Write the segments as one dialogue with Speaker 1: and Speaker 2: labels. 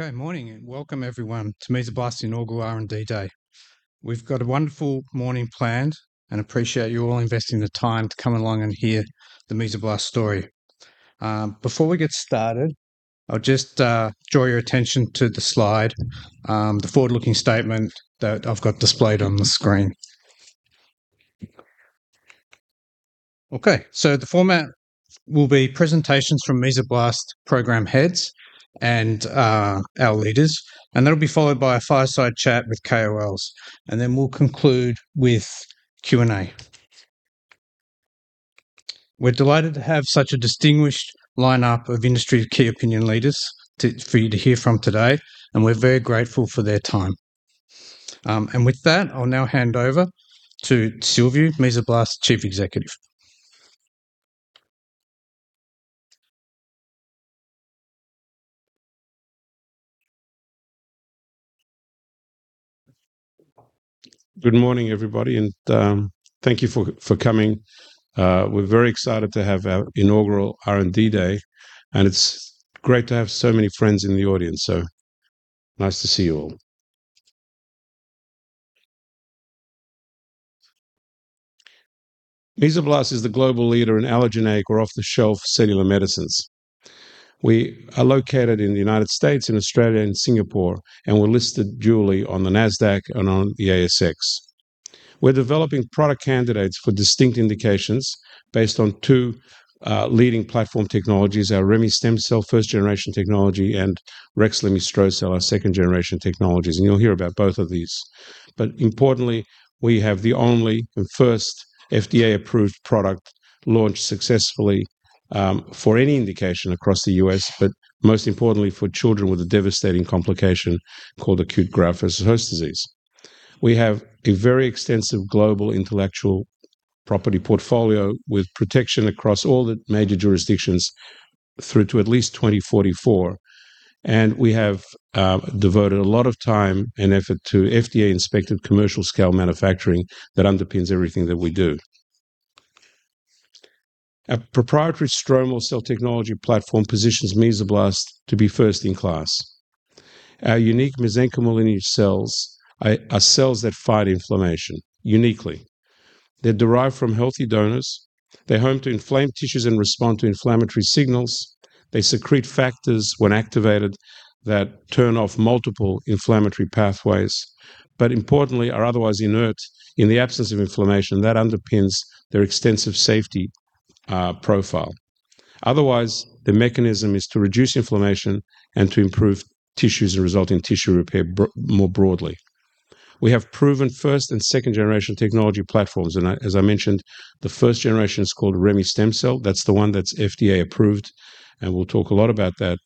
Speaker 1: Okay. Morning, and welcome everyone to Mesoblast's Inaugural R&D Day. We've got a wonderful morning planned and appreciate you all investing the time to come along and hear the Mesoblast story. Before we get started, I'll just draw your attention to the slide, the forward-looking statement that I've got displayed on the screen. Okay. So the format will be presentations from Mesoblast program heads and our leaders, and that'll be followed by a fireside chat with KOLs, and then we'll conclude with Q&A. We're delighted to have such a distinguished lineup of industry key opinion leaders for you to hear from today, and we're very grateful for their time. With that, I'll now hand over to Silviu, Mesoblast's Chief Executive.
Speaker 2: Good morning, everybody, and thank you for coming. We're very excited to have our inaugural R&D Day, and it's great to have so many friends in the audience. Nice to see you all. Mesoblast is the global leader in allogeneic or off-the-shelf cellular medicines. We are located in the United States and Australia, and Singapore, and we're listed dually on the NASDAQ and on the ASX. We're developing product candidates for distinct indications based on two leading platform technologies, our remestemcel-L first-generation technology, and rexlemestrocel, our second-generation technologies, and you'll hear about both of these. Importantly, we have the only and first FDA-approved product launched successfully, for any indication across the U.S., but most importantly for children with a devastating complication called acute graft-versus-host disease. We have a very extensive global intellectual property portfolio with protection across all the major jurisdictions through to at least 2044, and we have devoted a lot of time and effort to FDA-inspected commercial scale manufacturing that underpins everything that we do. Our proprietary stromal cell technology platform positions Mesoblast to be first in class. Our unique mesenchymal lineage cells are cells that fight inflammation uniquely. They're derived from healthy donors. They home to inflamed tissues and respond to inflammatory signals. They secrete factors when activated that turn off multiple inflammatory pathways, but importantly, are otherwise inert in the absence of inflammation. That underpins their extensive safety profile. Otherwise, the mechanism is to reduce inflammation and to improve tissues and result in tissue repair more broadly. We have proven first and second-generation technology platforms, and as I mentioned, the first generation is called remestemcel-L. That's the one that's FDA-approved, and we'll talk a lot about that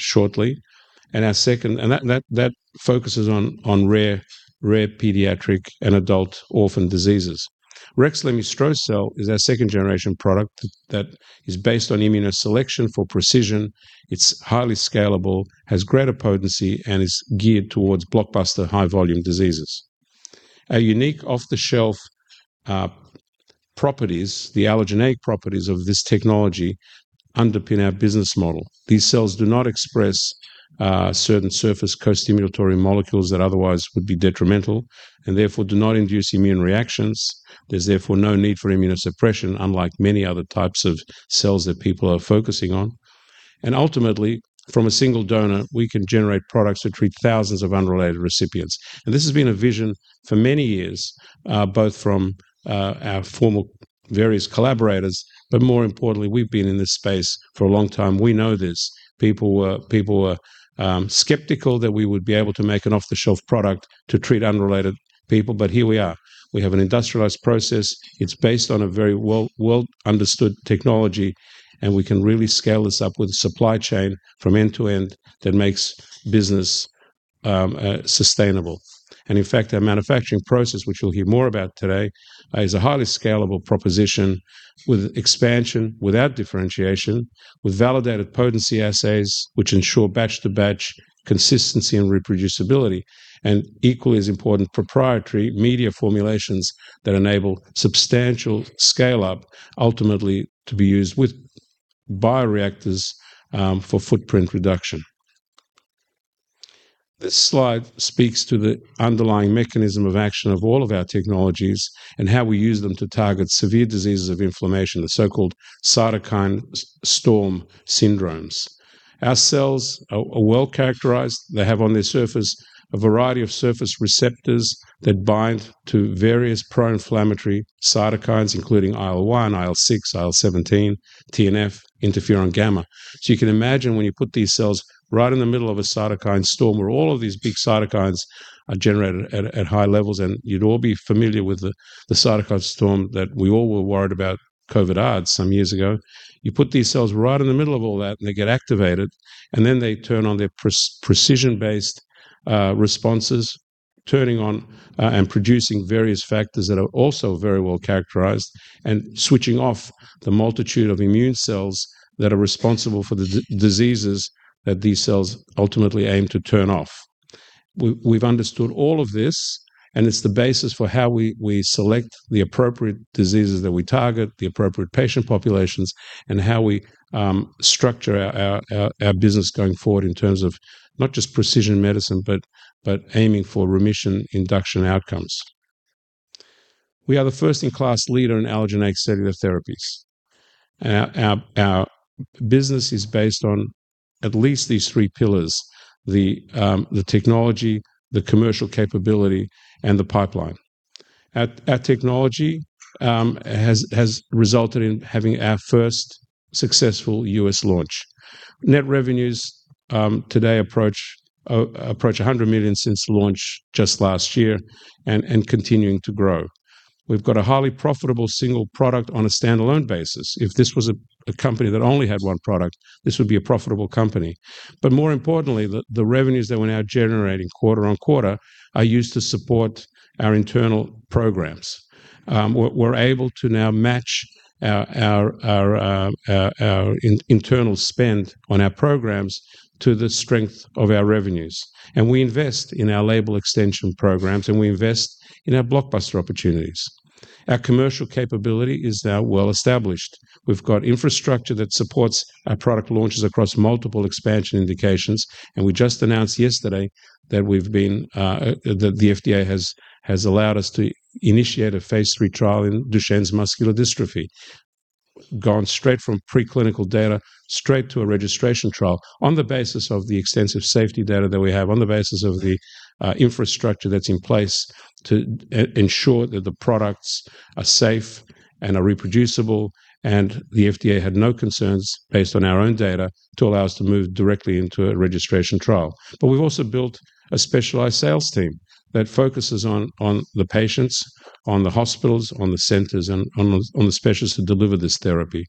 Speaker 2: shortly, and that focuses on rare pediatric and adult orphan diseases. Rexlemestrocel is our second-generation product that is based on immunoselection for precision. It's highly scalable, has greater potency, and is geared towards blockbuster high-volume diseases. Our unique off-the-shelf properties, the allogeneic properties of this technology underpin our business model. These cells do not express certain surface co-stimulatory molecules that otherwise would be detrimental, and therefore do not induce immune reactions. There's therefore no need for immunosuppression, unlike many other types of cells that people are focusing on. Ultimately, from a single donor, we can generate products that treat thousands of unrelated recipients. This has been a vision for many years, both from our former various collaborators, but more importantly, we've been in this space for a long time. We know this. People were skeptical that we would be able to make an off-the-shelf product to treat unrelated people, but here we are. We have an industrialized process. It's based on a very well-understood technology, and we can really scale this up with a supply chain from end to end that makes business sustainable. In fact, our manufacturing process, which you'll hear more about today, is a highly scalable proposition with expansion, without differentiation, with validated potency assays which ensure batch-to-batch consistency and reproducibility, and equally as important, proprietary media formulations that enable substantial scale-up ultimately to be used with bioreactors for footprint reduction. This slide speaks to the underlying mechanism of action of all of our technologies and how we use them to target severe diseases of inflammation, the so-called cytokine storm syndromes. Our cells are well-characterized. They have on their surface a variety of surface receptors that bind to various pro-inflammatory cytokines, including IL-1, IL-6, IL-17, TNF, interferon gamma. You can imagine when you put these cells right in the middle of a cytokine storm where all of these big cytokines are generated at high levels, and you'd all be familiar with the cytokine storm that we all were worried about with COVID some years ago. You put these cells right in the middle of all that, and they get activated, and then they turn on their precision-based responses, turning on and producing various factors that are also very well-characterized and switching off the multitude of immune cells that are responsible for the diseases that these cells ultimately aim to turn off. We've understood all of this, and it's the basis for how we select the appropriate diseases that we target, the appropriate patient populations, and how we structure our business going forward in terms of not just precision medicine, but aiming for remission induction outcomes. We are the first-in-class leader in allogeneic cellular therapies. Our business is based on at least these three pillars, the technology, the commercial capability, and the pipeline. Our technology has resulted in having our first successful U.S. launch. Net revenues today approach $100 million since launch just last year and continuing to grow. We've got a highly profitable single product on a standalone basis. If this was a company that only had one product, this would be a profitable company. More importantly, the revenues that we're now generating quarter on quarter are used to support our internal programs. We're able to now match our internal spend on our programs to the strength of our revenues. We invest in our label extension programs, and we invest in our blockbuster opportunities. Our commercial capability is now well established. We've got infrastructure that supports our product launches across multiple expansion indications, and we just announced yesterday that the FDA has allowed us to initiate a Phase III trial in Duchenne's muscular dystrophy. Gone straight from preclinical data straight to a registration trial on the basis of the extensive safety data that we have, on the basis of the infrastructure that's in place to ensure that the products are safe and are reproducible, and the FDA had no concerns based on our own data to allow us to move directly into a registration trial. We've also built a specialized sales team that focuses on the patients, on the hospitals, on the centers, and on the specialists who deliver this therapy.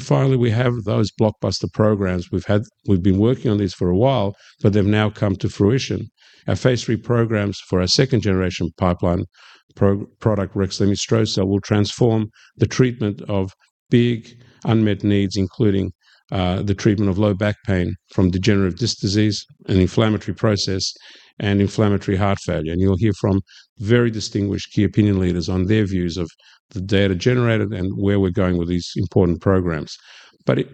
Speaker 2: Finally, we have those blockbuster programs. We've been working on this for a while, but they've now come to fruition. Our Phase III programs for our second-generation pipeline product, rexlemestrocel-L, will transform the treatment of big unmet needs, including the treatment of low back pain from degenerative disc disease, an inflammatory process, and inflammatory heart failure. You'll hear from very distinguished key opinion leaders on their views of the data generated and where we're going with these important programs.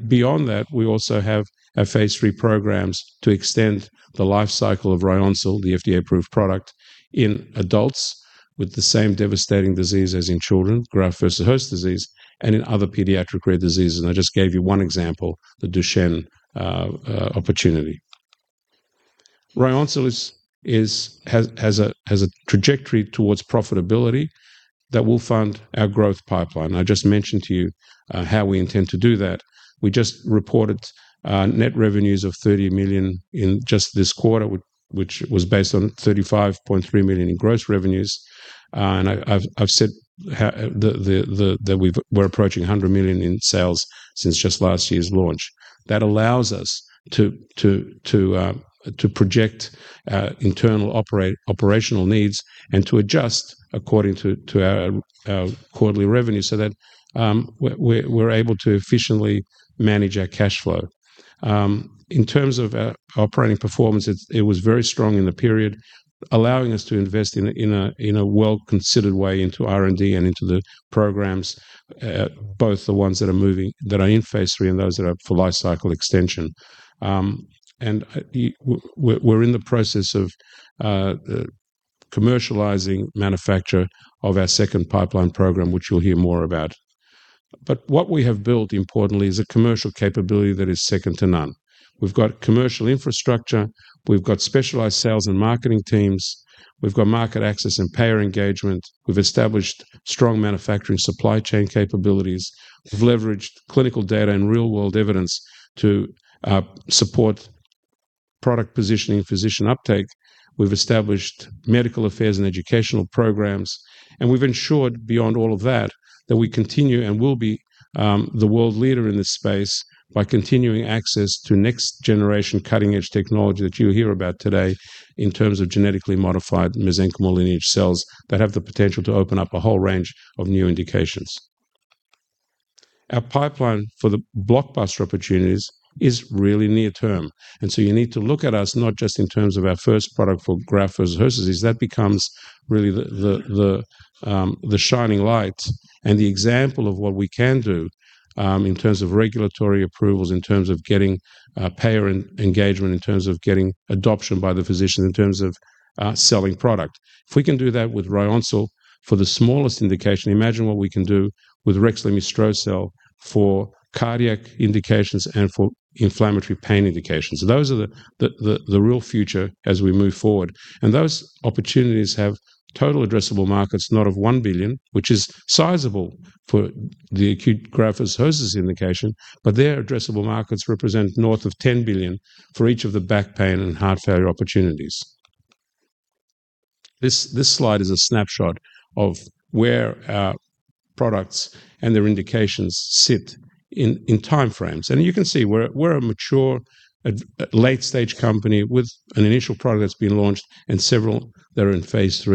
Speaker 2: Beyond that, we also have our Phase III programs to extend the life cycle of Ryoncil, the FDA-approved product, in adults with the same devastating disease as in children, graft-versus-host disease, and in other pediatric rare diseases. I just gave you one example, the Duchenne opportunity. Ryoncil has a trajectory towards profitability that will fund our growth pipeline. I just mentioned to you how we intend to do that. We just reported net revenues of $30 million in just this quarter, which was based on $35.3 million in gross revenues. I've said that we're approaching $100 million in sales since just last year's launch. That allows us to project internal operational needs and to adjust according to our quarterly revenue so that we're able to efficiently manage our cash flow. In terms of our operating performance, it was very strong in the period, allowing us to invest in a well-considered way into R&D and into the programs, both the ones that are in Phase III and those that are for life cycle extension. We're in the process of commercializing manufacture of our second pipeline program, which you'll hear more about. What we have built, importantly, is a commercial capability that is second to none. We've got commercial infrastructure, we've got specialized sales and marketing teams, we've got market access and payer engagement. We've established strong manufacturing supply chain capabilities. We've leveraged clinical data and real-world evidence to support product positioning and physician uptake. We've established medical affairs and educational programs, and we've ensured beyond all of that we continue and will be the world leader in this space by continuing access to next-generation cutting-edge technology that you'll hear about today in terms of genetically modified mesenchymal lineage cells that have the potential to open up a whole range of new indications. Our pipeline for the blockbuster opportunities is really near-term, and so you need to look at us not just in terms of our first product for graft-versus-host disease. That becomes really the shining light and the example of what we can do in terms of regulatory approvals, in terms of getting payer engagement, in terms of getting adoption by the physicians, in terms of selling product. If we can do that with remestemcel-L for the smallest indication, imagine what we can do with rexlemestrocel for cardiac indications and for inflammatory pain indications. Those are the real future as we move forward. Those opportunities have total addressable markets, not $1 billion, which is sizable for the acute graft-versus-host disease indication, but their addressable markets represent north of $10 billion for each of the back pain and heart failure opportunities. This slide is a snapshot of where our products and their indications sit in timeframes. You can see we're a mature, late-stage company with an initial product that's been launched and several that are in Phase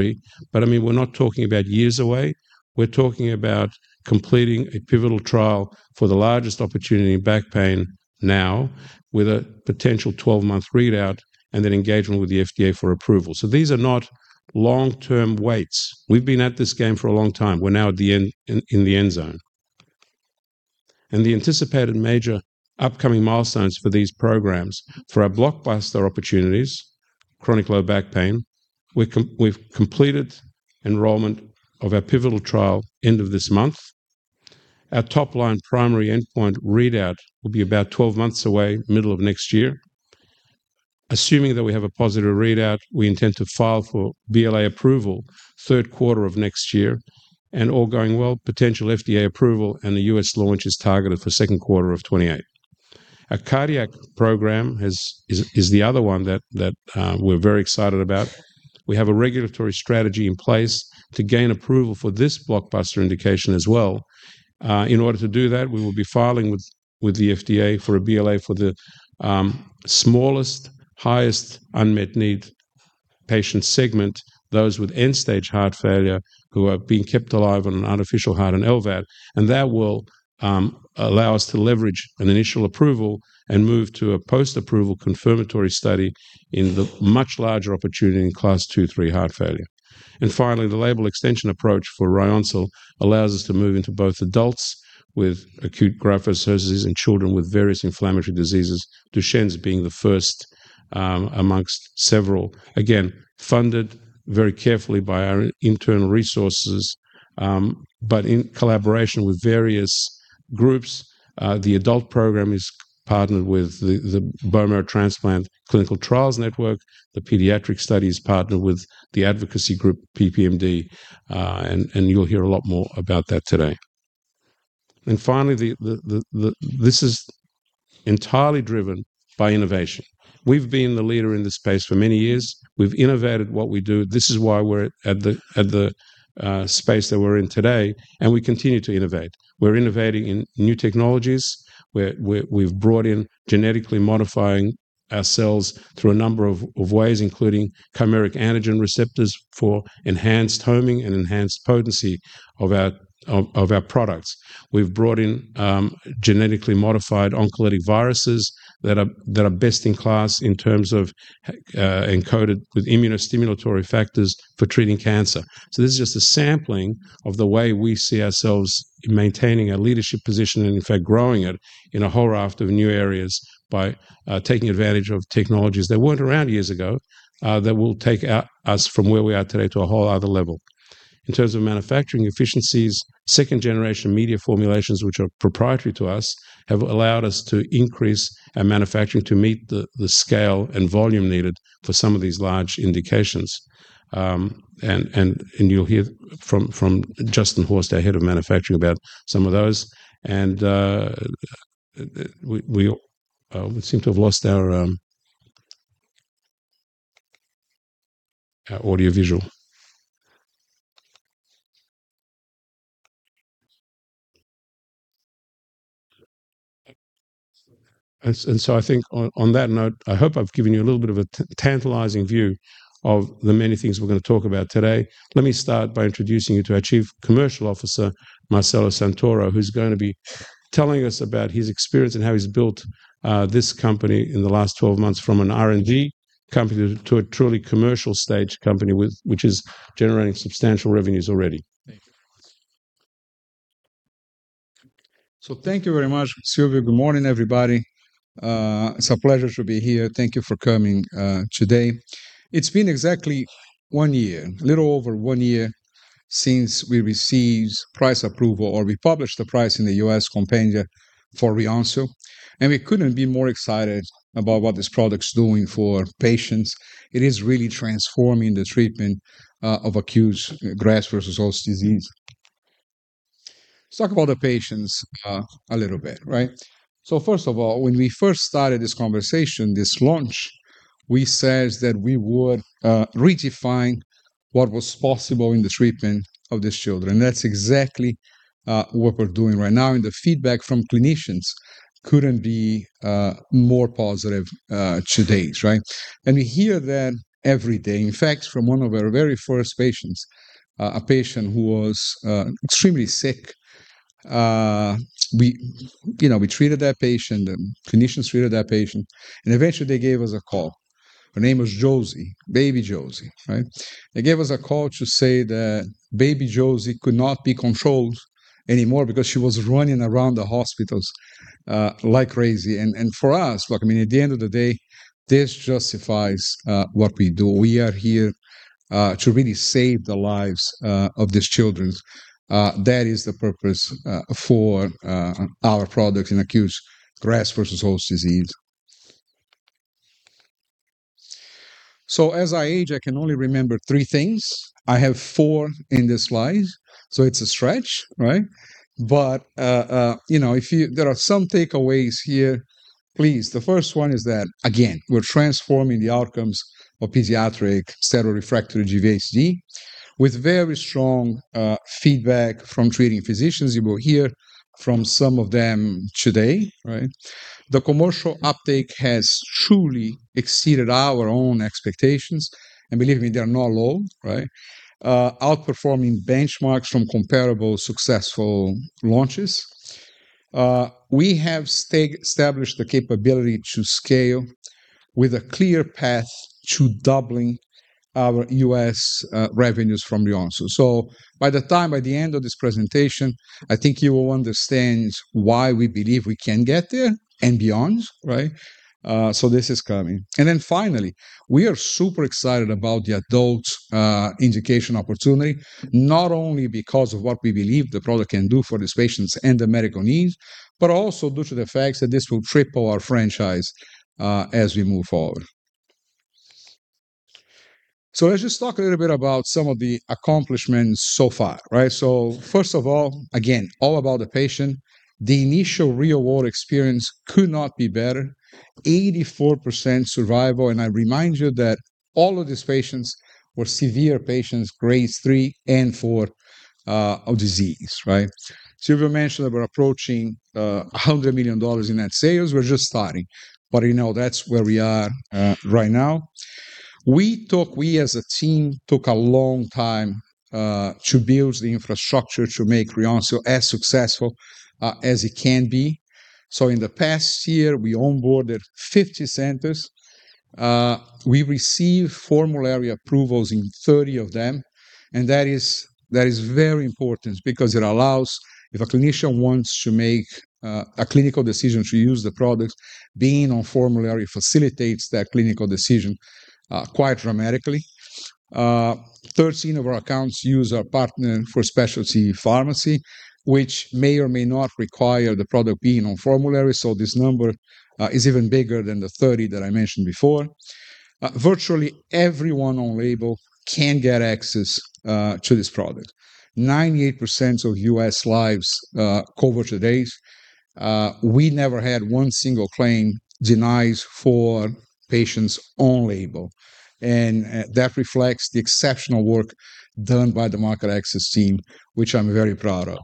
Speaker 2: III. We're not talking about years away. We're talking about completing a pivotal trial for the largest opportunity in back pain now with a potential 12-month readout and then engagement with the FDA for approval. These are not long-term waits. We've been at this game for a long time. We're now in the end zone. The anticipated major upcoming milestones for these programs, for our blockbuster opportunities, chronic low back pain, we've completed enrollment of our pivotal trial end of this month. Our top-line primary endpoint readout will be about 12 months away, middle of next year. Assuming that we have a positive readout, we intend to file for BLA approval third quarter of next year, and all going well, potential FDA approval and the U.S. launch is targeted for the second quarter of 2028. Our cardiac program is the other one that we're very excited about. We have a regulatory strategy in place to gain approval for this blockbuster indication as well. In order to do that, we will be filing with the FDA for a BLA for the smallest, highest unmet need patient segment, those with end-stage heart failure who are being kept alive on an artificial heart, an LVAD. That will allow us to leverage an initial approval and move to a post-approval confirmatory study in the much larger opportunity in Class 2-3 heart failure. Finally, the label extension approach for Remestemcel allows us to move into both adults with acute graft-versus-host disease and children with various inflammatory diseases, Duchenne's being the first amongst several. Again, funded very carefully by our internal resources, but in collaboration with various groups. The adult program is partnered with the Bone Marrow Transplant Clinical Trials Network. The pediatric study is partnered with the advocacy group PPMD, and you'll hear a lot more about that today. Finally, this is entirely driven by innovation. We've been the leader in this space for many years. We've innovated what we do. This is why we're at the space that we're in today, and we continue to innovate. We're innovating in new technologies. We've brought in genetically modifying our cells through a number of ways, including chimeric antigen receptors for enhanced homing and enhanced potency of our products. We've brought in genetically modified oncolytic viruses that are best in class in terms of encoded with immunostimulatory factors for treating cancer. This is just a sampling of the way we see ourselves maintaining a leadership position and, in fact, growing it in a whole raft of new areas by taking advantage of technologies that weren't around years ago, that will take us from where we are today to a whole other level. In terms of manufacturing efficiencies, second-generation media formulations, which are proprietary to us, have allowed us to increase our manufacturing to meet the scale and volume needed for some of these large indications. You'll hear from Justin Horst, our Head of Manufacturing, about some of those. We seem to have lost our audio-visual. I think on that note, I hope I've given you a little bit of a tantalizing view of the many things we're going to talk about today. Let me start by introducing you to our Chief Commercial Officer, Marcelo Santoro, who's going to be telling us about his experience and how he's built this company in the last 12 months from an R&D company to a truly commercial stage company, which is generating substantial revenues already.
Speaker 3: Thank you. Thank you very much, Silviu. Good morning, everybody. It's a pleasure to be here. Thank you for coming today. It's been exactly one year, a little over one year since we received price approval, or we published the price in the U.S. compendia for Ryoncil, and we couldn't be more excited about what this product's doing for patients. It is really transforming the treatment of acute graft-versus-host disease. Let's talk about the patients a little bit. First of all, when we first started this conversation, this launch, we said that we would redefine what was possible in the treatment of these children. That's exactly what we're doing right now, and the feedback from clinicians couldn't be more positive to date. We hear that every day. In fact, from one of our very first patients, a patient who was extremely sick. We treated that patient, the clinicians treated that patient, and eventually they gave us a call. Her name was Josie. Baby Josie. They gave us a call to say that baby Josie could not be controlled anymore because she was running around the hospitals like crazy. For us, look, at the end of the day, this justifies what we do. We are here to really save the lives of these children. That is the purpose for our product in acute graft-versus-host disease. As I age, I can only remember three things. I have four in this slide, so it's a stretch. There are some takeaways here. Please. The first one is that, again, we're transforming the outcomes of pediatric steroid-refractory GvHD with very strong feedback from treating physicians. You will hear from some of them today, right? The commercial uptake has truly exceeded our own expectations, and believe me, they are not low, right, outperforming benchmarks from comparable successful launches. We have established the capability to scale with a clear path to doubling our U.S. revenues from Ryonsu. By the time, by the end of this presentation, I think you will understand why we believe we can get there and beyond, right? This is coming. Then finally, we are super excited about the adult indication opportunity, not only because of what we believe the product can do for these patients and the medical needs, but also due to the fact that this will triple our franchise as we move forward. Let's just talk a little bit about some of the accomplishments so far, right? First of all, again, all about the patient. The initial real-world experience could not be better. 84% survival, I remind you that all of these patients were severe patients, grades three and four of disease, right? Silviu mentioned that we're approaching $100 million in net sales. We're just starting. That's where we are right now. We as a team took a long time to build the infrastructure to make Ryonsu as successful as it can be. In the past year, we onboarded 50 centers. We received formulary approvals in 30 of them, and that is very important because it allows, if a clinician wants to make a clinical decision to use the product, being on formulary facilitates that clinical decision quite dramatically. 13 of our accounts use our partner for specialty pharmacy, which may or may not require the product being on formulary. This number is even bigger than the 30 that I mentioned before. Virtually everyone on label can get access to this product. 98% of U.S. lives covered to date. We never had one single claim denied for patients on label, and that reflects the exceptional work done by the market access team, which I'm very proud of.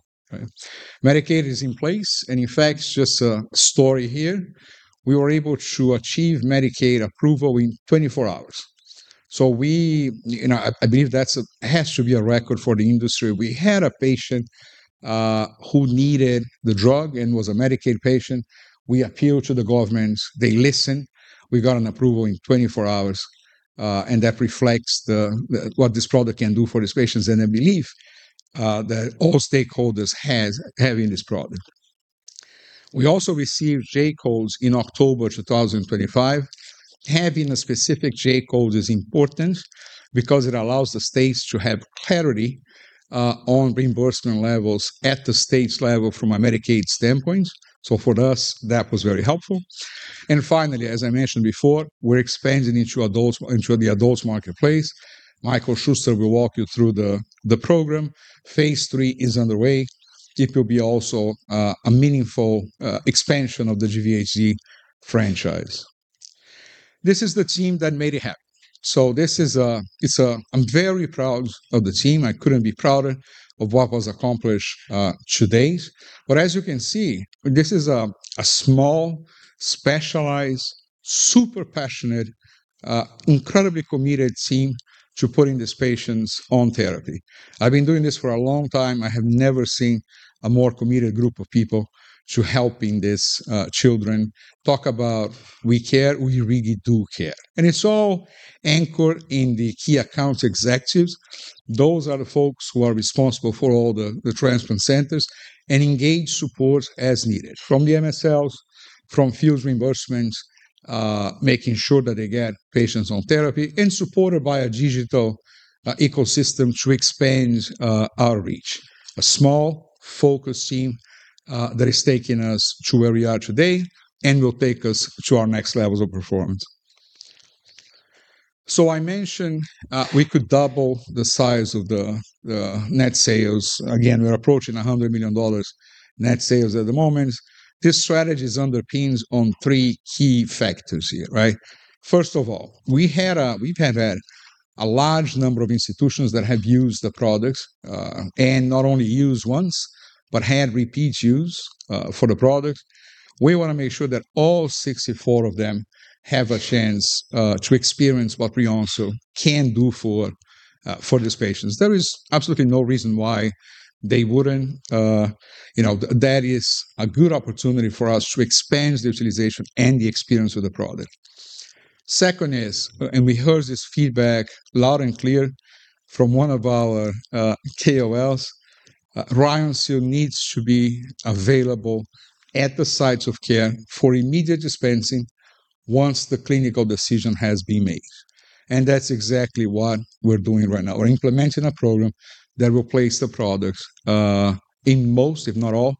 Speaker 3: Medicaid is in place, and in fact, just a story here. We were able to achieve Medicaid approval in 24 hours. I believe that has to be a record for the industry. We had a patient who needed the drug and was a Medicaid patient. We appealed to the government. They listened. We got an approval in 24 hours. That reflects what this product can do for these patients and the belief that all stakeholders have in this product. We also received J-codes in October 2025. Having a specific J-code is important because it allows the states to have clarity on reimbursement levels at the state level from a Medicaid standpoint. For us, that was very helpful. Finally, as I mentioned before, we're expanding into the adults marketplace. Michael Schuster will walk you through the program. Phase III is underway. It will be also a meaningful expansion of the GvHD franchise. This is the team that made it happen. I'm very proud of the team. I couldn't be prouder of what was accomplished to date. As you can see, this is a small, specialized, super passionate, incredibly committed team to putting these patients on therapy. I've been doing this for a long time. I have never seen a more committed group of people to helping these children. Talk about we care. We really do care. It's all anchored in the key account executives. Those are the folks who are responsible for all the transplant centers and engage support as needed from the MSLs, from field reimbursements, making sure that they get patients on therapy, and supported by a digital ecosystem to expand our reach. A small, focused team that is taking us to where we are today and will take us to our next levels of performance. I mentioned we could double the size of the net sales. Again, we're approaching $100 million net sales at the moment. This strategy underpins on three key factors here, right? First of all, we've had a large number of institutions that have used the products, and not only used once, but had repeat use for the product. We want to make sure that all 64 of them have a chance to experience what Ryonsu can do for these patients. There is absolutely no reason why they wouldn't. That is a good opportunity for us to expand the utilization and the experience with the product. Second is, and we heard this feedback loud and clear from one of our KOLs, Ryonsu needs to be available at the sites of care for immediate dispensing once the clinical decision has been made. That's exactly what we're doing right now. We're implementing a program that will place the product in most, if not all,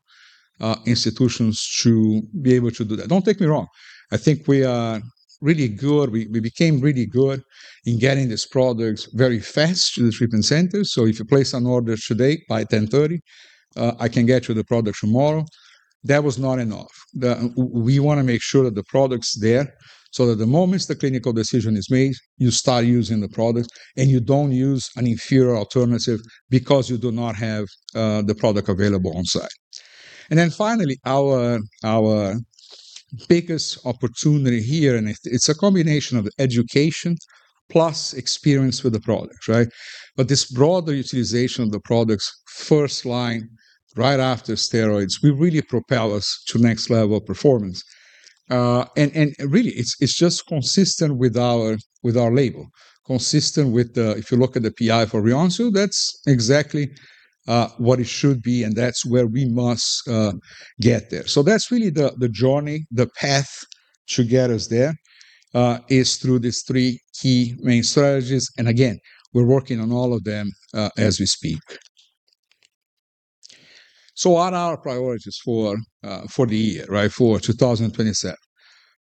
Speaker 3: institutions to be able to do that. Don't take me wrong. I think we are really good. We became really good in getting these products very fast to the treatment centers. If you place an order today by 10:30 A.M., I can get you the product tomorrow. That was not enough. We want to make sure that the product's there so that the moment the clinical decision is made, you start using the product, and you don't use an inferior alternative because you do not have the product available on-site. Then finally, our biggest opportunity here, and it's a combination of education plus experience with the product. This broader utilization of the products first-line, right after steroids, will really propel us to next level performance. Really, it's just consistent with our label. Consistent with the, if you look at the PI for Ryonsu, that's exactly what it should be, and that's where we must get there. That's really the journey. The path to get us there is through these three key main strategies, and again, we're working on all of them as we speak. What are our priorities for the year? For 2027.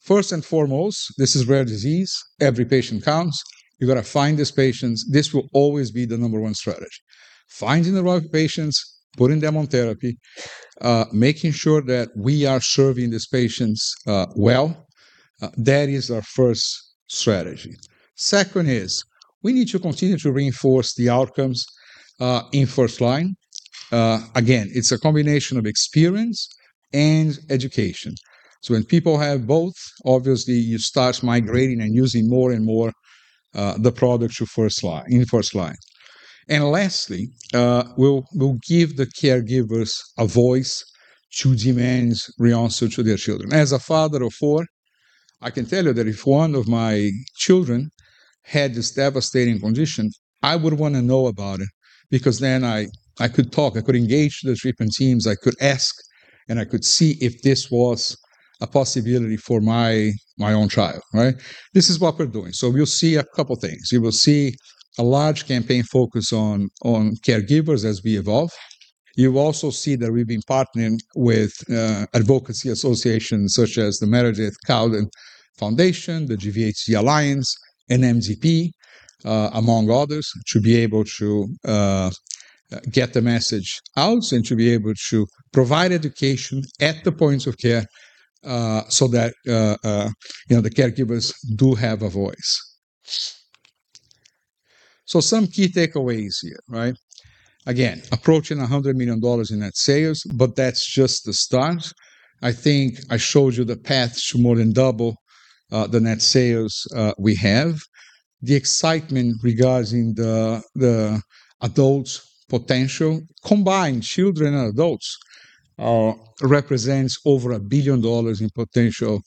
Speaker 3: First and foremost, this is rare disease. Every patient counts. You've got to find these patients. This will always be the number one strategy. Finding the right patients, putting them on therapy, making sure that we are serving these patients well. That is our first strategy. Second is we need to continue to reinforce the outcomes in first-line. Again, it's a combination of experience and education. So when people have both, obviously you start migrating and using more and more the product in first-line. Lastly, we'll give the caregivers a voice to demand Ryonsu to their children. As a father of four, I can tell you that if one of my children had this devastating condition, I would want to know about it, because then I could talk, I could engage the treatment teams, I could ask, and I could see if this was a possibility for my own child. This is what we're doing. You'll see a couple things. You will see a large campaign focus on caregivers as we evolve. You will also see that we've been partnering with advocacy associations such as the Meredith Calvin Foundation, the GvHD Alliance, and MZP, among others, to be able to get the message out and to be able to provide education at the points of care so that the caregivers do have a voice. Some key takeaways here. Again, approaching $100 million in net sales, but that's just the start. I think I showed you the path to more than double the net sales we have. The excitement regarding the adult's potential. Combined, children and adults represents over $1 billion in potential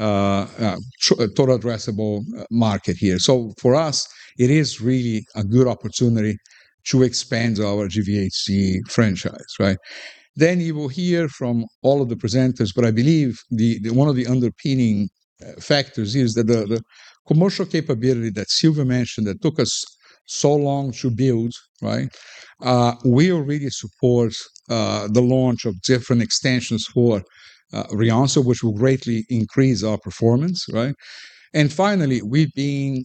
Speaker 3: total addressable market here. For us, it is really a good opportunity to expand our GvHD franchise. You will hear from all of the presenters, but I believe one of the underpinning factors is that the commercial capability that Silver mentioned that took us so long to build will really support the launch of different extensions for Ryonsu, which will greatly increase our performance. Finally, we've been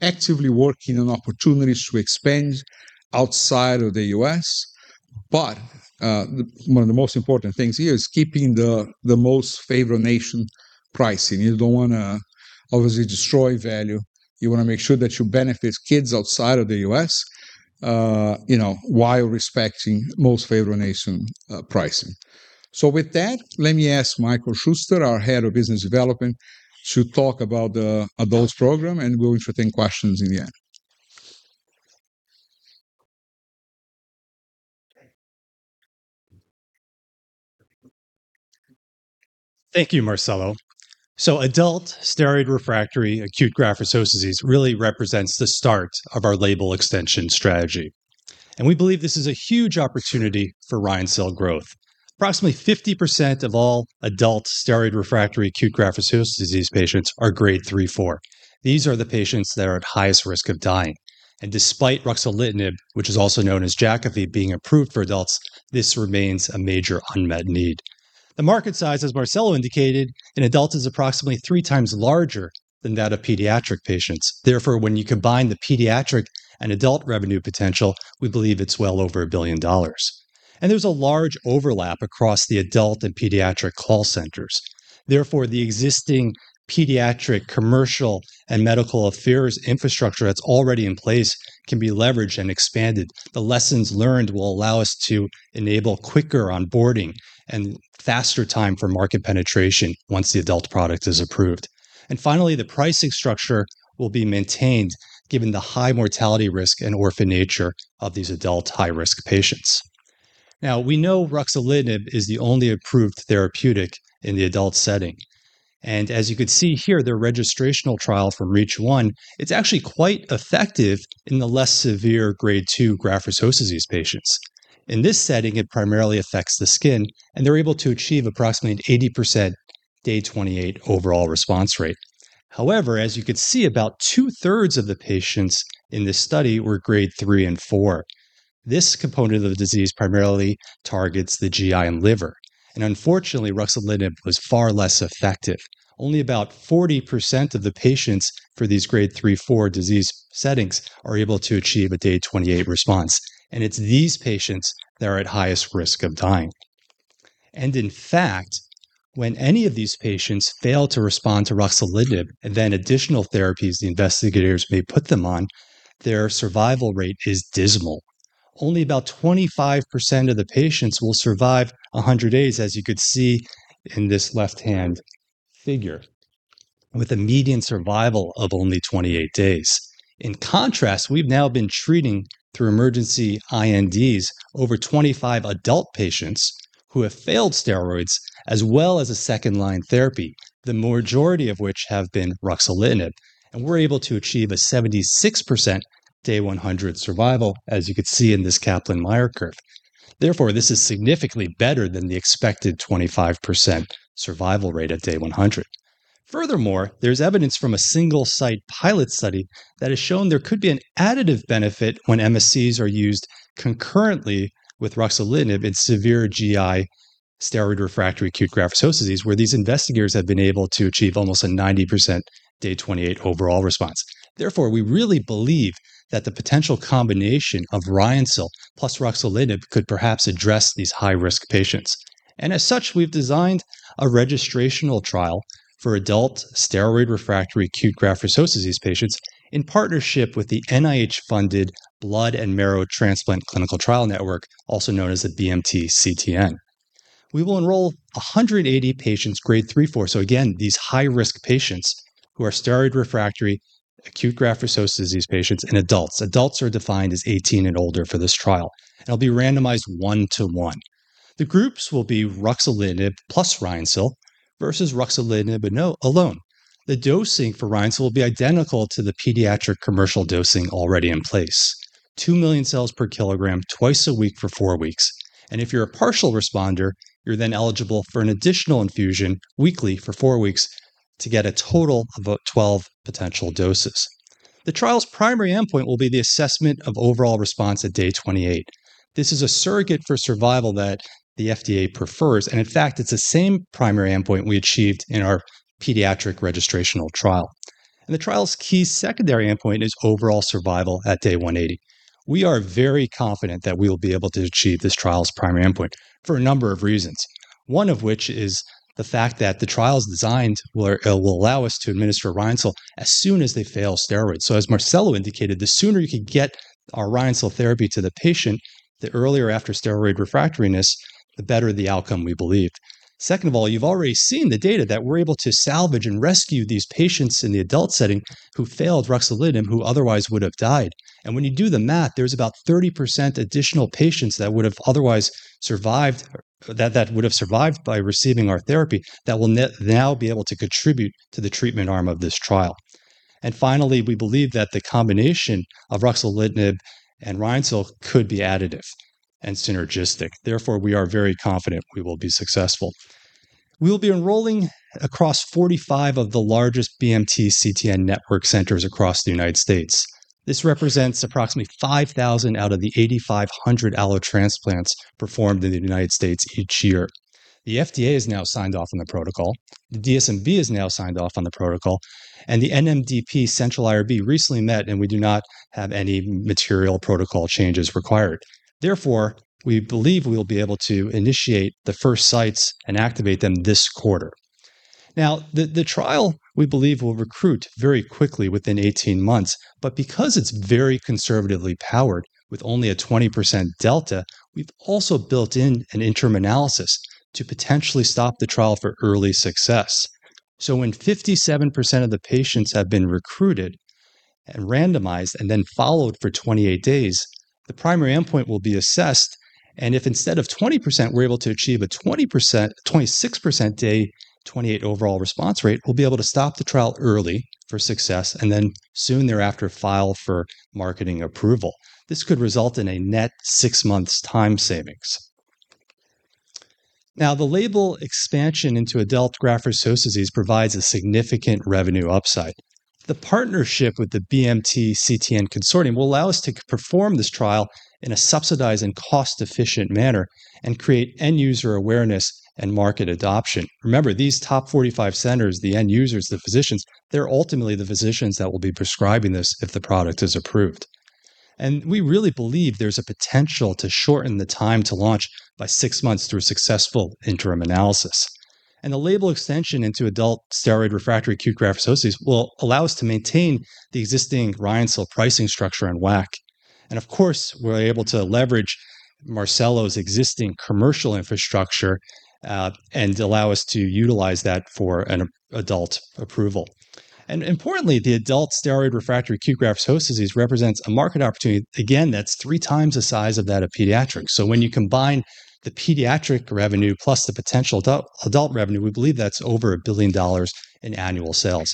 Speaker 3: actively working on opportunities to expand outside of the U.S., but one of the most important things here is keeping the most favored nation pricing. You don't want to obviously destroy value. You want to make sure that you benefit kids outside of the U.S., while respecting most favored nation pricing. With that, let me ask Michael Schuster, our head of business development, to talk about the adults program, and we will entertain questions in the end.
Speaker 4: Thank you, Marcelo. Adult steroid-refractory acute graft-versus-host disease really represents the start of our label extension strategy. We believe this is a huge opportunity for Ryonsu growth. Approximately 50% of all adult steroid-refractory acute graft-versus-host disease patients are Grade 3/4. These are the patients that are at highest risk of dying. Despite ruxolitinib, which is also known as Jakafi, being approved for adults, this remains a major unmet need. The market size, as Marcelo indicated, in adults is approximately three times larger than that of pediatric patients. Therefore, when you combine the pediatric and adult revenue potential, we believe it's well over $1 billion. There's a large overlap across the adult and pediatric call centers. Therefore, the existing pediatric commercial and medical affairs infrastructure that's already in place can be leveraged and expanded. The lessons learned will allow us to enable quicker onboarding and faster time for market penetration once the adult product is approved. Finally, the pricing structure will be maintained given the high mortality risk and orphan nature of these adult high-risk patients. Now, we know ruxolitinib is the only approved therapeutic in the adult setting. As you can see here, their registrational trial from REACH1, it's actually quite effective in the less severe Grade 2 graft-versus-host disease patients. In this setting, it primarily affects the skin, and they're able to achieve approximately an 80% day 28 overall response rate. However, as you can see, about two-thirds of the patients in this study were Grade 3 and 4. This component of the disease primarily targets the GI and liver. Unfortunately, ruxolitinib was far less effective. Only about 40% of the patients for these Grade 3/4 disease settings are able to achieve a day 28 response. It's these patients that are at highest risk of dying. In fact, when any of these patients fail to respond to ruxolitinib, and then additional therapies the investigators may put them on, their survival rate is dismal. Only about 25% of the patients will survive 100 days, as you could see in this left-hand figure, with a median survival of only 28 days. In contrast, we've now been treating through emergency INDs over 25 adult patients who have failed steroids as well as a second-line therapy, the majority of which have been ruxolitinib. We're able to achieve a 76% day 100 survival, as you could see in this Kaplan-Meier curve. Therefore, this is significantly better than the expected 25% survival rate at day 100. Furthermore, there's evidence from a single-site pilot study that has shown there could be an additive benefit when MSCs are used concurrently with ruxolitinib in severe GI steroid-refractory acute graft-versus-host disease, where these investigators have been able to achieve almost a 90% day 28 overall response. Therefore, we really believe that the potential combination of Ryoncil plus ruxolitinib could perhaps address these high-risk patients. As such, we've designed a registrational trial for adult steroid-refractory acute graft-versus-host disease patients in partnership with the NIH-funded Blood and Marrow Transplant Clinical Trial Network, also known as the BMT CTN. We will enroll 180 patients, Grade 3/4, so again, these high-risk patients who are steroid-refractory acute graft-versus-host disease patients in adults. Adults are defined as 18 and older for this trial. It'll be randomized one-to-one. The groups will be ruxolitinib plus Ryoncil versus ruxolitinib alone. The dosing for Ryoncilwill be identical to the pediatric commercial dosing already in place, 2 million cells per kilogram twice a week for four weeks. If you're a partial responder, you're then eligible for an additional infusion weekly for four weeks to get a total of 12 potential doses. The trial's primary endpoint will be the assessment of overall response at day 28. This is a surrogate for survival that the FDA prefers, and in fact, it's the same primary endpoint we achieved in our pediatric registrational trial. The trial's key secondary endpoint is overall survival at day 180. We are very confident that we will be able to achieve this trial's primary endpoint for a number of reasons, one of which is the fact that the trial is designed will allow us to administer Ryoncil as soon as they fail steroids. As Marcelo indicated, the sooner you can get our Ryoncil therapy to the patient, the earlier after steroid refractoriness, the better the outcome, we believe. Second of all, you've already seen the data that we're able to salvage and rescue these patients in the adult setting who failed ruxolitinib, who otherwise would have died. When you do the math, there's about 30% additional patients that would have survived by receiving our therapy that will now be able to contribute to the treatment arm of this trial. Finally, we believe that the combination of ruxolitinib and Ryoncil could be additive and synergistic. Therefore, we are very confident we will be successful. We'll be enrolling across 45 of the largest BMT CTN network centers across the United States. This represents approximately 5,000 out of the 8,500 allotransplants performed in the United States each year. The FDA has now signed off on the protocol. The DSMB has now signed off on the protocol, and the NMDP Central IRB recently met, and we do not have any material protocol changes required. Therefore, we believe we'll be able to initiate the first sites and activate them this quarter. Now, the trial, we believe, will recruit very quickly within 18 months, but because it's very conservatively powered with only a 20% delta, we've also built in an interim analysis to potentially stop the trial for early success. When 57% of the patients have been recruited and randomized and then followed for 28 days, the primary endpoint will be assessed, and if instead of 20%, we're able to achieve a 26% day 28 overall response rate, we'll be able to stop the trial early for success, and then soon thereafter, file for marketing approval. This could result in a net 6 months time savings. Now, the label expansion into adult graft-versus-host disease provides a significant revenue upside. The partnership with the BMT CTN consortium will allow us to perform this trial in a subsidized and cost-efficient manner and create end-user awareness and market adoption. Remember, these top 45 centers, the end users, the physicians, they're ultimately the physicians that will be prescribing this if the product is approved. We really believe there's a potential to shorten the time to launch by 6 months through a successful interim analysis. The label extension into adult steroid-refractory acute graft-versus-host disease will allow us to maintain the existing Ryoncil pricing structure and WAC. Of course, we're able to leverage Marcelo's existing commercial infrastructure and allow us to utilize that for an adult approval. Importantly, the adult steroid-refractory acute graft-versus-host disease represents a market opportunity, again, that's 3 times the size of that of pediatrics. When you combine the pediatric revenue plus the potential adult revenue, we believe that's over $1 billion in annual sales.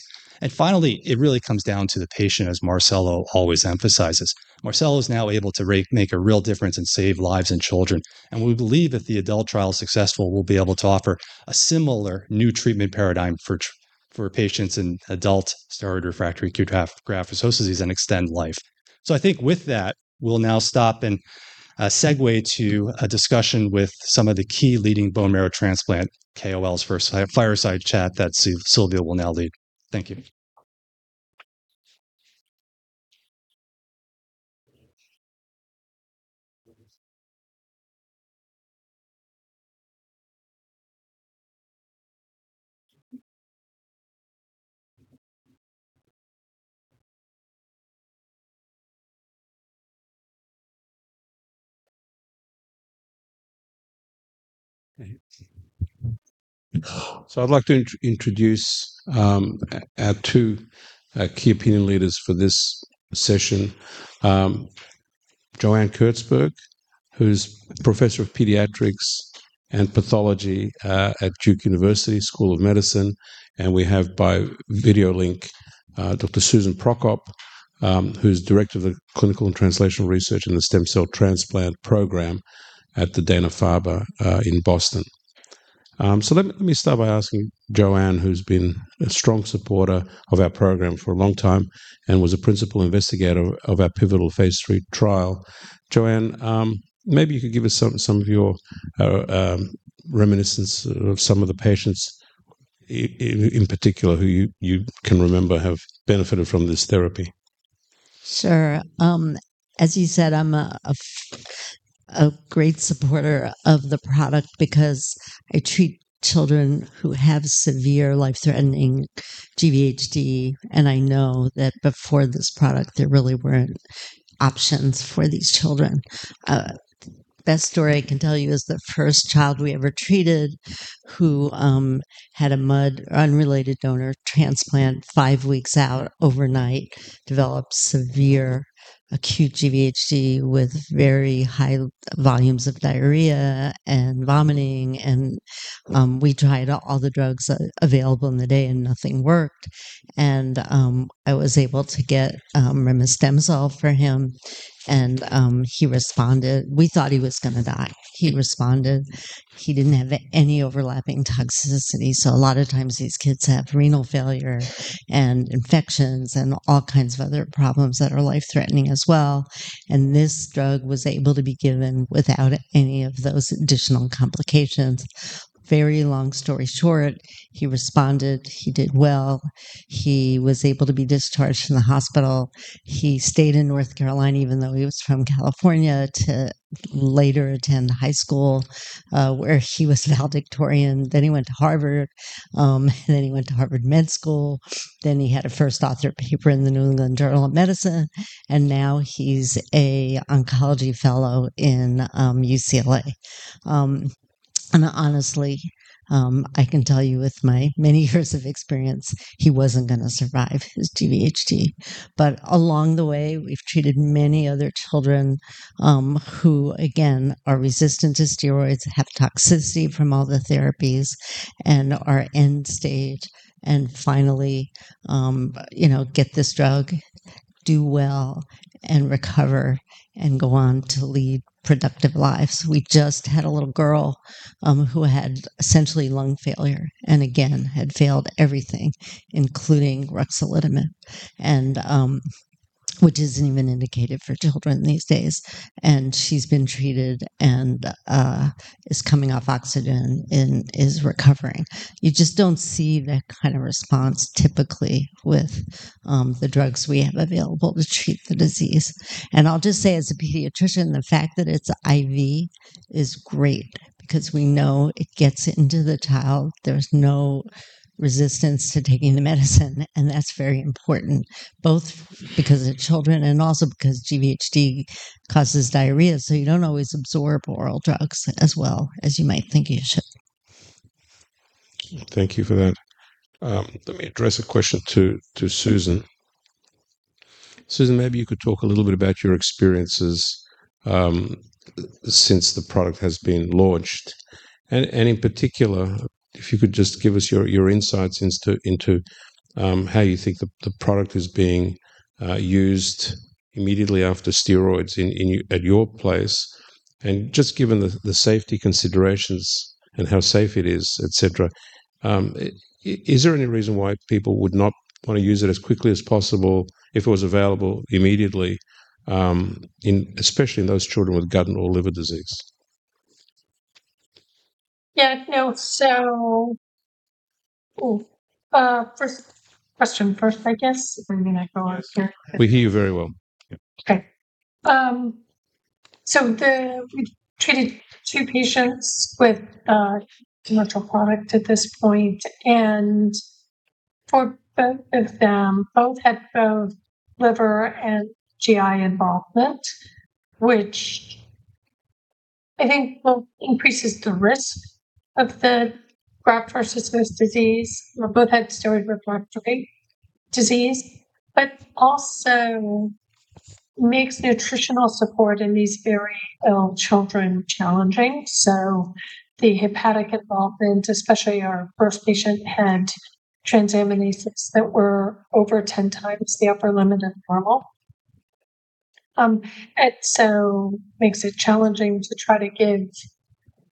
Speaker 4: Finally, it really comes down to the patient, as Marcelo always emphasizes. Marcelo is now able to make a real difference and save lives in children. We believe if the adult trial is successful, we'll be able to offer a similar new treatment paradigm for patients in adult steroid-refractory acute graft-versus-host disease and extend life. I think with that, we'll now stop and segue to a discussion with some of the key leading bone marrow transplant KOLs for a fireside chat that Silviu will now lead. Thank you.
Speaker 2: I'd like to introduce our two key opinion leaders for this session. Joanne Kurtzberg, who's Professor of Pediatrics and Pathology at Duke University School of Medicine, and we have by video link, Dr. Susan Prokop, who's Director of the Clinical and Translational Research in the Stem Cell Transplant Program at the Dana-Farber in Boston. Let me start by asking Joanne, who's been a strong supporter of our program for a long time and was a principal investigator of our pivotal Phase III trial. Joanne, maybe you could give us some of your reminiscence of some of the patients in particular who you can remember have benefited from this therapy.
Speaker 5: Sure. As you said, I'm a great supporter of the product because I treat children who have severe life-threatening GvHD, and I know that before this product, there really weren't options for these children. Best story I can tell you is the first child we ever treated who had a MUD, unrelated donor transplant, five weeks out overnight, developed severe acute GvHD with very high volumes of diarrhea and vomiting, and we tried all the drugs available in the day and nothing worked. I was able to get Remestemcel for him, and he responded. We thought he was going to die. He responded. He didn't have any overlapping toxicity. A lot of times these kids have renal failure and infections and all kinds of other problems that are life-threatening as well. This drug was able to be given without any of those additional complications. Very long story short, he responded, he did well. He was able to be discharged from the hospital. He stayed in North Carolina even though he was from California to later attend high school, where he was valedictorian. He went to Harvard. He went to Harvard Med School. He had a first author paper in the "New England Journal of Medicine," and now he's an oncology fellow in UCLA. Honestly, I can tell you with my many years of experience, he wasn't going to survive his GvHD. Along the way, we've treated many other children, who again, are resistant to steroids, have toxicity from all the therapies, and are end-stage, and finally get this drug, do well, and recover, and go on to lead productive lives. We just had a little girl who had essentially lung failure, and again, had failed everything, including ruxolitinib, which isn't even indicated for children these days. She's been treated and is coming off oxygen and is recovering. You just don't see that kind of response typically with the drugs we have available to treat the disease. I'll just say as a pediatrician, the fact that it's IV is great because we know it gets into the child. There's no resistance to taking the medicine, and that's very important, both because of the children and also because GvHD causes diarrhea. You don't always absorb oral drugs as well as you might think you should.
Speaker 2: Thank you for that. Let me address a question to Susan. Susan, maybe you could talk a little bit about your experiences since the product has been launched. In particular, if you could just give us your insights into how you think the product is being used immediately after steroids at your place, and just given the safety considerations and how safe it is, et cetera, is there any reason why people would not want to use it as quickly as possible if it was available immediately, especially in those children with gut and/or liver disease?
Speaker 6: Yeah, no. First question first, I guess, and then I go on.
Speaker 2: We hear you very well.
Speaker 6: Okay. We treated two patients with the clinical product at this point, and for both of them, both had both liver and GI involvement, which I think both increases the risk of the graft-versus-host disease, both had steroid-refractory disease, but also makes nutritional support in these very ill children challenging. The hepatic involvement, especially our first patient, had transaminases that were over 10 times the upper limit of normal. It makes it challenging to try to give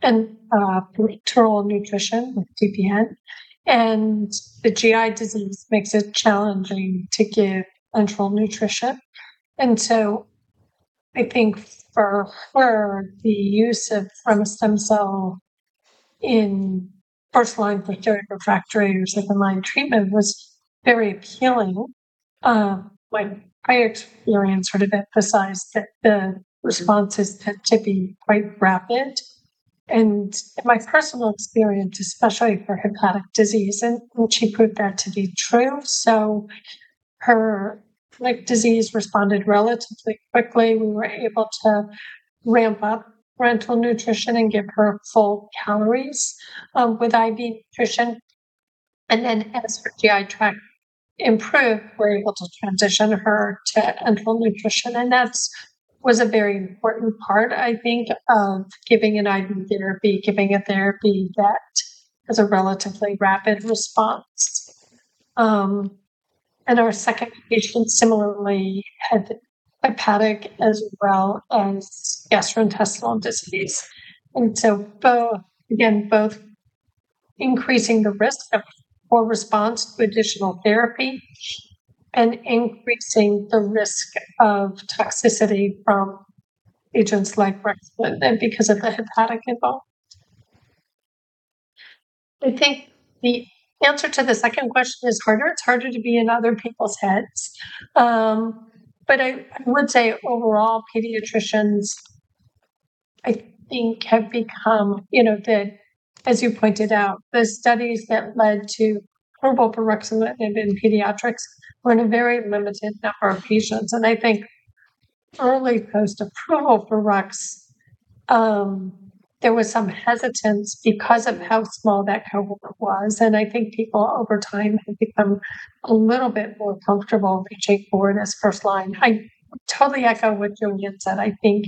Speaker 6: enteral nutrition with TPN, and the GI disease makes it challenging to give enteral nutrition. I think for her, the use of Remestemcel in first-line for steroid-refractory or second-line treatment was very appealing. My prior experience would emphasize that the responses tend to be quite rapid. In my personal experience, especially for hepatic disease, and she proved that to be true. Her liver disease responded relatively quickly. We were able to ramp up enteral nutrition and give her full calories with IV nutrition. As her GI tract improved, we were able to transition her to enteral nutrition. That was a very important part, I think, of giving an IV therapy, giving a therapy that has a relatively rapid response. Our second patient similarly had hepatic as well as gastrointestinal disease, both increasing the risk of poor response to additional therapy and increasing the risk of toxicity from agents like Rexulti and because of the hepatic involvement. I think the answer to the second question is harder. It's harder to be in other people's heads. I would say overall, pediatricians, I think have become. As you pointed out, the studies that led to approval for Rexulti in pediatrics were in a very limited number of patients. I think early post-approval for Rex, there was some hesitance because of how small that cohort was. I think people over time have become a little bit more comfortable with Jakafi as first-line. I totally echo what Julian said. I think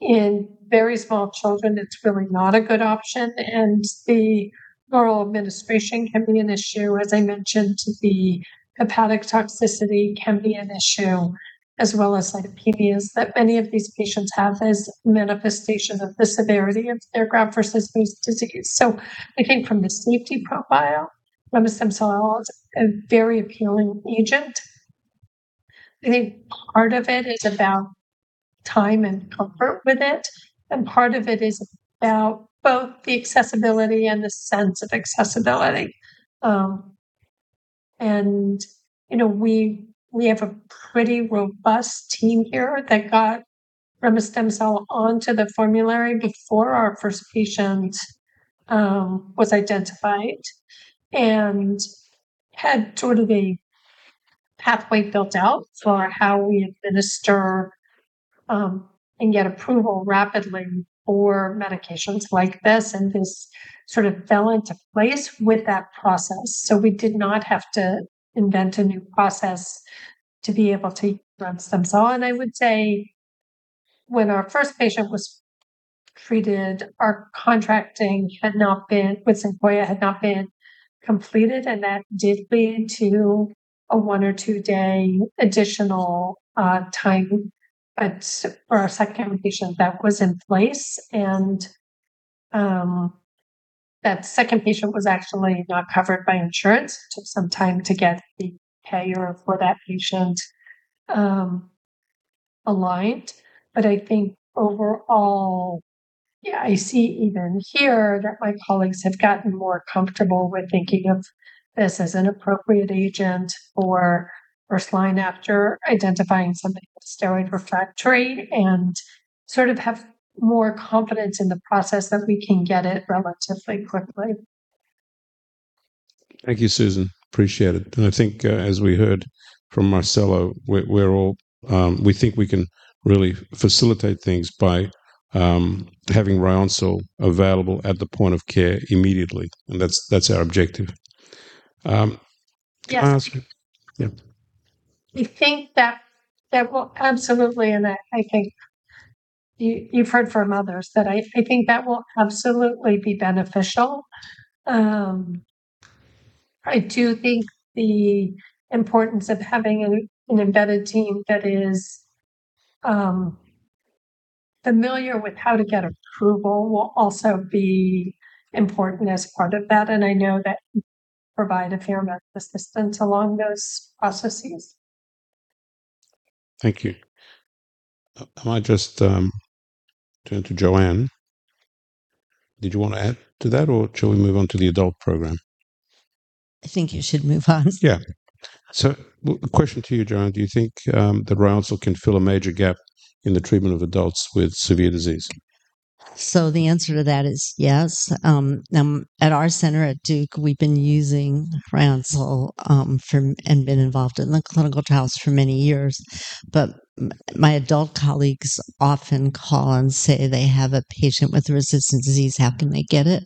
Speaker 6: in very small children, it's really not a good option, and the oral administration can be an issue. As I mentioned, the hepatic toxicity can be an issue, as well as cytopenias that many of these patients have as manifestations of the severity of their graft-versus-host disease. I think from the safety profile, Remestemcel is a very appealing agent. I think part of it is about time and comfort with it, and part of it is about both the accessibility and the sense of accessibility. We have a pretty robust team here that got Remestemcel onto the formulary before our first patient was identified and had sort of a pathway built out for how we administer and get approval rapidly for medications like this. This sort of fell into place with that process. We did not have to invent a new process to be able to use Remestemcel. I would say when our first patient was treated, our contracting with Sequoia had not been completed, and that did lead to a 1 or 2-day additional time for our second patient that was in place. That second patient was actually not covered by insurance. It took some time to get the payer for that patient aligned. I think overall, I see even here that my colleagues have gotten more comfortable with thinking of this as an appropriate agent for first-line after identifying something that's steroid refractory and sort of have more confidence in the process that we can get it relatively quickly.
Speaker 2: Thank you, Susan. Appreciate it. I think as we heard from Marcelo, we think we can really facilitate things by having Ryoncil available at the point of care immediately, and that's our objective.
Speaker 6: Yes.
Speaker 2: Yeah.
Speaker 6: I think that absolutely, and I think you've heard from others that I think that will absolutely be beneficial. I do think the importance of having an embedded team that is familiar with how to get approval will also be important as part of that, and I know that you provide a fair amount of assistance along those processes.
Speaker 2: Thank you. I might just turn to Joanne. Did you want to add to that, or shall we move on to the adult program?
Speaker 5: I think you should move on.
Speaker 2: Yeah. Question to you, Joanne. Do you think that Ryoncil can fill a major gap in the treatment of adults with severe disease?
Speaker 5: The answer to that is yes. At our center at Duke, we've been using Ryoncil, and been involved in the clinical trials for many years. My adult colleagues often call and say they have a patient with resistant disease, how can they get it?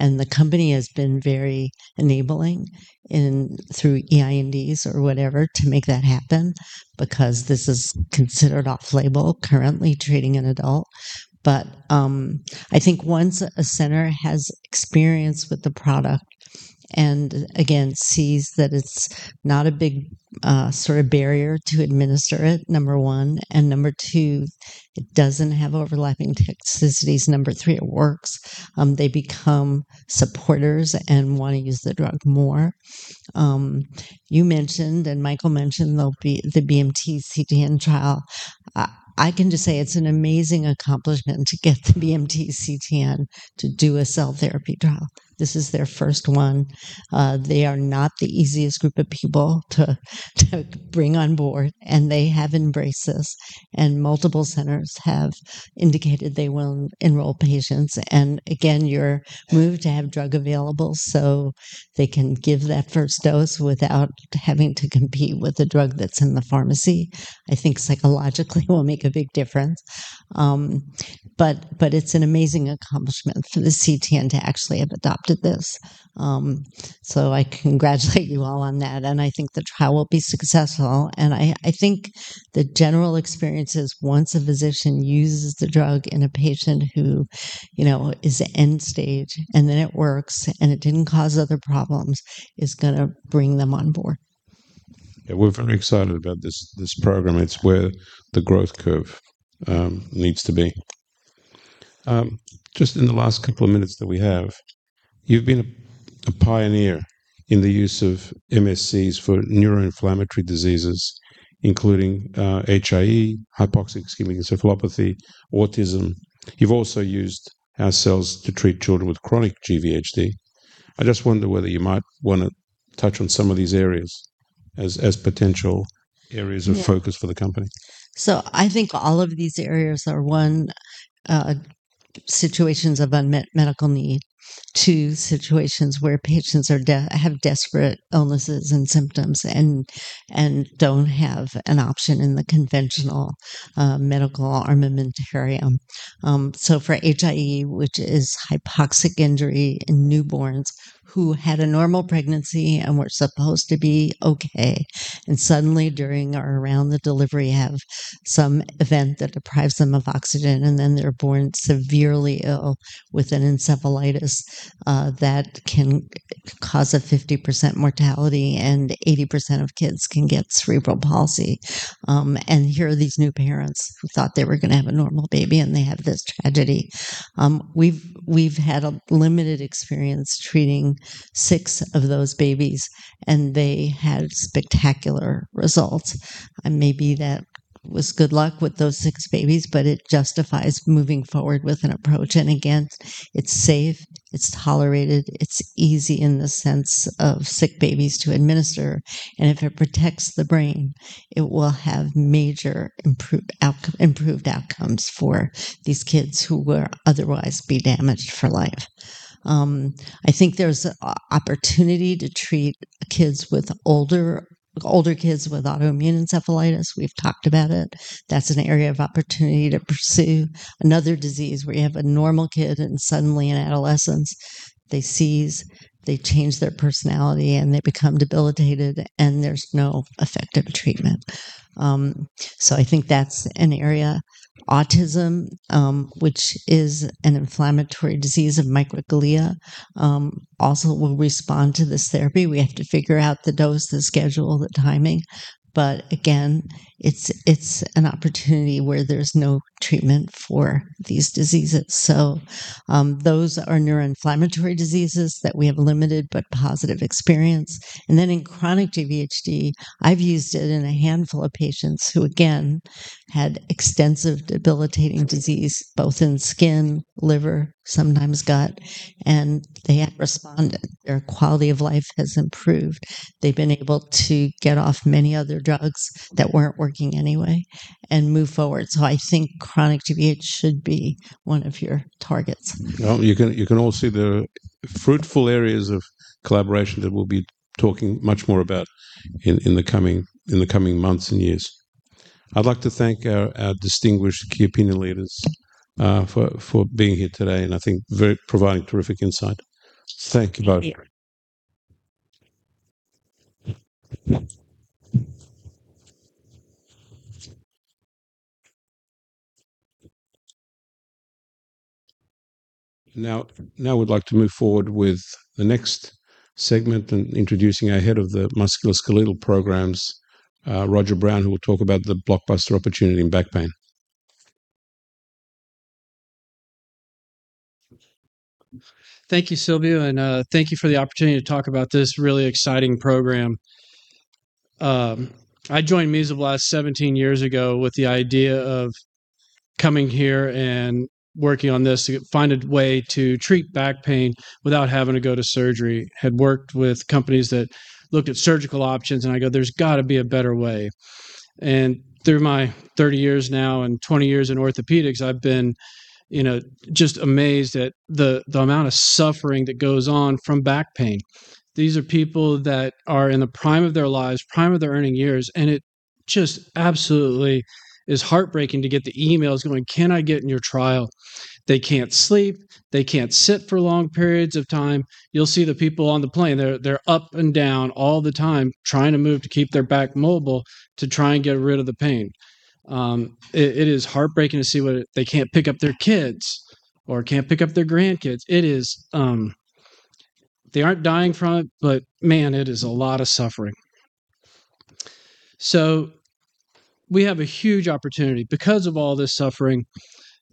Speaker 5: The company has been very enabling through EINDs or whatever to make that happen because this is considered off-label, currently treating an adult. I think once a center has experience with the product. Again, sees that it's not a big sort of barrier to administer it, number one. Number two, it doesn't have overlapping toxicities. Number three, it works. They become supporters and want to use the drug more. You mentioned, and Michael mentioned, the BMT CTN trial. I can just say it's an amazing accomplishment to get the BMT CTN to do a cell therapy trial. This is their first one. They are not the easiest group of people to bring on board, and they have embraced this. Multiple centers have indicated they will enroll patients. Again, you're moved to have drug available so they can give that first dose without having to compete with the drug that's in the pharmacy, I think psychologically will make a big difference. It's an amazing accomplishment for the CTN to actually have adopted this. I congratulate you all on that, and I think the trial will be successful. I think the general experience is once a physician uses the drug in a patient who is end stage, and then it works, and it didn't cause other problems, is going to bring them on board.
Speaker 2: Yeah, we're very excited about this program. It's where the growth curve needs to be. Just in the last couple of minutes that we have, you've been a pioneer in the use of MSCs for neuroinflammatory diseases, including HIE, hypoxic ischemic encephalopathy, autism. You've also used our cells to treat children with chronic GvHD. I just wonder whether you might want to touch on some of these areas as potential areas of focus for the company.
Speaker 5: I think all of these areas are one, situations of unmet medical need. Two, situations where patients have desperate illnesses and symptoms and don't have an option in the conventional medical armamentarium. For HIE, which is hypoxic-ischemic encephalopathy in newborns who had a normal pregnancy and were supposed to be okay, and suddenly during or around the delivery have some event that deprives them of oxygen, and then they're born severely ill with an encephalopathy that can cause a 50% mortality and 80% of kids can get cerebral palsy. Here are these new parents who thought they were going to have a normal baby, and they have this tragedy. We've had a limited experience treating six of those babies, and they had spectacular results. Maybe that was good luck with those six babies, but it justifies moving forward with an approach. Again, it's safe, it's tolerated, it's easy in the sense of sick babies to administer. If it protects the brain, it will have major improved outcomes for these kids who were otherwise be damaged for life. I think there's opportunity to treat older kids with autoimmune encephalitis. We've talked about it. That's an area of opportunity to pursue another disease where you have a normal kid and suddenly in adolescence, they seize, they change their personality, and they become debilitated, and there's no effective treatment. I think that's an area. Autism, which is an inflammatory disease of microglia, also will respond to this therapy. We have to figure out the dose, the schedule, the timing. Again, it's an opportunity where there's no treatment for these diseases. Those are neuroinflammatory diseases that we have limited but positive experience. In chronic GvHD, I've used it in a handful of patients who again, had extensive debilitating disease, both in skin, liver, sometimes gut, and they have responded. Their quality of life has improved. They've been able to get off many other drugs that weren't working anyway and move forward. I think chronic GvHD should be one of your targets.
Speaker 2: Well, you can all see there are fruitful areas of collaboration that we'll be talking much more about in the coming months and years. I'd like to thank our distinguished key opinion leaders for being here today and I think providing terrific insight. Thank you both.
Speaker 5: Thank you.
Speaker 2: Now we'd like to move forward with the next segment and introducing our head of the musculoskeletal programs, Roger Brown, who will talk about the blockbuster opportunity in back pain.
Speaker 7: Thank you, Silviu, and thank you for the opportunity to talk about this really exciting program. I joined Mesoblast 17 years ago with the idea of coming here and working on this to find a way to treat back pain without having to go to surgery. I had worked with companies that looked at surgical options, and I go, "There's got to be a better way." Through my 30 years now and 20 years in orthopedics, I've been just amazed at the amount of suffering that goes on from back pain. These are people that are in the prime of their lives, prime of their earning years, and it just absolutely is heartbreaking to get the emails going, "Can I get in your trial?" They can't sleep. They can't sit for long periods of time. You'll see the people on the plane, they're up and down all the time trying to move to keep their back mobile to try and get rid of the pain. It is heartbreaking to see when they can't pick up their kids or can't pick up their grandkids. They aren't dying from it, but man, it is a lot of suffering. We have a huge opportunity because of all this suffering.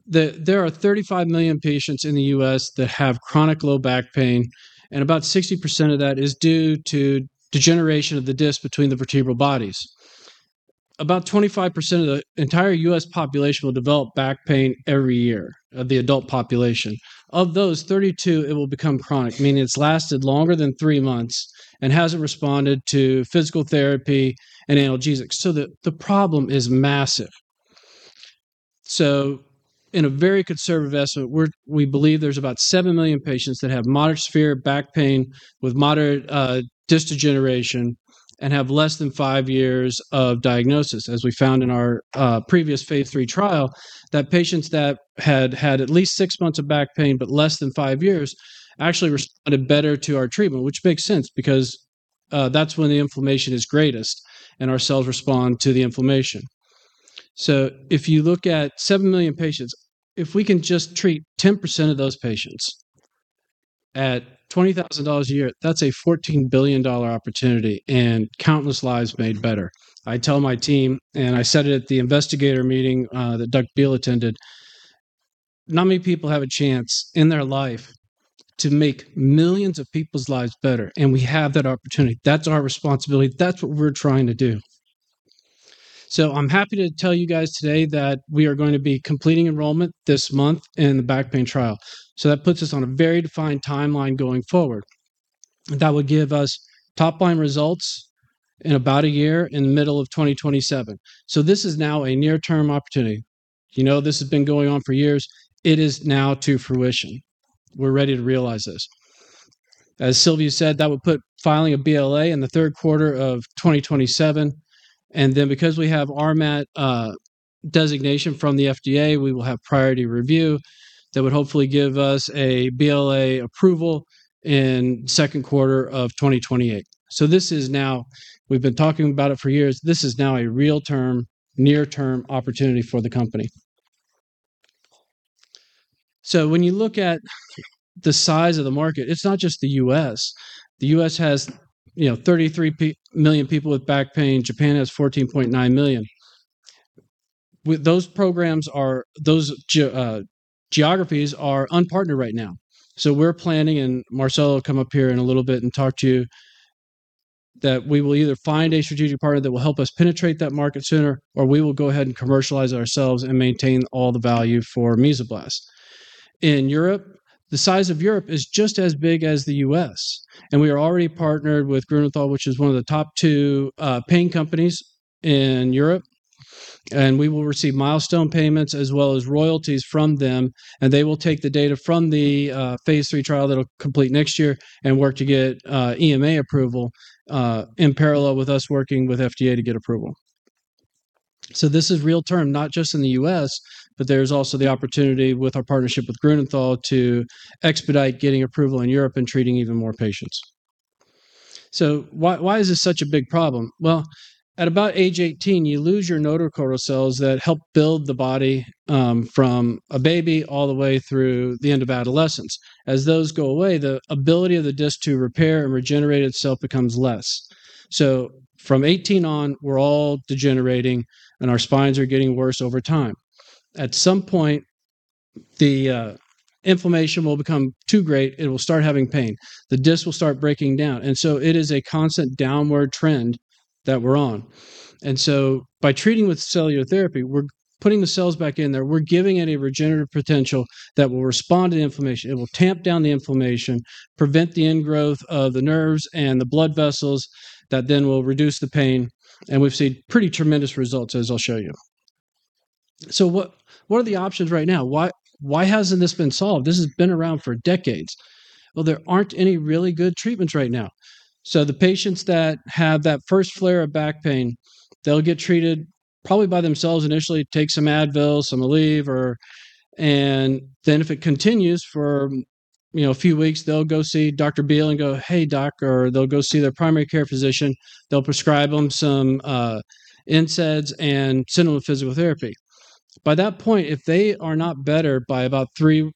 Speaker 7: There are 35 million patients in the U.S. that have chronic low back pain, and about 60% of that is due to degeneration of the disc between the vertebral bodies. About 25% of the entire U.S. population will develop back pain every year, of the adult population. Of those, 32% will become chronic, meaning it's lasted longer than three months and hasn't responded to physical therapy and analgesics. The problem is massive. In a very conservative estimate, we believe there's about 7 million patients that have moderate severe back pain with moderate disc degeneration and have less than 5 years of diagnosis. As we found in our previous Phase III trial, that patients that had had at least 6 months of back pain but less than 5 years actually responded better to our treatment, which makes sense because that's when the inflammation is greatest and our cells respond to the inflammation. If you look at 7 million patients, if we can just treat 10% of those patients at $20,000 a year, that's a $14 billion opportunity and countless lives made better. I tell my team, and I said it at the investigator meeting that Doug Beal attended, not many people have a chance in their life to make millions of people's lives better, we have that opportunity. That's our responsibility. That's what we're trying to do. I'm happy to tell you guys today that we are going to be completing enrollment this month in the back pain trial. That puts us on a very defined timeline going forward. That would give us top-line results in about a year, in the middle of 2027. This is now a near-term opportunity. This has been going on for years. It is now coming to fruition. We're ready to realize this. As Sylvia said, that would put filing a BLA in the third quarter of 2027, and then because we have RMAT designation from the FDA, we will have priority review. That would hopefully give us a BLA approval in the second quarter of 2028. We've been talking about it for years. This is now a real near-term opportunity for the company. When you look at the size of the market, it's not just the U.S. The U.S. has 33 million people with back pain. Japan has 14.9 million. Those geographies are unpartnered right now. We're planning, and Marcelo will come up here in a little bit and talk to you, that we will either find a strategic partner that will help us penetrate that market sooner, or we will go ahead and commercialize ourselves and maintain all the value for Mesoblast. In Europe, the size of Europe is just as big as the U.S., and we are already partnered with Grünenthal, which is one of the top two pain companies in Europe. We will receive milestone payments as well as royalties from them, and they will take the data from the Phase III trial that will complete next year and work to get EMA approval in parallel with us working with FDA to get approval. This is in real terms, not just in the U.S., but there's also the opportunity with our partnership with Grünenthal to expedite getting approval in Europe and treating even more patients. Why is this such a big problem? Well, at about age 18, you lose your notochordal cells that help build the body from a baby all the way through the end of adolescence. As those go away, the ability of the disc to repair and regenerate itself becomes less. From 18 on, we're all degenerating, and our spines are getting worse over time. At some point, the inflammation will become too great, and we'll start having pain. The disc will start breaking down. It is a constant downward trend that we're on. By treating with cellular therapy, we're putting the cells back in there. We're giving it a regenerative potential that will respond to the inflammation. It will tamp down the inflammation, prevent the ingrowth of the nerves and the blood vessels that then will reduce the pain, and we've seen pretty tremendous results, as I'll show you. What are the options right now? Why hasn't this been solved? This has been around for decades. Well, there aren't any really good treatments right now. The patients that have that first flare of back pain, they'll get treated probably by themselves initially, take some Advil, some Aleve, and then if it continues for a few weeks, they'll go see Dr. Beal and go, "Hey, Doc," or they'll go see their primary care physician. They'll prescribe them some NSAIDs and send them to physical therapy. By that point, if they are not better by about 3-6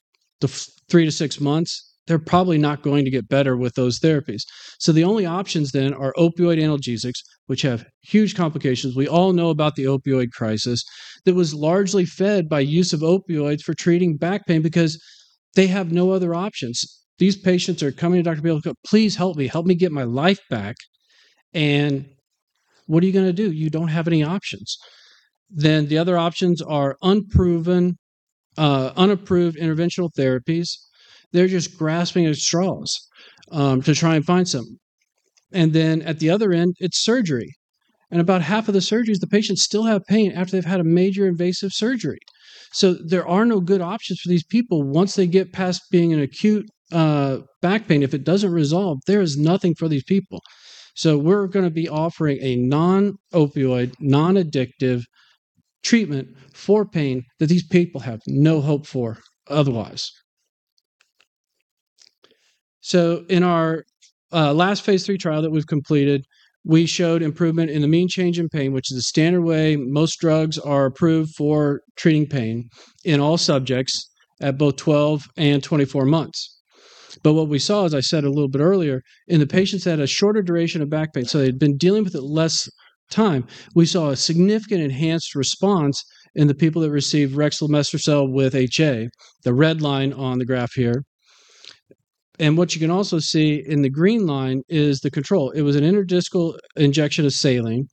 Speaker 7: months, they're probably not going to get better with those therapies. The only options then are opioid analgesics, which have huge complications. We all know about the opioid crisis that was largely fed by use of opioids for treating back pain because they have no other options. These patients are coming to Dr. Beal, "Please help me. Help me get my life back." What are you going to do? You don't have any options. The other options are unproven, unapproved interventional therapies. They're just grasping at straws to try and find something. At the other end, it's surgery. About half of the surgeries, the patients still have pain after they've had a major invasive surgery. There are no good options for these people once they get past being in acute back pain. If it doesn't resolve, there is nothing for these people. We're going to be offering a non-opioid, non-addictive treatment for pain that these people have no hope for otherwise. In our last Phase III trial that we've completed, we showed improvement in the mean change in pain, which is the standard way most drugs are approved for treating pain in all subjects at both 12 and 24 months. What we saw, as I said a little bit earlier, in the patients that had a shorter duration of back pain, so they'd been dealing with it less time, we saw a significant enhanced response in the people that received Rexlemestrocel with HA, the red line on the graph here. What you can also see in the green line is the control. It was an intradiscal injection of saline.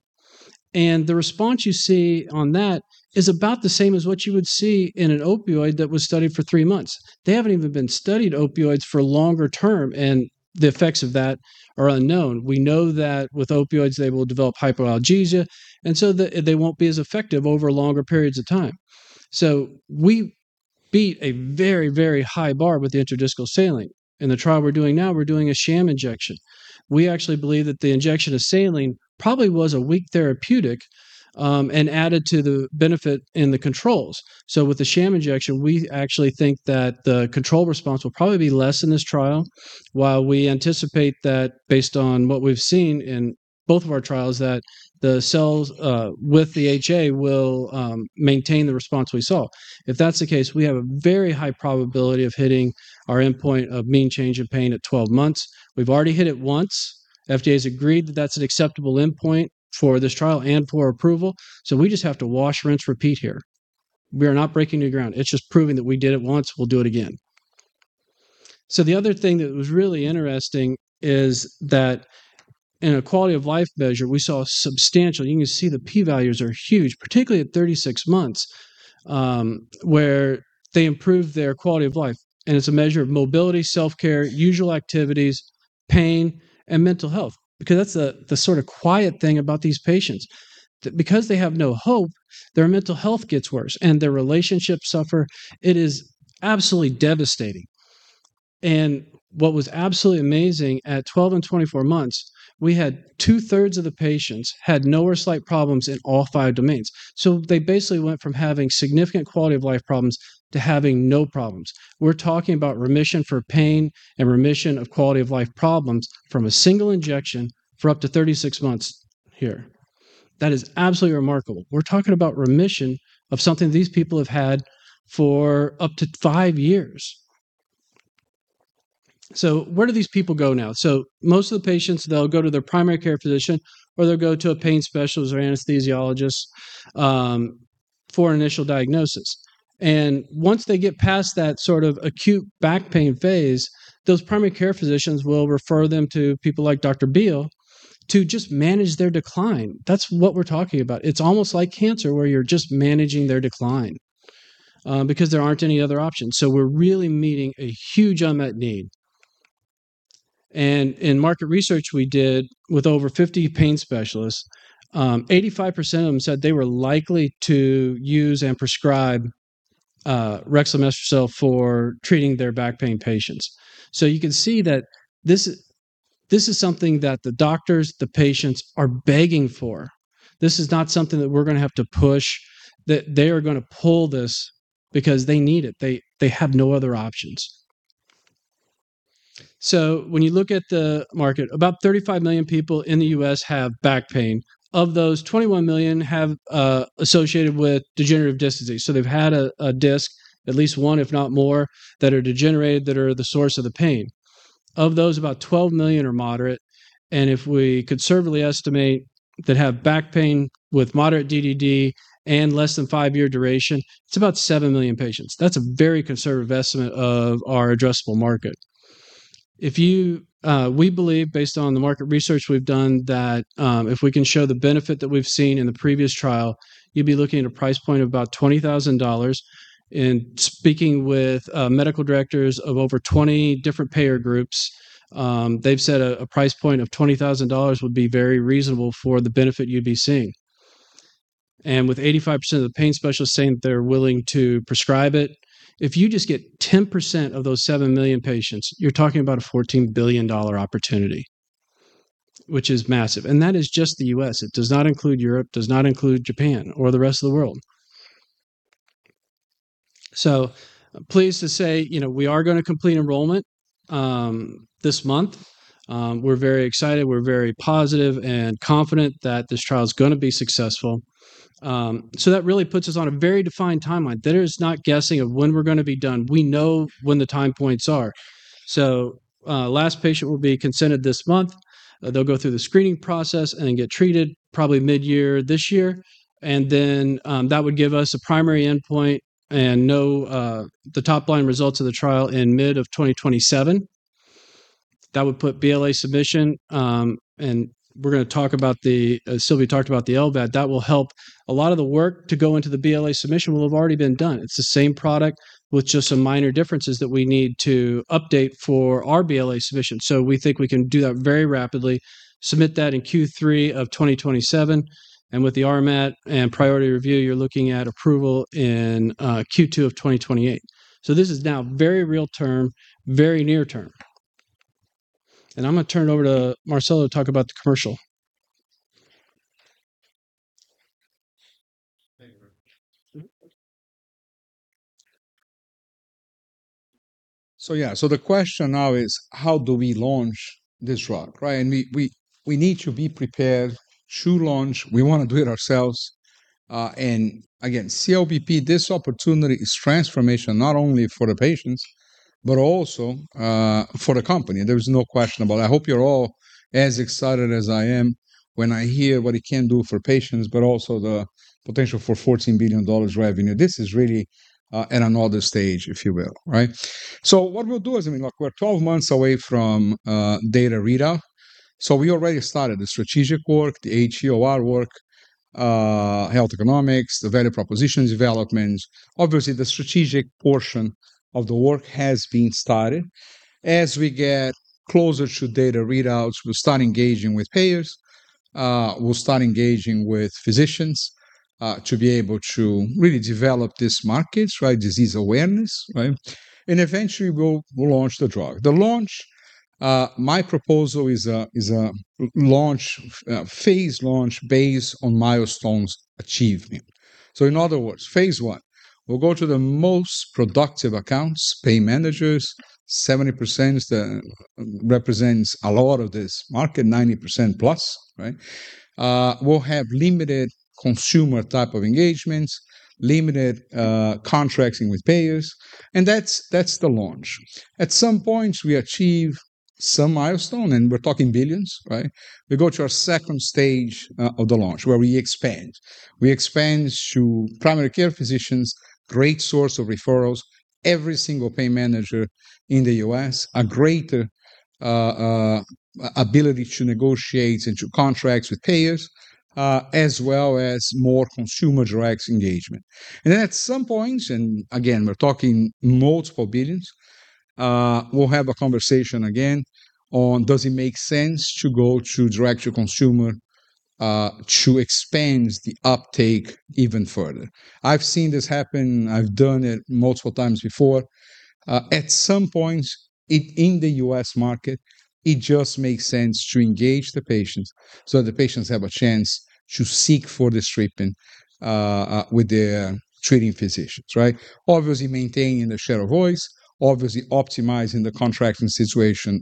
Speaker 7: The response you see on that is about the same as what you would see in an opioid that was studied for three months. They haven't even been studied opioids for longer term, and the effects of that are unknown. We know that with opioids, they will develop hyperalgesia, and so they won't be as effective over longer periods of time. We beat a very, very high bar with the intradiscal saline. In the trial we're doing now, we're doing a sham injection. We actually believe that the injection of saline probably was a weak therapeutic and added to the benefit in the controls. With the sham injection, we actually think that the control response will probably be less in this trial, while we anticipate that based on what we've seen in both of our trials, that the cells with the HA will maintain the response we saw. If that's the case, we have a very high probability of hitting our endpoint of mean change in pain at 12 months. We've already hit it once. FDA's agreed that that's an acceptable endpoint for this trial and for approval. We just have to wash, rinse, repeat here. We are not breaking new ground. It's just proving that we did it once, we'll do it again. The other thing that was really interesting is that in a quality of life measure, we saw substantial. You can see the P values are huge, particularly at 36 months, where they improved their quality of life. It's a measure of mobility, self-care, usual activities, pain, and mental health. Because that's the sort of quiet thing about these patients. That because they have no hope, their mental health gets worse, and their relationships suffer. It is absolutely devastating. What was absolutely amazing, at 12 and 24 months, we had two-thirds of the patients had no or slight problems in all five domains. They basically went from having significant quality of life problems to having no problems. We're talking about remission for pain and remission of quality of life problems from a single injection for up to 36 months here. That is absolutely remarkable. We're talking about remission of something these people have had for up to five years. Where do these people go now? Most of the patients, they'll go to their primary care physician, or they'll go to a pain specialist or anesthesiologist for initial diagnosis. Once they get past that sort of acute back pain Phase, those primary care physicians will refer them to people like Dr. Beal to just manage their decline. That's what we're talking about. It's almost like cancer where you're just managing their decline because there aren't any other options. We're really meeting a huge unmet need. In market research we did with over 50 pain specialists, 85% of them said they were likely to use and prescribe rexlemestrocel for treating their back pain patients. You can see that this is something that the doctors, the patients are begging for. This is not something that we're going to have to push, that they are going to pull this because they need it. They have no other options. When you look at the market, about 35 million people in the U.S. have back pain. Of those, 21 million have associated with degenerative disc disease. They've had a disc, at least one if not more, that are degenerated that are the source of the pain. Of those, about 12 million are moderate. If we conservatively estimate that have back pain with moderate DDD and less than five-year duration, it's about 7 million patients. That's a very conservative estimate of our addressable market. We believe based on the market research we've done that if we can show the benefit that we've seen in the previous trial, you'd be looking at a price point of about $20,000. In speaking with medical directors of over 20 different payer groups, they've said a price point of $20,000 would be very reasonable for the benefit you'd be seeing. With 85% of the pain specialists saying that they're willing to prescribe it, if you just get 10% of those 7 million patients, you're talking about a $14 billion opportunity, which is massive. That is just the U.S. It does not include Europe, does not include Japan or the rest of the world. Pleased to say we are going to complete enrollment this month. We're very excited, we're very positive and confident that this trial is going to be successful. That really puts us on a very defined timeline. There is not guessing of when we're going to be done. We know when the time points are. Last patient will be consented this month. They'll go through the screening process and then get treated probably mid-year this year. That would give us a primary endpoint and know the top line results of the trial in mid-2027. That would put BLA submission, and Sylvia talked about the LVAD. That will help a lot of the work to go into the BLA submission will have already been done. It's the same product with just some minor differences that we need to update for our BLA submission. We think we can do that very rapidly, submit that in Q3 2027. With the RMAT and priority review, you're looking at approval in Q2 2028. This is now very real term, very near term. I'm going to turn it over to Marcelo to talk about the commercial
Speaker 3: Yeah. The question now is: how do we launch this drug? Right? We need to be prepared to launch. We want to do it ourselves. Again, CLBP, this opportunity is transformational not only for the patients, but also for the company. There is no question about it. I hope you're all as excited as I am when I hear what it can do for patients, but also the potential for $14 billion revenue. This is really at another stage, if you will. Right? What we'll do is, look, we're 12 months away from data readout, so we already started the strategic work, the HEOR work, health economics, the value propositions development. Obviously, the strategic portion of the work has been started. As we get closer to data readouts, we'll start engaging with payers, we'll start engaging with physicians to be able to really develop these markets, right? Disease awareness, right? Eventually, we'll launch the drug. The launch, my proposal is a Phase launch based on milestones achievement. In other words, Phase one, we'll go to the most productive accounts, pay managers, 70% represents a lot of this market, 90% plus, right? We'll have limited consumer type of engagements, limited contracting with payers, and that's the launch. At some point, we achieve some milestone, and we're talking billions, right? We go to our second stage of the launch, where we expand. We expand to primary care physicians, great source of referrals, every single pay manager in the U.S., a greater ability to negotiate into contracts with payers, as well as more consumer direct engagement. Then at some point, and again, we're talking $ multiple billions, we'll have a conversation again on does it make sense to go to direct to consumer, to expand the uptake even further. I've seen this happen. I've done it multiple times before. At some point in the U.S. market, it just makes sense to engage the patients so the patients have a chance to seek for this treatment with their treating physicians, right? Obviously, maintaining the share of voice, obviously optimizing the contracting situation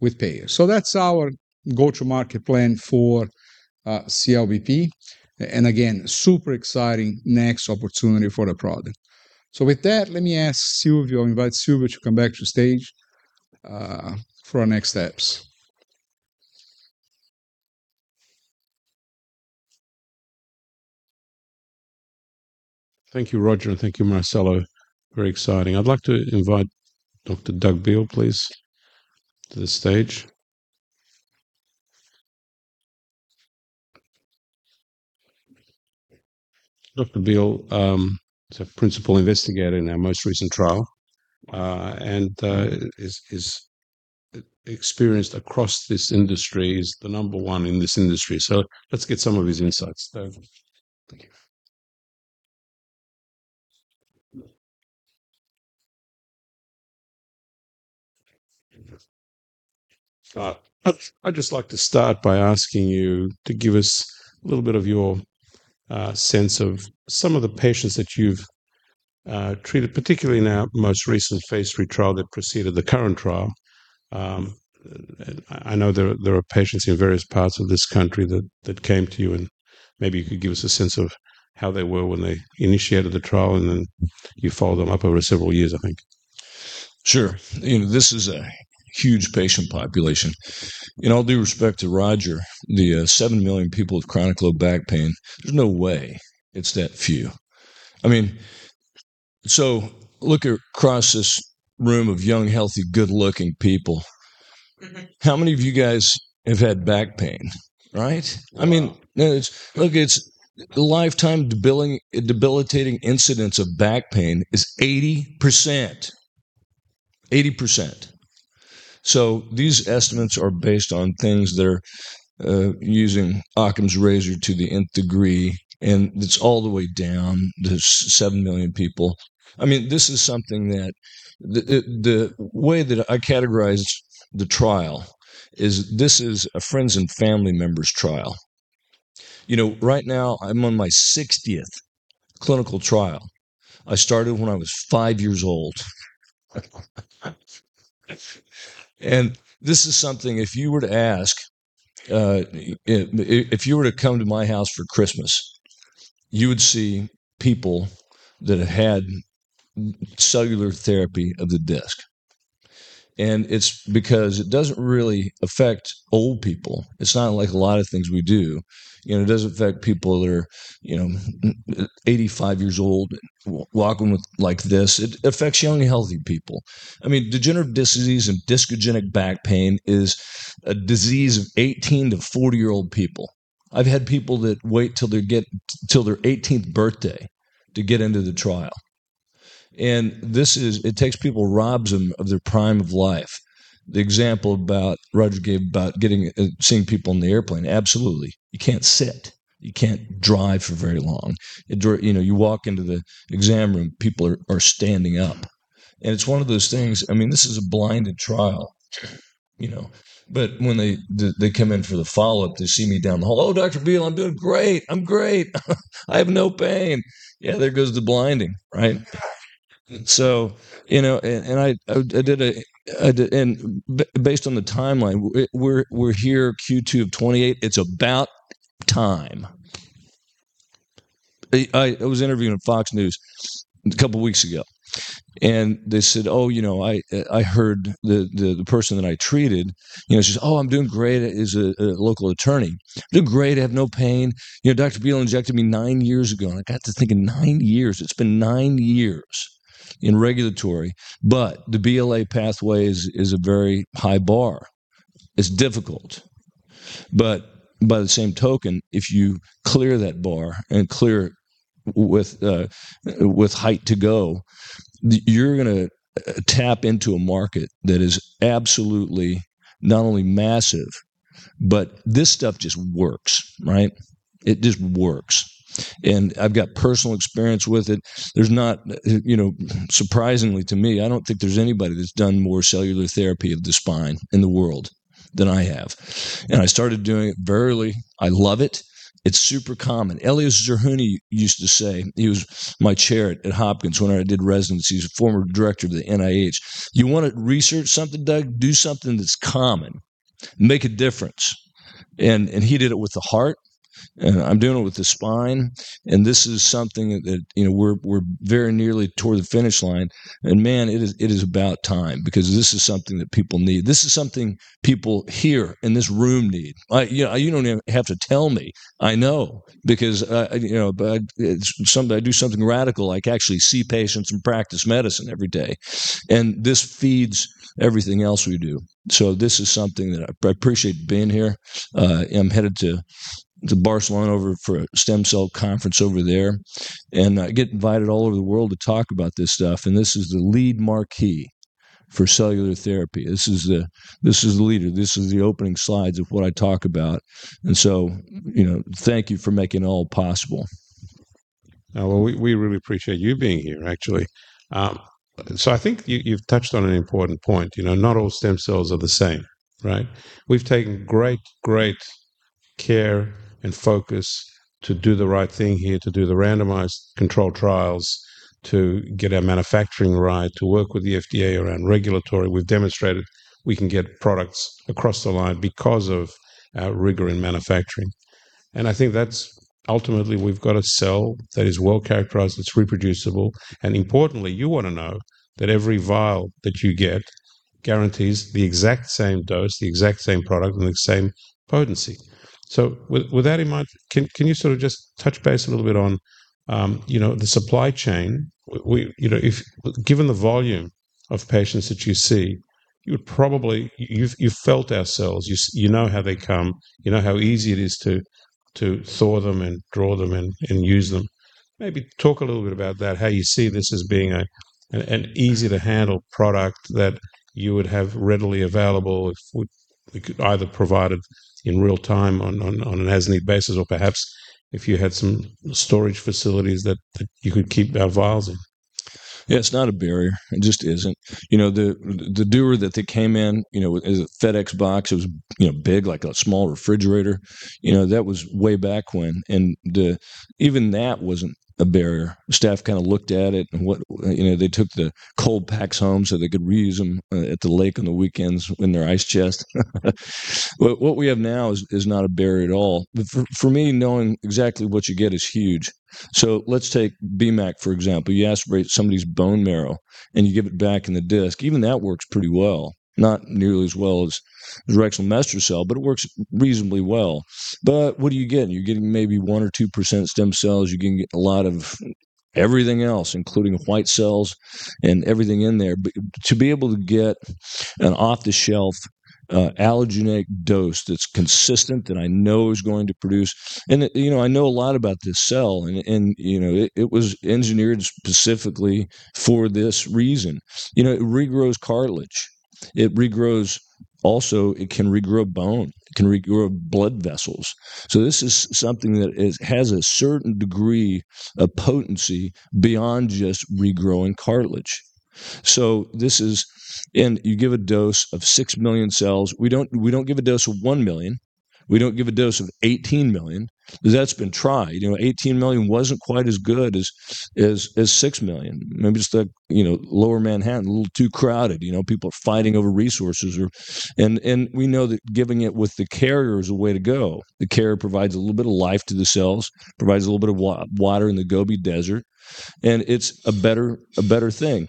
Speaker 3: with payers. That's our go-to-market plan for CLBP. Again, super exciting next opportunity for the product. With that, let me ask Silviu, invite Silviu to come back to stage for our next steps.
Speaker 2: Thank you, Roger, and thank you, Marcelo. Very exciting. I'd like to invite Dr. Doug Beal, please, to the stage. Dr. Beal is a principal investigator in our most recent trial and is experienced across this industry, is the number one in this industry. Let's get some of his insights. Doug.
Speaker 8: Thank you.
Speaker 2: I'd just like to start by asking you to give us a little bit of your sense of some of the patients that you've treated, particularly in our most recent Phase III trial that preceded the current trial. I know there are patients in various parts of this country that came to you, and maybe you could give us a sense of how they were when they initiated the trial, and then you followed them up over several years, I think.
Speaker 8: Sure. This is a huge patient population, and all due respect to Roger, the 7 million people with chronic low back pain, there's no way it's that few. Look across this room of young, healthy, good-looking people. How many of you guys have had back pain, right?
Speaker 2: A lot.
Speaker 8: Look, it's the lifetime debilitating incidence of back pain is 80%. 80%. These estimates are based on things that are using Occam's razor to the nth degree, and it's all the way down to 7 million people. The way that I categorize the trial is this is a friends and family members trial. Right now, I'm on my 60th clinical trial. I started when I was 5 years old. This is something. If you were to come to my house for Christmas, you would see people that had cellular therapy of the disc. It's because it doesn't really affect old people. It's not like a lot of things we do. It doesn't affect people that are 85 years old, walking like this. It affects young and healthy people. Degenerative disease and discogenic back pain is a disease of 18- to 40-year-old people. I've had people that wait till their 18th birthday to get into the trial. It takes people, robs them of their prime of life. The example Roger gave about seeing people in the airplane, absolutely. You can't sit. You can't drive for very long. You walk into the exam room, people are standing up. It's one of those things, this is a blinded trial. When they come in for the follow-up, they see me down the hall. "Oh, Dr. Beal, I'm doing great. I'm great. I have no pain." Yeah, there goes the blinding, right? Based on the timeline, we're here Q2 of 2028. It's about time. I was interviewing on Fox News a couple of weeks ago, and they said, "Oh, I heard the person that I treated," she says, "Oh, I'm doing great." Is a local attorney. "Doing great, I have no pain. Dr. Beal injected me 9 years ago." I got to thinking, "9 years. It's been 9 years." In regulatory, but the BLA pathway is a very high bar. It's difficult. By the same token, if you clear that bar and clear it with height to go, you're going to tap into a market that is absolutely not only massive, but this stuff just works. It just works. I've got personal experience with it. Surprisingly to me, I don't think there's anybody that's done more cellular therapy of the spine in the world than I have. I started doing it very early. I love it. It's super common. Elias Zerhouni used to say, he was my chair at Hopkins when I did residency. He's a former director of the NIH. "You want to research something, Doug? Do something that's common. Make a difference." He did it with the heart, and I'm doing it with the spine. This is something that we're very nearly toward the finish line. Man, it is about time because this is something that people need. This is something people here in this room need. You don't even have to tell me. I know because I do something radical like actually see patients and practice medicine every day. This feeds everything else we do. This is something that I appreciate being here. I'm headed to Barcelona for a stem cell conference over there, and I get invited all over the world to talk about this stuff, and this is the lead marquee for cellular therapy. This is the leader. This is the opening slides of what I talk about, and so thank you for making it all possible.
Speaker 2: Well, we really appreciate you being here, actually. I think you've touched on an important point. Not all stem cells are the same, right? We've taken great care and focus to do the right thing here, to do the randomized controlled trials, to get our manufacturing right, to work with the FDA around regulatory. We've demonstrated we can get products across the line because of our rigor in manufacturing. I think that's ultimately we've got a cell that is well-characterized, it's reproducible, and importantly, you want to know that every vial that you get guarantees the exact same dose, the exact same product, and the same potency. With that in mind, can you sort of just touch base a little bit on the supply chain? Given the volume of patients that you see, you've felt our cells. You know how they come. You know how easy it is to thaw them and draw them and use them. Maybe talk a little bit about that, how you see this as being an easy-to-handle product that you would have readily available if we could either provide it in real-time on an as-need basis or perhaps if you had some storage facilities that you could keep our vials in.
Speaker 8: Yeah, it's not a barrier. It just isn't. The Dewar that they came in as a FedEx box, it was big, like a small refrigerator. That was way back when. Even that wasn't a barrier. The staff kind of looked at it, and they took the cold packs home so they could reuse them at the lake on the weekends in their ice chest. What we have now is not a barrier at all. For me, knowing exactly what you get is huge. Let's take BMAC, for example. You aspirate somebody's bone marrow, and you give it back in the disk. Even that works pretty well, not nearly as well as directional master cell, but it works reasonably well. What are you getting? You're getting maybe 1% or 2% stem cells. You can get a lot of everything else, including white cells and everything in there. To be able to get an off-the-shelf allogeneic dose that's consistent. I know a lot about this cell, and it was engineered specifically for this reason. It regrows cartilage. Also, it can regrow bone. It can regrow blood vessels. This is something that has a certain degree of potency beyond just regrowing cartilage. You give a dose of 6 million cells. We don't give a dose of 1 million. We don't give a dose of 18 million, because that's been tried. 18 million wasn't quite as good as 6 million. Maybe it's like Lower Manhattan, a little too crowded. People are fighting over resources. We know that giving it with the carrier is the way to go. The carrier provides a little bit of life to the cells, provides a little bit of water in the Gobi Desert, and it's a better thing.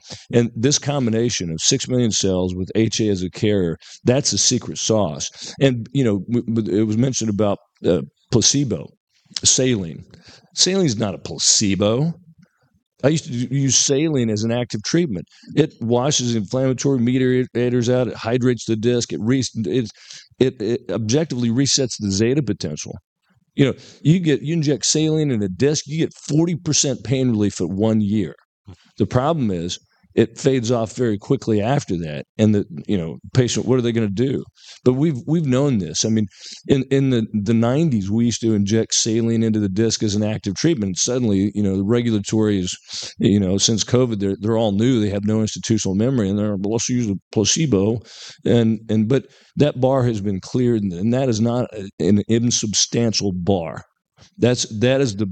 Speaker 8: This combination of 6 million cells with HA as a carrier, that's the secret sauce. It was mentioned about placebo saline. Saline is not a placebo. I used to use saline as an active treatment. It washes inflammatory mediators out. It hydrates the disc. It objectively resets the zeta potential. You inject saline in a disc, you get 40% pain relief at one year. The problem is it fades off very quickly after that, and the patient, what are they going to do? We've known this. In the 1990s, we used to inject saline into the disc as an active treatment. Suddenly, the regulators are new since COVID. They have no institutional memory, and they're, "Well, let's use a placebo." That bar has been cleared, and that is not an insubstantial bar. That's the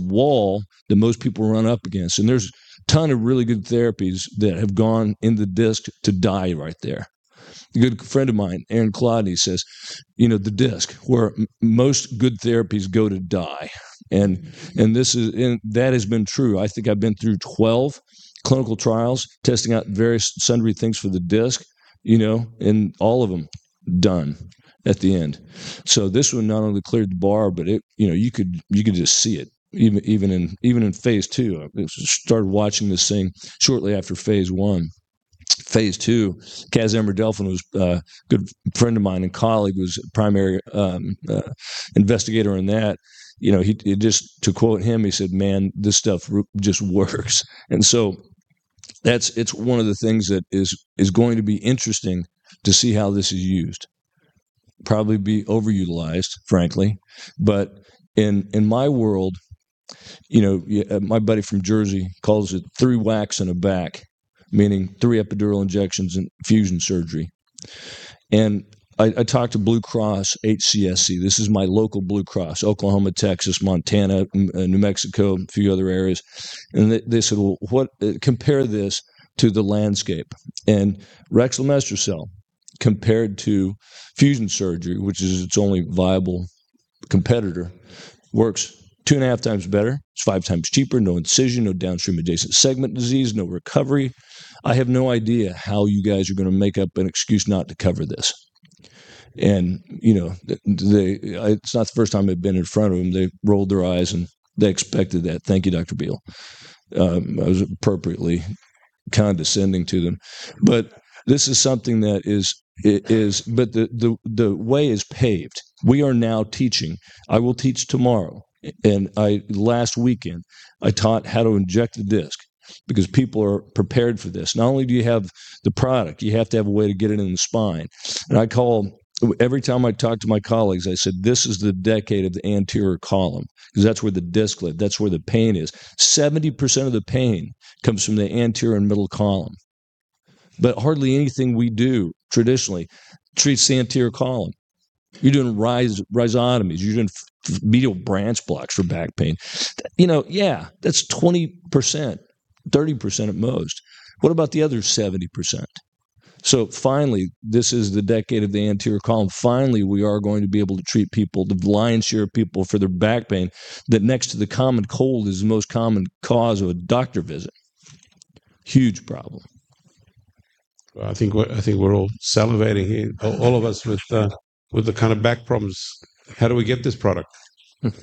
Speaker 8: wall that most people run up against. There's a ton of really good therapies that have gone in the disc to die right there. A good friend of mine, Aaron Calodney, says, "The disc, where most good therapies go to die." That has been true. I think I've been through 12 clinical trials testing out various sundry things for the disc, and all of them done at the end. This one not only cleared the bar, but you could just see it, even in Phase II. I started watching this thing shortly after Phase I. Phase II, Kasra Amirdelfan, who's a good friend of mine and colleague, was primary investigator in that. To quote him, he said, "Man, this stuff just works." It's one of the things that is going to be interesting to see how this is used, probably overutilized, frankly. In my world, my buddy from Jersey calls it 3 whacks and a back, meaning 3 epidural injections and fusion surgery. I talked to Blue Cross HCSC. This is my local Blue Cross, Oklahoma, Texas, Montana, New Mexico, a few other areas. They said, "Well, compare this to the landscape." Rexlemestrocel, compared to fusion surgery, which is its only viable competitor, works 2.5 times better. It's 5 times cheaper, no incision, no downstream adjacent segment disease, no recovery. I have no idea how you guys are going to make up an excuse not to cover this. It's not the first time they've been in front of him. They rolled their eyes, and they expected that. Thank you, Dr. Beal. I was appropriately condescending to them. The way is paved. We are now teaching. I will teach tomorrow. Last weekend, I taught how to inject a disc because people are prepared for this. Not only do you have the product, you have to have a way to get it in the spine. Every time I talk to my colleagues, I said, "This is the decade of the anterior column," because that's where the disc lives. That's where the pain is. 70% of the pain comes from the anterior and middle column. Hardly anything we do traditionally treats the anterior column. You're doing rhizotomies. You're doing medial branch blocks for back pain. Yeah, that's 20%, 30% at most. What about the other 70%? Finally, this is the decade of the anterior column. Finally, we are going to be able to treat people, the lion's share of people for their back pain, that next to the common cold is the most common cause of a doctor visit. Huge problem.
Speaker 2: I think we're all salivating here. All of us with the kind of back problems. How do we get this product? Look,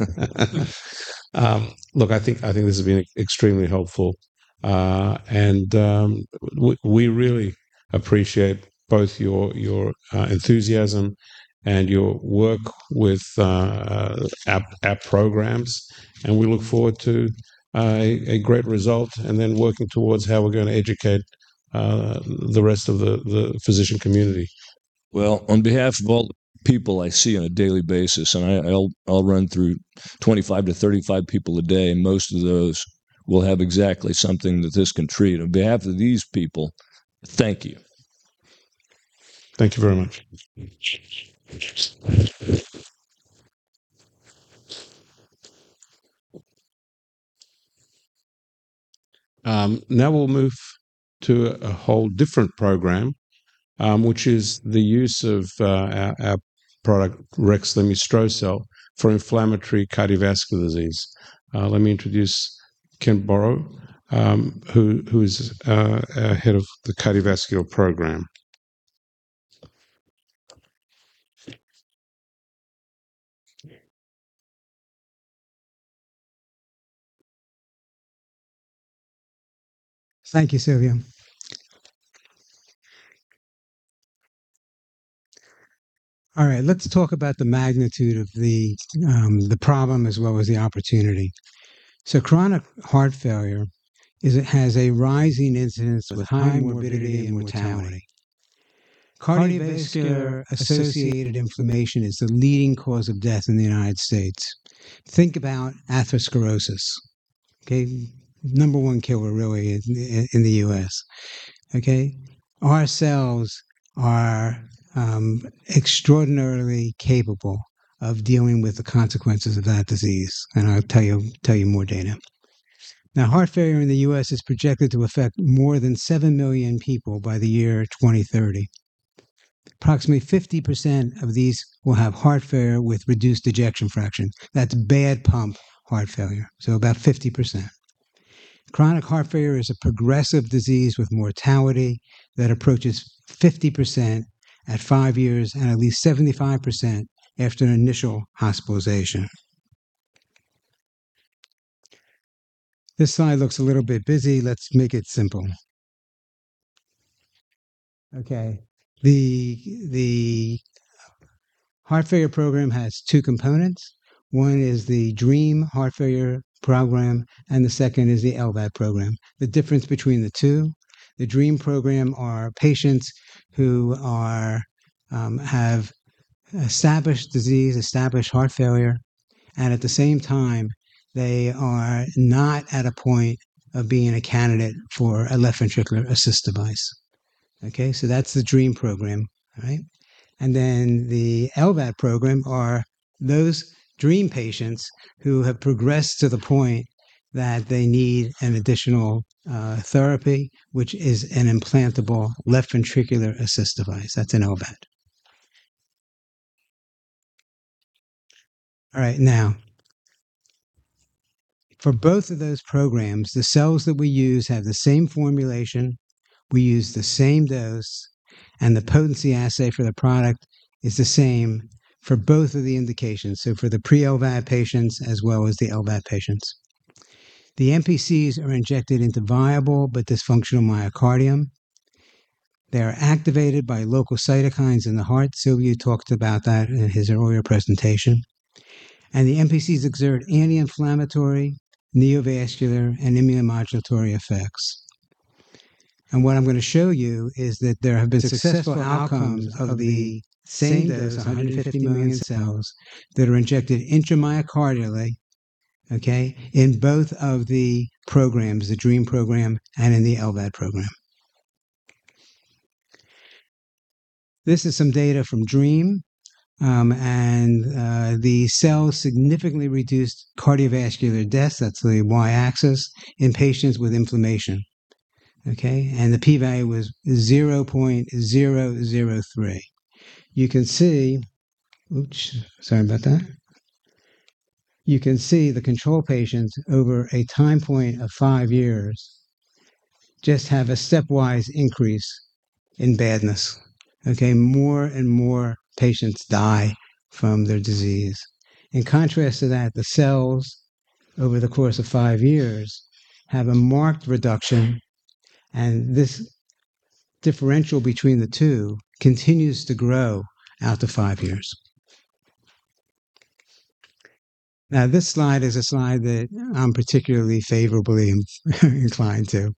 Speaker 2: I think this has been extremely helpful. We really appreciate both your enthusiasm and your work with our programs, and we look forward to a great result and then working towards how we're going to educate the rest of the physician community.
Speaker 8: Well, on behalf of all the people I see on a daily basis, and I'll run through 25-35 people a day, and most of those will have exactly something that this can treat. On behalf of these people, thank you.
Speaker 2: Thank you very much. Now we'll move to a whole different program, which is the use of our product rexlemestrocel for inflammatory cardiovascular disease. Let me introduce Kenneth Borow, who is our Head of the Cardiovascular Program.
Speaker 9: Thank you, Silviu. All right. Let's talk about the magnitude of the problem as well as the opportunity. Chronic heart failure has a rising incidence of high morbidity and mortality. Cardiovascular-associated inflammation is the leading cause of death in the United States. Think about atherosclerosis. Okay? Number one killer, really, in the U.S. Okay? Our cells are extraordinarily capable of dealing with the consequences of that disease, and I'll tell you more data. Now, heart failure in the U.S. is projected to affect more than 7 million people by the year 2030. Approximately 50% of these will have heart failure with reduced ejection fraction. That's bad pump heart failure. About 50%. Chronic heart failure is a progressive disease with mortality that approaches 50% at 5 years and at least 75% after an initial hospitalization. This slide looks a little bit busy. Let's make it simple. Okay. The heart failure program has two components. One is the DREAM heart failure program, and the second is the LVAD program. The difference between the two, the DREAM program are patients who have established disease, established heart failure, and at the same time, they are not at a point of being a candidate for a left ventricular assist device. Okay? That's the DREAM program. All right? The LVAD program are those DREAM patients who have progressed to the point that they need an additional therapy, which is an implantable left ventricular assist device. That's an LVAD. All right, now, for both of those programs, the cells that we use have the same formulation, we use the same dose, and the potency assay for the product is the same for both of the indications, so for the pre-LVAD patients as well as the LVAD patients. The MPC are injected into viable but dysfunctional myocardium. They are activated by local cytokines in the heart. Silviu talked about that in his earlier presentation. The MPC exert anti-inflammatory, neovascular, and immunomodulatory effects. What I'm going to show you is that there have been successful outcomes of the same dose, 150 million cells, that are injected intracardially, okay, in both of the programs, the DREAM program and in the LVAD program. This is some data from DREAM, and the cells significantly reduced cardiovascular death, that's the Y-axis, in patients with inflammation. Okay? The P value was 0.003. You can see. Oops, sorry about that. You can see the control patients over a time point of five years just have a stepwise increase in badness. Okay? More and more patients die from their disease. In contrast to that, the cells over the course of 5 years have a marked reduction, and this differential between the two continues to grow after 5 years. Now, this slide is a slide that I'm particularly favorably inclined to.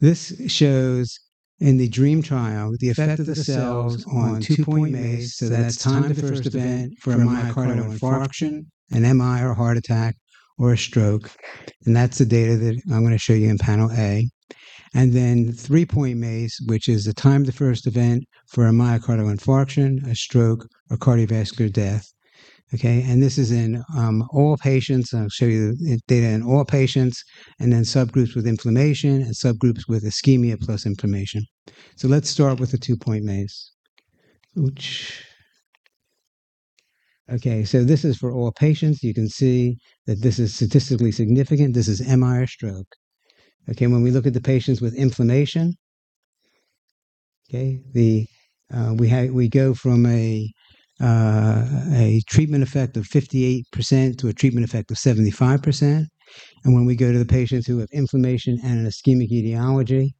Speaker 9: This shows in the DREAM trial the effect of the cells on 2-point MACE, so that's time to first event for a myocardial infarction, an MI or heart attack, or a stroke, and that's the data that I'm going to show you in panel A. Three-point MACE, which is the time to first event for a myocardial infarction, a stroke, or cardiovascular death. Okay. This is in all patients, and I'll show you data in all patients, and then subgroups with inflammation and subgroups with ischemia plus inflammation. Let's start with the 2-point MACE. Okay. This is for all patients. You can see that this is statistically significant. This is MI or stroke. Okay. When we look at the patients with inflammation, okay, we go from a treatment effect of 58% to a treatment effect of 75%. When we go to the patients who have inflammation and an ischemic etiology,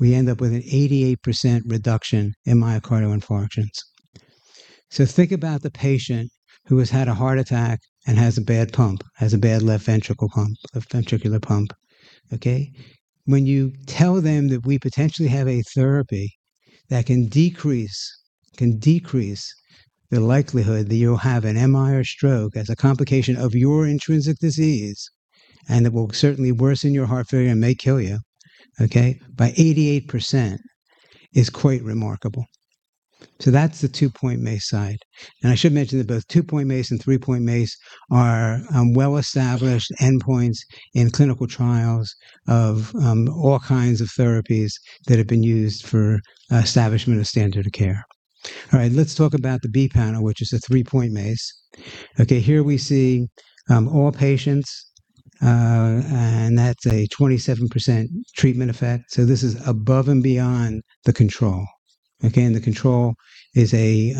Speaker 9: we end up with an 88% reduction in myocardial infarctions. Think about the patient who has had a heart attack and has a bad pump, has a bad left ventricle pump, a ventricular pump, okay? When you tell them that we potentially have a therapy that can decrease the likelihood that you'll have an MI or stroke as a complication of your intrinsic disease, and it will certainly worsen your heart failure and may kill you, okay, by 88% is quite remarkable. That's the two-point MACE side. I should mention that both 2-point MACE and 3-point MACE are well-established endpoints in clinical trials of all kinds of therapies that have been used for establishment of standard of care. All right. Let's talk about the B panel, which is a 3-point MACE. Okay. Here we see all patients, and that's a 27% treatment effect, so this is above and beyond the control, okay? The control is a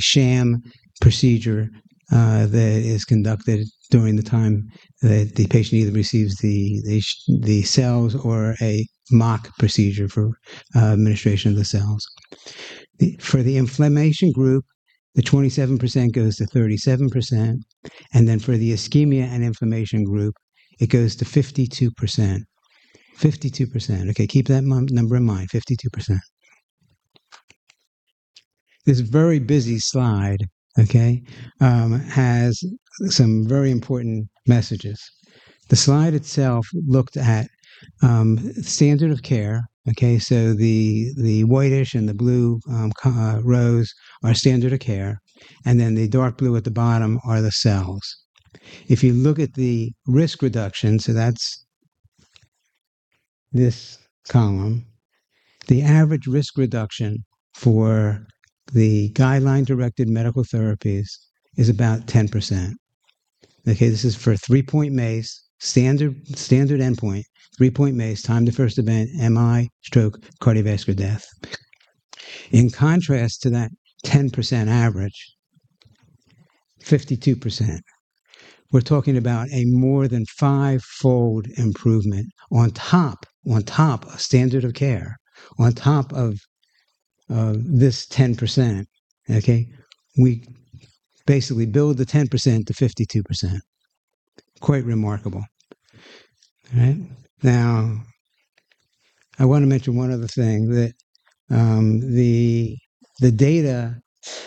Speaker 9: sham procedure that is conducted during the time that the patient either receives the cells or a mock procedure for administration of the cells. For the inflammation group, the 27% goes to 37%, and then for the ischemia and inflammation group, it goes to 52%. 52%, okay? Keep that number in mind, 52%. This very busy slide, okay, has some very important messages. The slide itself looked at standard of care, okay, so the whitish and the blue rows are standard of care, and then the dark blue at the bottom are the cells. If you look at the risk reduction, so that's this column, the average risk reduction for the guideline-directed medical therapies is about 10%. Okay? This is for three-point MACE, standard endpoint, three-point MACE, time to first event, MI, stroke, cardiovascular death. In contrast to that 10% average, 52%. We're talking about a more than five-fold improvement on top of standard of care, on top of this 10%. Okay? We basically build the 10% to 52%. Quite remarkable. Right? Now, I want to mention one other thing, that the data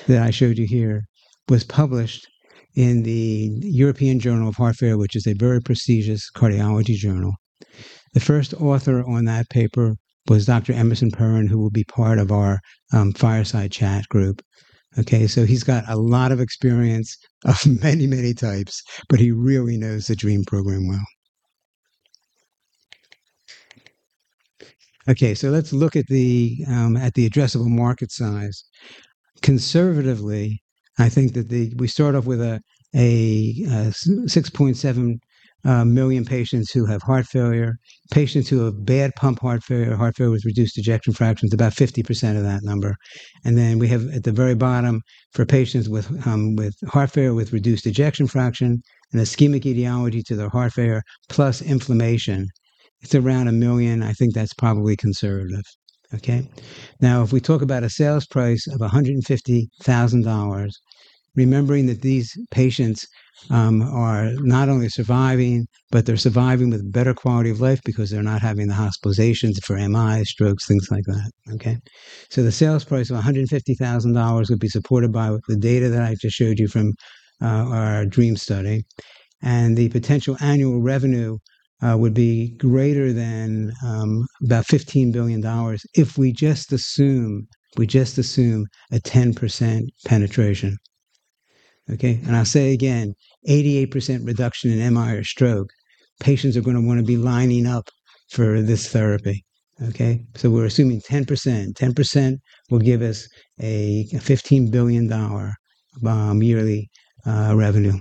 Speaker 9: that I showed you here was published in the "European Journal of Heart Failure," which is a very prestigious cardiology journal. The first author on that paper was Dr. Emerson Perin, who will be part of our fireside chat group. Okay? He's got a lot of experience of many types, but he really knows the DREAM program well. Okay, let's look at the addressable market size. Conservatively, I think that we start off with 6.7 million patients who have heart failure. Patients who have bad pump heart failure or heart failure with reduced ejection fraction is about 50% of that number. We have, at the very bottom, for patients with heart failure with reduced ejection fraction, an ischemic etiology to their heart failure, plus inflammation. It's around 1 million. I think that's probably conservative. Okay? Now, if we talk about a sales price of $150,000, remembering that these patients are not only surviving, but they're surviving with better quality of life because they're not having the hospitalizations for MIs, strokes, things like that. Okay? The sales price of $150,000 would be supported by the data that I just showed you from our DREAM study, and the potential annual revenue would be greater than about $15 billion if we just assume a 10% penetration. Okay? I'll say again, 88% reduction in MI or stroke. Patients are going to want to be lining up for this therapy. Okay? We're assuming 10%. 10% will give us a $15 billion yearly revenue.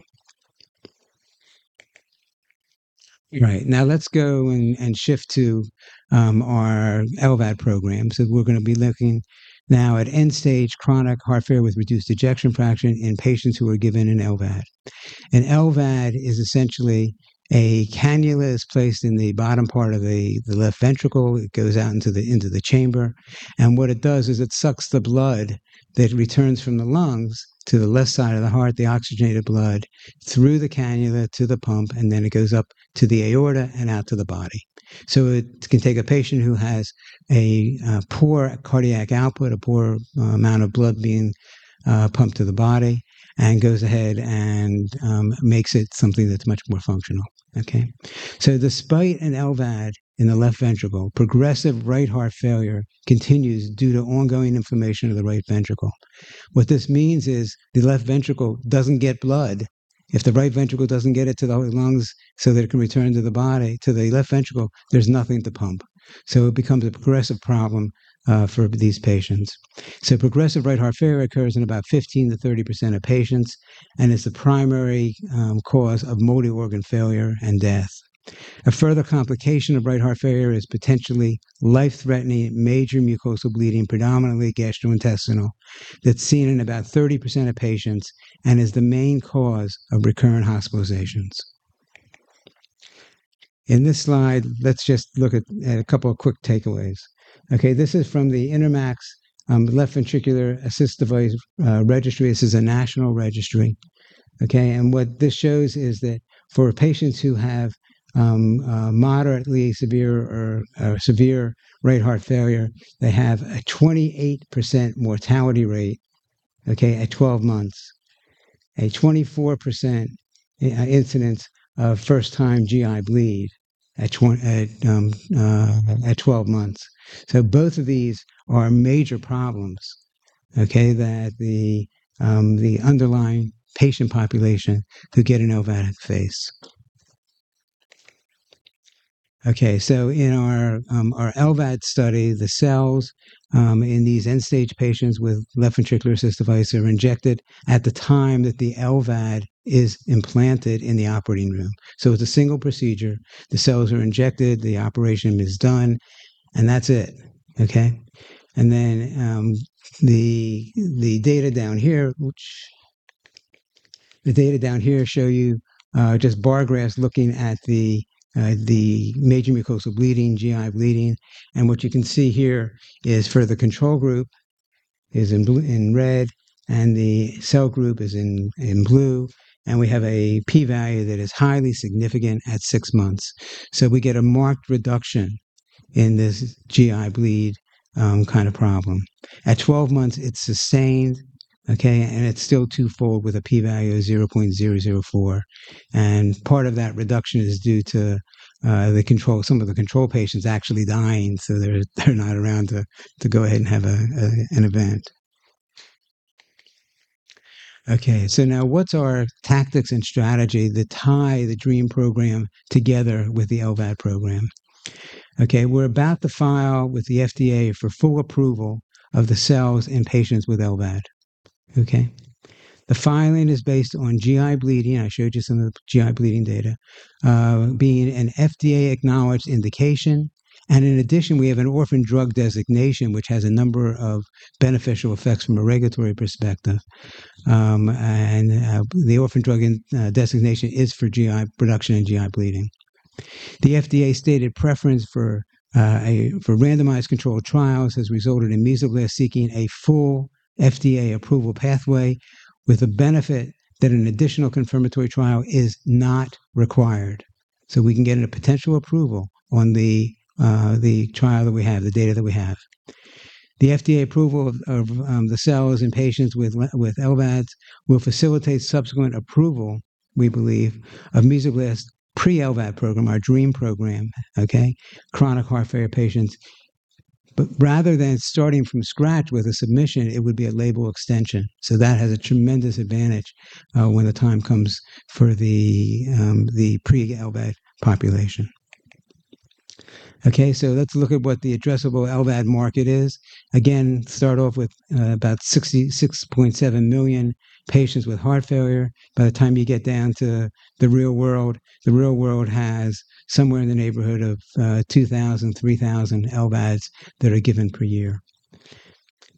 Speaker 9: Right. Now let's go and shift to our LVAD program. We're going to be looking now at end-stage chronic heart failure with reduced ejection fraction in patients who are given an LVAD. An LVAD is essentially a cannula that's placed in the bottom part of the left ventricle. It goes out into the chamber. What it does is it sucks the blood that returns from the lungs to the left side of the heart, the oxygenated blood, through the cannula to the pump, and then it goes up to the aorta and out to the body. It can take a patient who has a poor cardiac output, a poor amount of blood being pumped to the body, and goes ahead and makes it something that's much more functional. Okay. Despite an LVAD in the left ventricle, progressive right heart failure continues due to ongoing inflammation of the right ventricle. What this means is the left ventricle doesn't get blood. If the right ventricle doesn't get it to the lungs so that it can return to the body, to the left ventricle, there's nothing to pump. It becomes a progressive problem for these patients. Progressive right heart failure occurs in about 15%-30% of patients and is the primary cause of multi-organ failure and death. A further complication of right heart failure is potentially life-threatening major mucosal bleeding, predominantly gastrointestinal, that's seen in about 30% of patients and is the main cause of recurrent hospitalizations. In this slide, let's just look at a couple of quick takeaways. Okay, this is from the INTERMACS Left Ventricular Assist Device Registry. This is a national registry. Okay? And what this shows is that for patients who have moderately severe or severe right heart failure, they have a 28% mortality rate, okay, at 12 months, a 24% incidence of first-time GI bleed at 12 months. Both of these are major problems, okay, that the underlying patient population who get an LVAD face. Okay, in our LVAD study, the cells in these end-stage patients with left ventricular assist device are injected at the time that the LVAD is implanted in the operating room. It's a single procedure. The cells are injected, the operation is done, and that's it. Okay? Then the data down here show you just bar graphs looking at the major mucosal bleeding, GI bleeding. What you can see here is for the control group is in red, and the cell group is in blue. We have a P value that is highly significant at six months. We get a marked reduction in this GI bleed kind of problem. At 12 months, it's sustained, okay, and it's still twofold with a P value of 0.004. Part of that reduction is due to some of the control patients actually dying, so they're not around to go ahead and have an event. Okay, now what's our tactics and strategy that tie the DREAM program together with the LVAD program? Okay, we're about to file with the FDA for full approval of the cells in patients with LVAD. Okay? The filing is based on GI bleeding, I showed you some of the GI bleeding data, being an FDA-acknowledged indication. In addition, we have an orphan drug designation, which has a number of beneficial effects from a regulatory perspective. The orphan drug designation is for GI production and GI bleeding. The FDA stated preference for randomized controlled trials has resulted in Mesoblast seeking a full FDA approval pathway with the benefit that an additional confirmatory trial is not required. We can get a potential approval on the trial that we have, the data that we have. The FDA approval of the cells in patients with LVADs will facilitate subsequent approval, we believe, of Mesoblast's pre-LVAD program, our DREAM program, okay, chronic heart failure patients. Rather than starting from scratch with a submission, it would be a label extension. That has a tremendous advantage when the time comes for the pre-LVAD population. Okay, let's look at what the addressable LVAD market is. Again, start off with about 66.7 million patients with heart failure. By the time you get down to the real world, the real world has somewhere in the neighborhood of 2,000-3,000 LVADs that are given per year.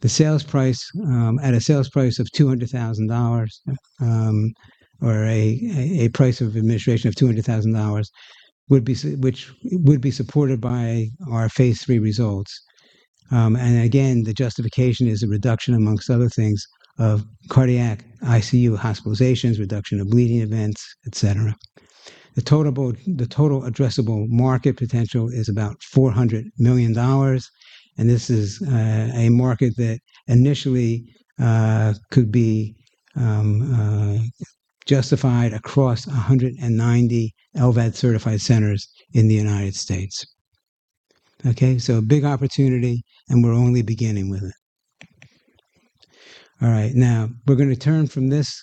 Speaker 9: At a sales price of $200,000, or a price of administration of $200,000, which would be supported by our Phase III results. Again, the justification is a reduction, among other things, of cardiac ICU hospitalizations, reduction of bleeding events, et cetera. The total addressable market potential is about $400 million, and this is a market that initially could be justified across 190 LVAD-certified centers in the United States. Okay, so a big opportunity, and we're only beginning with it. All right. Now, we're going to turn from this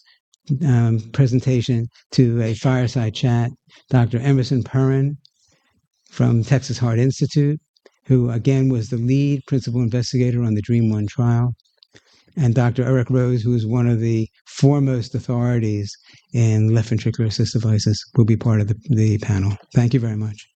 Speaker 9: presentation to a fireside chat. Dr. Emerson Perin from Texas Heart Institute, who again, was the lead principal investigator on the DREAM 1 trial, and Dr. Eric Rose, who is one of the foremost authorities in left ventricular assist devices, will be part of the panel. Thank you very much.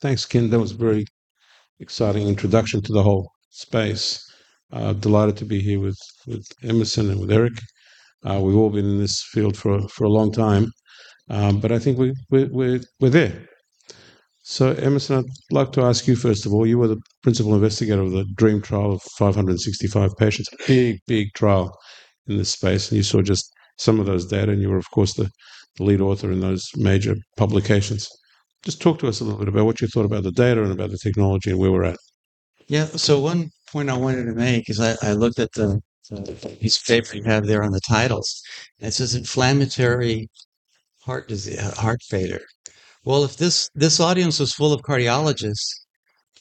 Speaker 2: Thanks, Ken. That was a very exciting introduction to the whole space. Delighted to be here with Emerson and with Eric. We've all been in this field for a long time, but I think we're there. Emerson, I'd like to ask you, first of all, you were the principal investigator of the DREAM trial of 565 patients, a big trial in this space, and you saw just some of those data, and you were, of course, the lead author in those major publications. Just talk to us a little bit about what you thought about the data and about the technology and where we're at.
Speaker 10: Yeah. One point I wanted to make is I looked at the piece of paper you have there on the titles, and it says "inflammatory heart failure." Well, if this audience was full of cardiologists,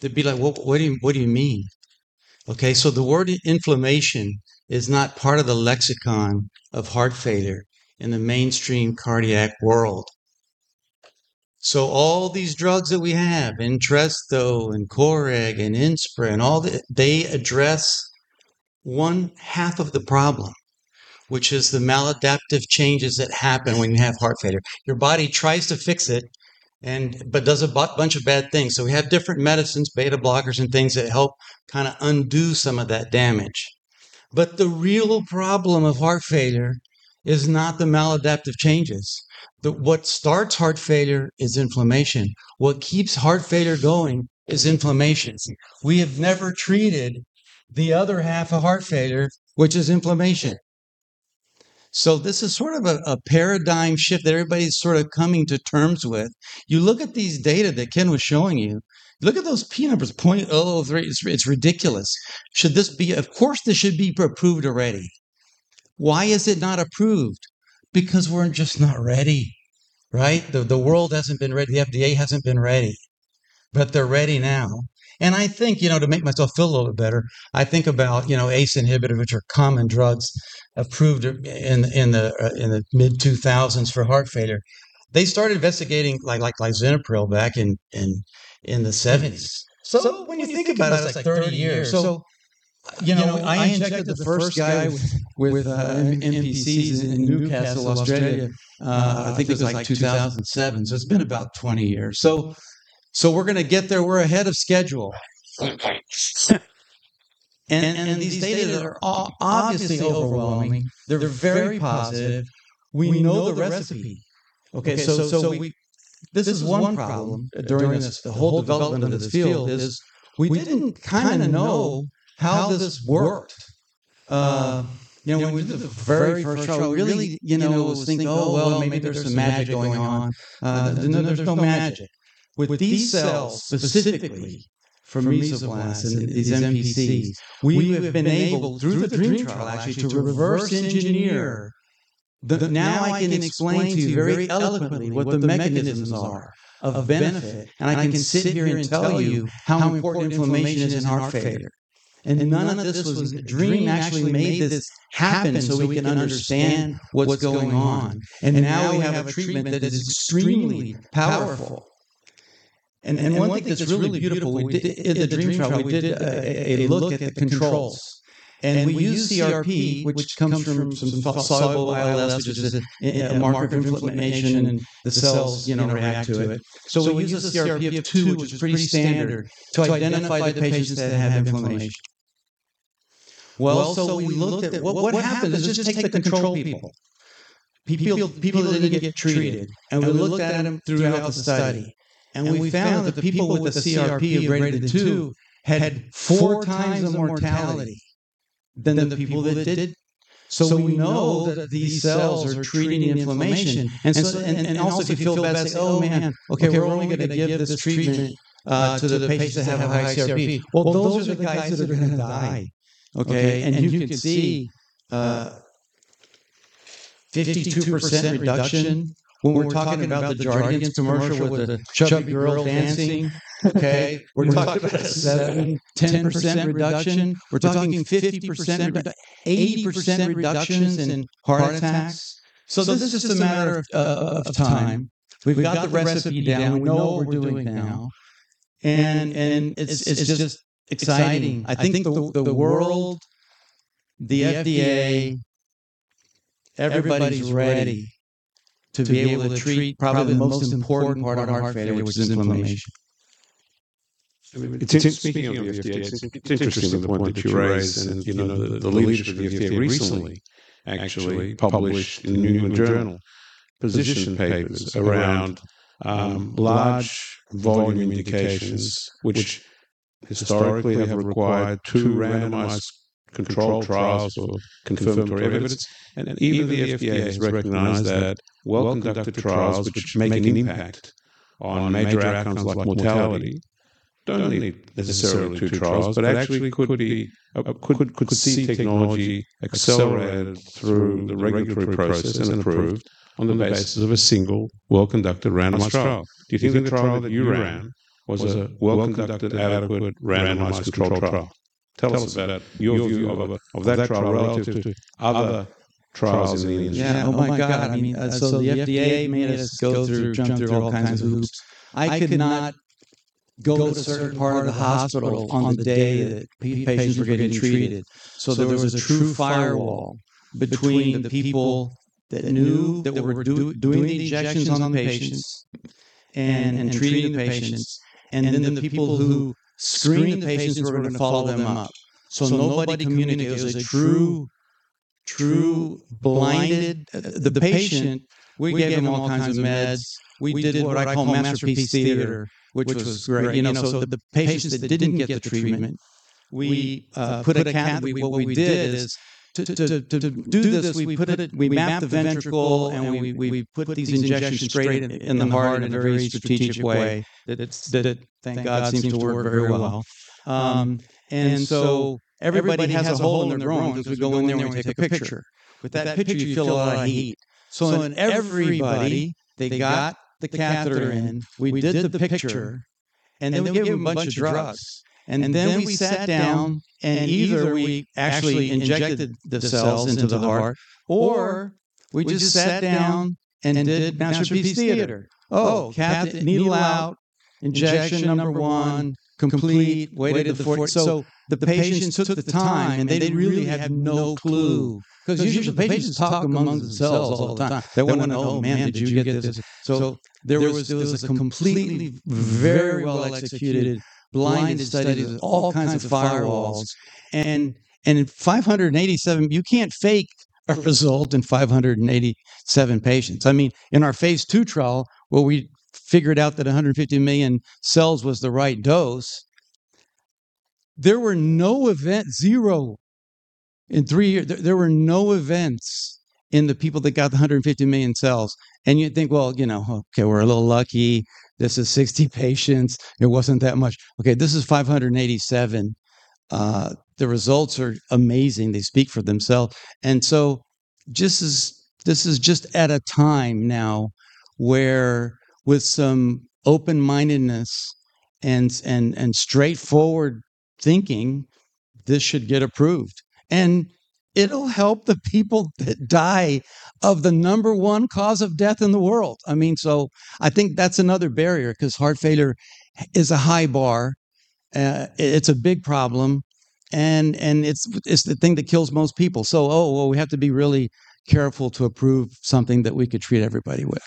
Speaker 10: they'd be like, "Well, what do you mean?" Okay, the word inflammation is not part of the lexicon of heart failure in the mainstream cardiac world. All these drugs that we have, Entresto and Coreg and Inspra, they address one half of the problem, which is the maladaptive changes that happen when you have heart failure. Your body tries to fix it, but does a bunch of bad things. We have different medicines, beta blockers and things that help kind of undo some of that damage. The real problem of heart failure is not the maladaptive changes. What starts heart failure is inflammation. What keeps heart failure going is inflammation. We have never treated the other half of heart failure, which is inflammation. This is sort of a paradigm shift that everybody's sort of coming to terms with. You look at these data that Ken was showing you. Look at those P numbers, 0.003. It's ridiculous. Of course, this should be approved already. Why is it not approved? Because we're just not ready, right? The world hasn't been ready. The FDA hasn't been ready. They're ready now. I think, to make myself feel a little better, I think about ACE inhibitors, which are common drugs approved in the mid-2000s for heart failure. They started investigating lisinopril back in the 1970s. When you think about it's like 30 years. I injected the first guy with NPCs in Newcastle, Australia, I think it was like 2007. It's been about 20 years. We're going to get there. We're ahead of schedule. These data are obviously overwhelming. They're very positive. We know the recipe. Okay, this is one problem during the whole development of this field, is we didn't kind of know how this worked. When we did the very first trial, we really was thinking, "Oh, well, maybe there's some magic going on." No, there's no magic. With these cells, specifically from Mesoblast and these NPCs, we have been able, through the DREAM trial, actually, to reverse engineer. Now I can explain to you very eloquently what the mechanisms are of benefit, and I can sit here and tell you how important inflammation is in heart failure. None of this was. Dream actually made this happen so we can understand what's going on. Now we have a treatment that is extremely powerful. One thing that's really beautiful, in the DREAM trial, we did a look at the controls, and we used CRP, which comes from soluble IL-6, which is a marker for inflammation, and the cells react to it. We used a CRP of 2, which is pretty standard, to identify the patients that have inflammation. Well, what happened is just take the control people that didn't get treated, and we looked at them throughout the study, and we found that people with a CRP of greater than 2 had 4 times the mortality than the people that didn't. We know that these cells are treating inflammation. Also, you feel bad, say, "Oh, man, okay, we're only going to give this treatment to the patients that have a high CRP." Well, those are the guys that are going to die. Okay? You can see 52% reduction. When we're talking about the Jardiance commercial with the chubby girl dancing, okay, we're talking about a 7%-10% reduction. We're talking 50%-80% reductions in heart attacks. This is just a matter of time. We've got the recipe down. We know what we're doing now, and it's just exciting. I think the world, the FDA, everybody's ready to be able to treat probably the most important part of heart failure, which is inflammation.
Speaker 2: Speaking of the FDA, it's interesting the point that you raise, and the leadership of the FDA recently actually published in the New England Journal position papers around large volume indications which historically have required two randomized controlled trials or confirmatory evidence. Even the FDA has recognized that well-conducted trials which make an impact on major outcomes like mortality don't need necessarily two trials, but actually could see technology accelerated through the regulatory process and approved on the basis of a single well-conducted randomized controlled trial. Do you think the trial that you ran was a well-conducted, adequate randomized controlled trial? Tell us about your view of that trial relative to other trials in the industry.
Speaker 10: Yeah. Oh, my God. I mean, the FDA made us jump through all kinds of hoops. I could not go to a certain part of the hospital on the day that patients were getting treated. There was a true firewall between the people that knew that were doing the injections on the patients and treating the patients, and then the people who screened the patients who were going to follow them up. Nobody communicated. It was a true blinded. The patient, we gave them all kinds of meds. We did what I call Masterpiece Theater, which was great. The patients that didn't get the treatment, we put a cath. What we did is, to do this, we mapped the ventricle and we put these injections straight in the heart in a very strategic way that, thank God, seemed to work very well. Everybody has a hole in their groin because we go in there and we take a picture. With that picture, you feel a lot of heat. In everybody, they got the catheter in, we did the picture, and then we gave them a bunch of drugs. We sat down, and either we actually injected the cells into the heart or we just sat down and did Masterpiece Theatre. Oh, catheter, needle out, injection number one, complete, waited for it. The patients took the time, and they really had no clue because usually patients talk among themselves all the time. They're going to go, "Oh, man, did you get this?" There was a completely very well-executed blinded study with all kinds of firewalls. In 587-- You can't fake a result in 587 patients. I mean, in our Phase II trial where we figured out that 150 million cells was the right dose, there were no events. Zero in three years. There were no events in the people that got the 150 million cells. You'd think, "Well, okay, we're a little lucky. This is 60 patients. It wasn't that much." Okay, this is 587. The results are amazing. They speak for themselves. This is just at a time now where with some open-mindedness and straightforward thinking, this should get approved, and it'll help the people that die of the number one cause of death in the world. I mean, I think that's another barrier because heart failure is a high bar. It's a big problem, and it's the thing that kills most people. Oh, well, we have to be really careful to approve something that we could treat everybody with.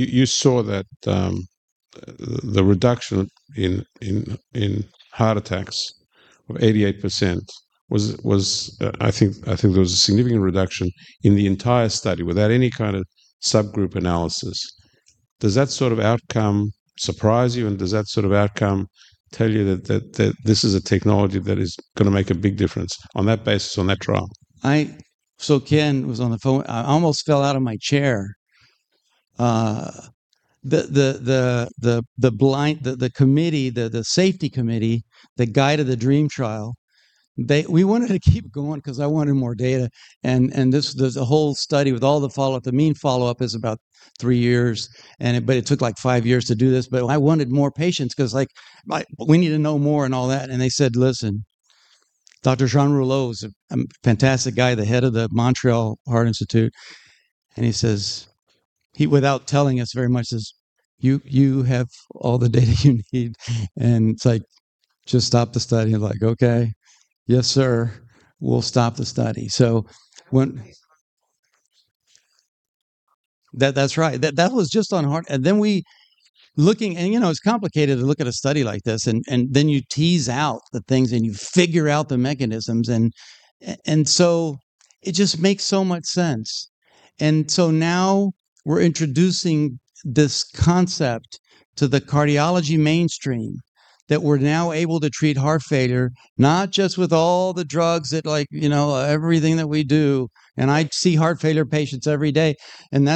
Speaker 2: You saw that the reduction in heart attacks of 88% was, I think, a significant reduction in the entire study without any kind of subgroup analysis. Does that sort of outcome surprise you, and does that sort of outcome tell you that this is a technology that is going to make a big difference on that basis, on that trial?
Speaker 10: Ken was on the phone. I almost fell out of my chair. The safety committee that guided the DREAM trial, we wanted to keep going because I wanted more data, and there's a whole study with all the follow-up. The mean follow-up is about three years, but it took five years to do this. I wanted more patients because we need to know more and all that. They said, "Listen," Dr. Jean Rouleau is a fantastic guy, the head of the Montreal Heart Institute, and he says, without telling us very much, says, "You have all the data you need," and it's like, "Just stop the study." I'm like, "Okay. Yes, sir. We'll stop the study." When. That's right. That was just on heart. It's complicated to look at a study like this, and then you tease out the things, and you figure out the mechanisms. It just makes so much sense. Now we're introducing this concept to the cardiology mainstream that we're now able to treat heart failure, not just with all the drugs that everything that we do. I see heart failure patients every day, and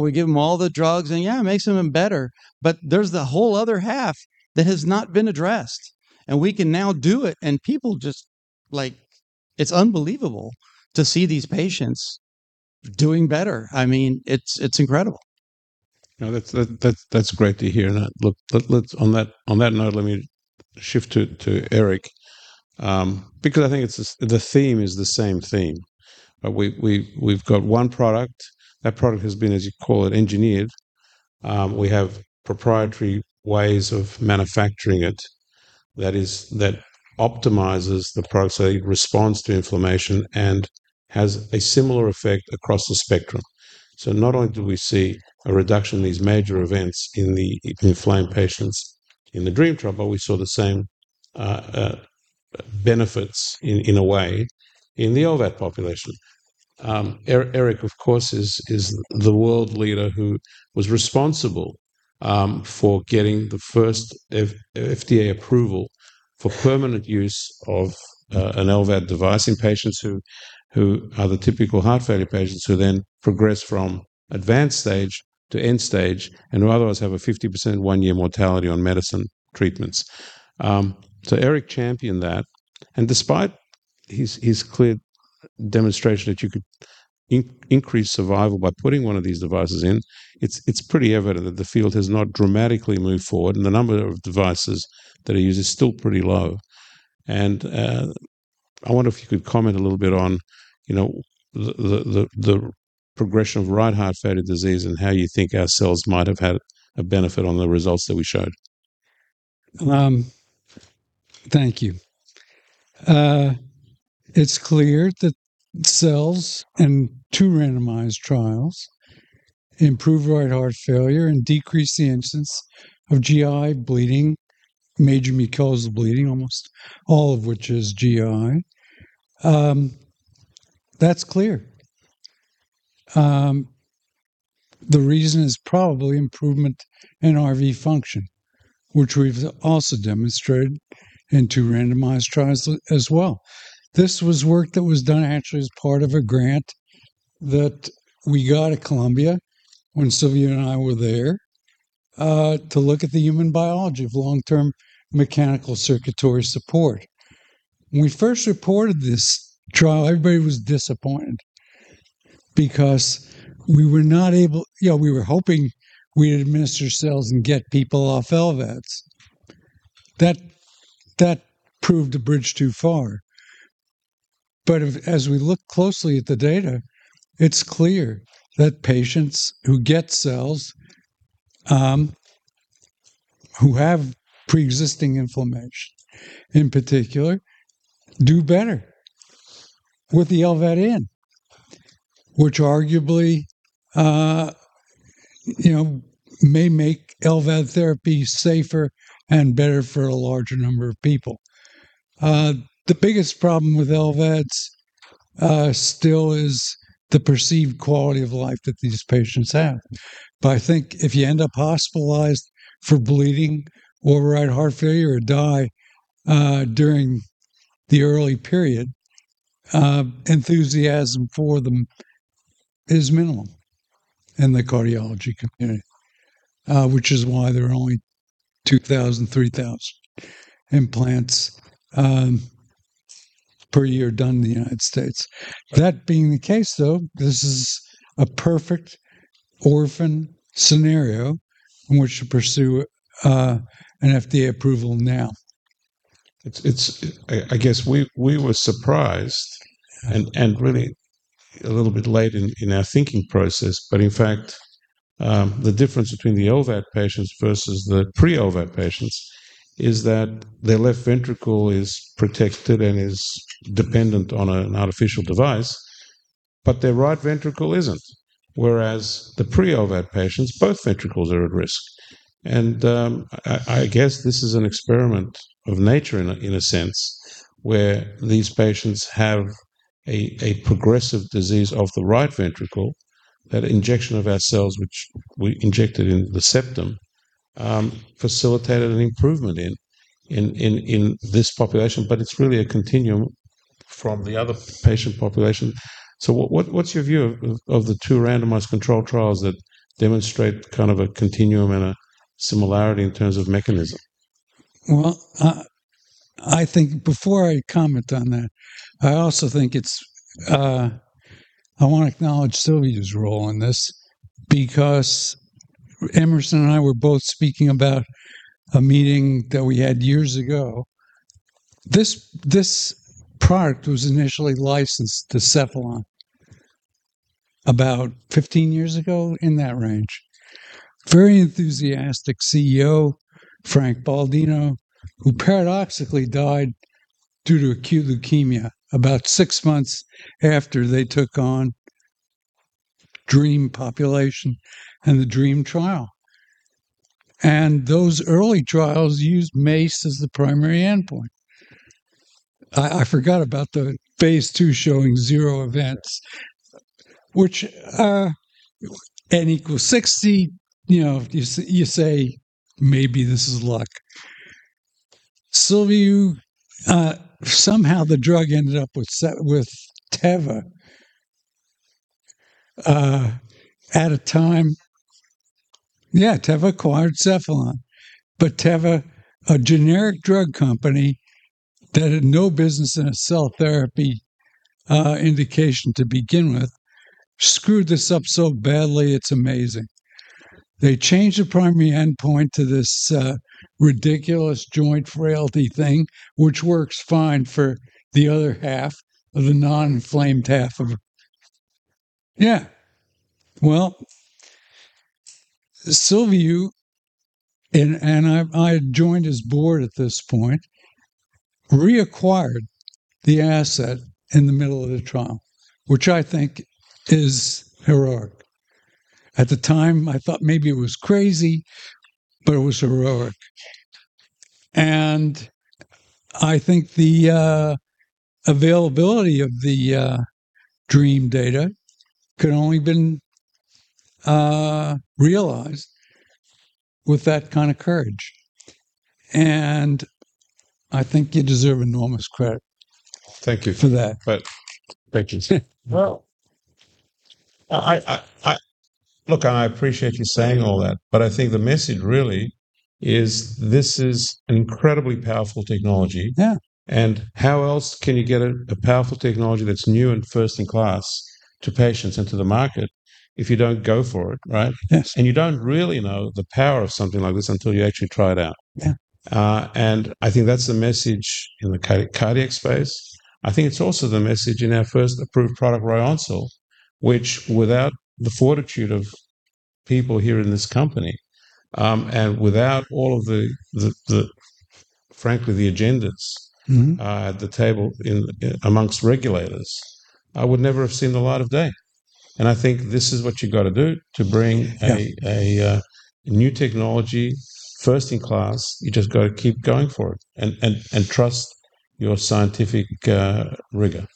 Speaker 10: we give them all the drugs, and yeah, it makes them better, but there's the whole other half that has not been addressed, and we can now do it, and it's unbelievable to see these patients doing better. It's incredible.
Speaker 2: No, that's great to hear. Look, on that note, let me shift to Eric, because I think the theme is the same theme. We've got one product. That product has been, as you call it, engineered. We have proprietary ways of manufacturing it that optimizes the protective response to inflammation and has a similar effect across the spectrum. Not only do we see a reduction in these major events in the inflamed patients in the DREAM trial, but we saw the same benefits in a way in the LVAD population. Eric, of course, is the world leader who was responsible for getting the first FDA approval for permanent use of an LVAD device in patients who are the typical heart failure patients who then progress from advanced stage to end stage and who otherwise have a 50% one-year mortality on medicine treatments. Eric championed that, and despite his clear demonstration that you could increase survival by putting one of these devices in, it's pretty evident that the field has not dramatically moved forward, and the number of devices that are used is still pretty low. I wonder if you could comment a little bit on the progression of right heart failure disease and how you think our cells might have had a benefit on the results that we showed.
Speaker 11: Thank you. It's clear that cells in two randomized trials improve right heart failure and decrease the instance of GI bleeding, major mucosal bleeding, almost all of which is GI. That's clear. The reason is probably improvement in RV function, which we've also demonstrated in two randomized trials as well. This was work that was done actually as part of a grant that we got at Columbia when Sylvia and I were there to look at the human biology of long-term mechanical circulatory support. When we first reported this trial, everybody was disappointed because we were hoping we'd administer cells and get people off LVADs. That proved a bridge too far. As we look closely at the data, it's clear that patients who get cells, who have pre-existing inflammation in particular, do better with the LVAD in, which arguably may make LVAD therapy safer and better for a larger number of people. The biggest problem with LVADs still is the perceived quality of life that these patients have. I think if you end up hospitalized for bleeding or right heart failure or die during the early period, enthusiasm for them is minimum in the cardiology community, which is why there are only 2,000-3,000 implants per year done in the United States. That being the case, though, this is a perfect orphan scenario in which to pursue an FDA approval now.
Speaker 2: I guess we were surprised and really a little bit late in our thinking process, but in fact, the difference between the LVAD patients versus the pre-LVAD patients is that their left ventricle is protected and is dependent on an artificial device, but their right ventricle isn't. Whereas the pre-LVAD patients, both ventricles are at risk. I guess this is an experiment of nature in a sense, where these patients have a progressive disease of the right ventricle, that injection of our cells which we injected in the septum, facilitated an improvement in this population, but it's really a continuum from the other patient population. So what's your view of the two randomized control trials that demonstrate kind of a continuum and a similarity in terms of mechanism?
Speaker 11: Well, I think before I comment on that, I want to acknowledge Sylvie's role in this, because Emerson and I were both speaking about a meeting that we had years ago. This product was initially licensed to Cephalon about 15 years ago, in that range. Very enthusiastic CEO, Frank Baldino, who paradoxically died due to acute leukemia about 6 months after they took on DREAM population and the DREAM trial. Those early trials used MACE as the primary endpoint. I forgot about the Phase II showing 0 events, which n equals 60, you say, "Maybe this is luck." Somehow the drug ended up with Teva at a time. Yeah, Teva acquired Cephalon. Teva, a generic drug company that had no business in a cell therapy indication to begin with, screwed this up so badly, it's amazing. They changed the primary endpoint to this ridiculous joint frailty thing, which works fine for the other half of the non-inflamed half. Yeah. Well, Sylvie, and I joined his board at this point, reacquired the asset in the middle of the trial, which I think is heroic. At the time, I thought maybe it was crazy, but it was heroic. I think the availability of the DREAM data could only been realized with that kind of courage. I think you deserve enormous credit.
Speaker 2: Thank you For that. Thank you. Look, I appreciate you saying all that, but I think the message really is this is an incredibly powerful technology.
Speaker 11: Yeah.
Speaker 2: How else can you get a powerful technology that's new and first in class to patients and to the market if you don't go for it, right?
Speaker 11: Yes.
Speaker 2: You don't really know the power of something like this until you actually try it out.
Speaker 11: Yeah.
Speaker 2: I think that's the message in the cardiac space. I think it's also the message in our first approved product, Rayonsul, which without the fortitude of people here in this company, and without all of the, frankly, the agendas.
Speaker 11: Mm-hmm
Speaker 2: At the table among regulators, would never have seen the light of day. I think this is what you got to do.
Speaker 11: Yeah
Speaker 2: New technology, first in class, you just got to keep going for it, and trust your scientific rigor.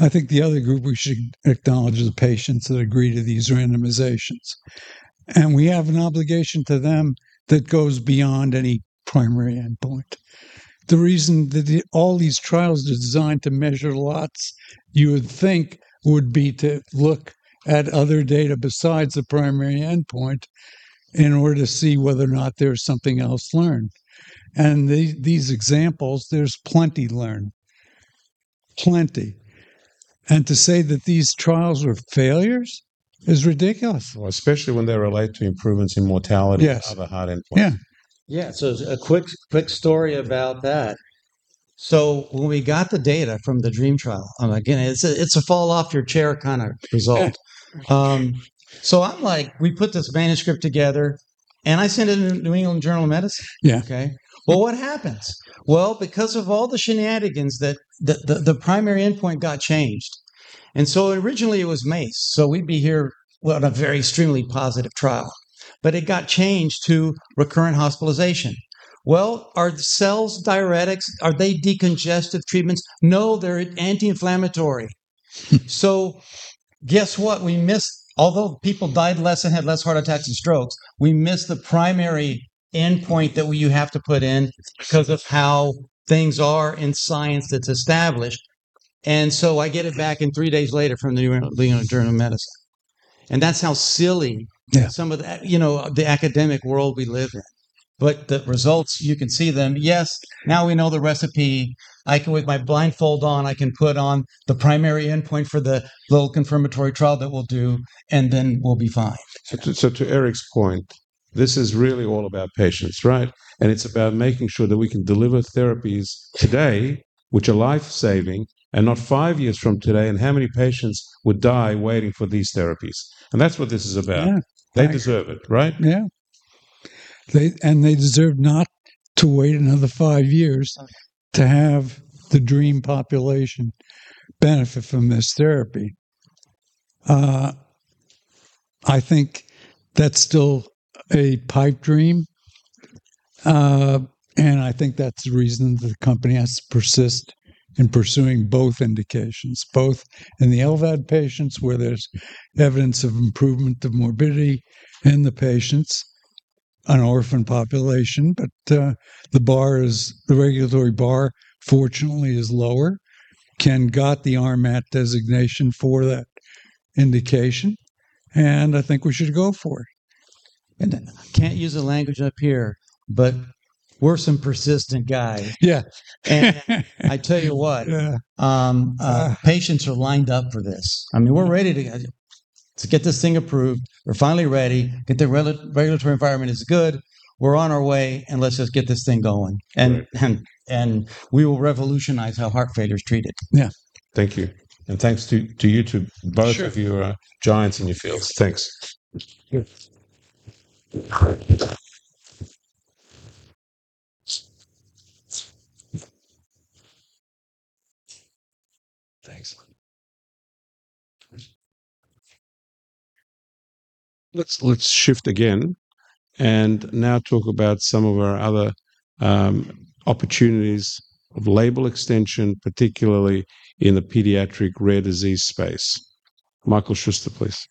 Speaker 11: I think the other group we should acknowledge is patients that agree to these randomizations. We have an obligation to them that goes beyond any primary endpoint. The reason that all these trials are designed to measure lots, you would think would be to look at other data besides the primary endpoint in order to see whether or not there's something else learned. These examples, there's plenty learned. Plenty. To say that these trials were failures is ridiculous.
Speaker 2: Well, especially when they relate to improvements in mortality.
Speaker 11: Yes
Speaker 2: or other hard endpoints.
Speaker 11: Yeah.
Speaker 10: Yeah. A quick story about that. When we got the data from the DREAM trial, again, it's a fall off your chair kind of result. I'm like, we put this manuscript together and I send it to New England Journal of Medicine.
Speaker 2: Yeah.
Speaker 10: Okay. Well, what happens? Well, because of all the shenanigans, the primary endpoint got changed. Originally it was MACE, so we'd be here on a very extremely positive trial. It got changed to recurrent hospitalization. Well, are cells diuretics? Are they decongestant treatments? No, they're anti-inflammatory. Guess what? Although people died less and had less heart attacks and strokes, we missed the primary endpoint that you have to put in because of how things are in science that's established. I get it back in three days later from the New England Journal of Medicine. That's how silly.
Speaker 2: Yeah
Speaker 10: The academic world we live in. The results, you can see them. Yes, now we know the recipe. With my blindfold on, I can put on the primary endpoint for the little confirmatory trial that we'll do, and then we'll be fine.
Speaker 2: To Eric's point, this is really all about patients, right? It's about making sure that we can deliver therapies today, which are life-saving, and not five years from today, and how many patients would die waiting for these therapies. That's what this is about.
Speaker 10: Yeah.
Speaker 2: They deserve it, right?
Speaker 11: Yeah. They deserve not to wait another five years to have the DREAM population benefit from this therapy. I think that's still a pipe dream. I think that's the reason the company has to persist in pursuing both indications. Both in the LVAD patients, where there's evidence of improvement of morbidity in the patients. An orphan population, but the regulatory bar, fortunately, is lower. Ken got the RMAT designation for that indication, and I think we should go for it.
Speaker 10: I can't use the language up here, but we're some persistent guys.
Speaker 2: Yeah.
Speaker 10: I tell you what.
Speaker 2: Yeah
Speaker 10: patients are lined up for this. We're ready to get this thing approved. We're finally ready. The regulatory environment is good. We're on our way, and let's just get this thing going.
Speaker 2: Right.
Speaker 10: We will revolutionize how heart failure is treated.
Speaker 11: Yeah.
Speaker 2: Thank you. Thanks to you two.
Speaker 10: Sure.
Speaker 2: Both of you are giants in your fields. Thanks.
Speaker 11: Thanks.
Speaker 2: Let's shift again and now talk about some of our other opportunities of label extension, particularly in the pediatric rare disease space. Michael Schuster, please.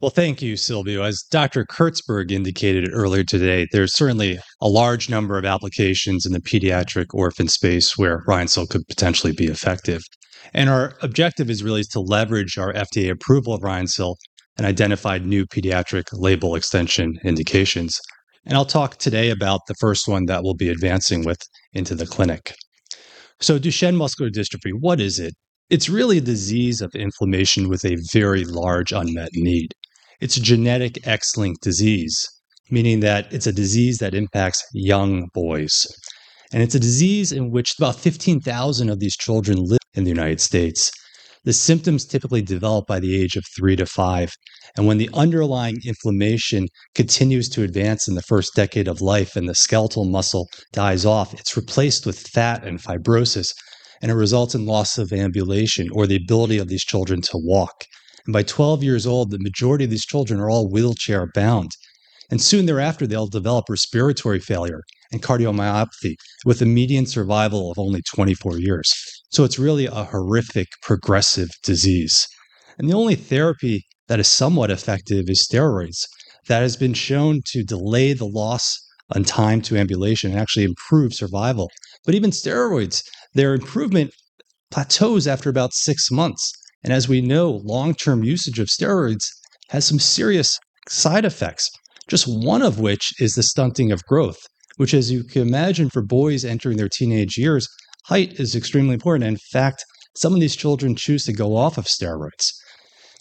Speaker 4: Well, thank you, Silviu. As Dr. Kurtzberg indicated earlier today, there's certainly a large number of applications in the pediatric orphan space where Ryoncil could potentially be effective. Our objective is really to leverage our FDA approval of Ryoncil and identify new pediatric label extension indications. I'll talk today about the first one that we'll be advancing with into the clinic. Duchenne muscular dystrophy, what is it? It's really a disease of inflammation with a very large unmet need. It's a genetic X-linked disease, meaning that it's a disease that impacts young boys. It's a disease in which about 15,000 of these children live in the United States. The symptoms typically develop by the age of 3-5, and when the underlying inflammation continues to advance in the first decade of life and the skeletal muscle dies off, it's replaced with fat and fibrosis, and it results in loss of ambulation or the ability of these children to walk. By 12 years old, the majority of these children are all wheelchair-bound, and soon thereafter, they'll develop respiratory failure and cardiomyopathy with a median survival of only 24 years. It's really a horrific progressive disease. The only therapy that is somewhat effective is steroids. That has been shown to delay the loss of time to ambulation and actually improve survival. Even steroids, their improvement plateaus after about 6 months. As we know, long-term usage of steroids has some serious side effects, just one of which is the stunting of growth, which as you can imagine for boys entering their teenage years, height is extremely important. In fact, some of these children choose to go off of steroids.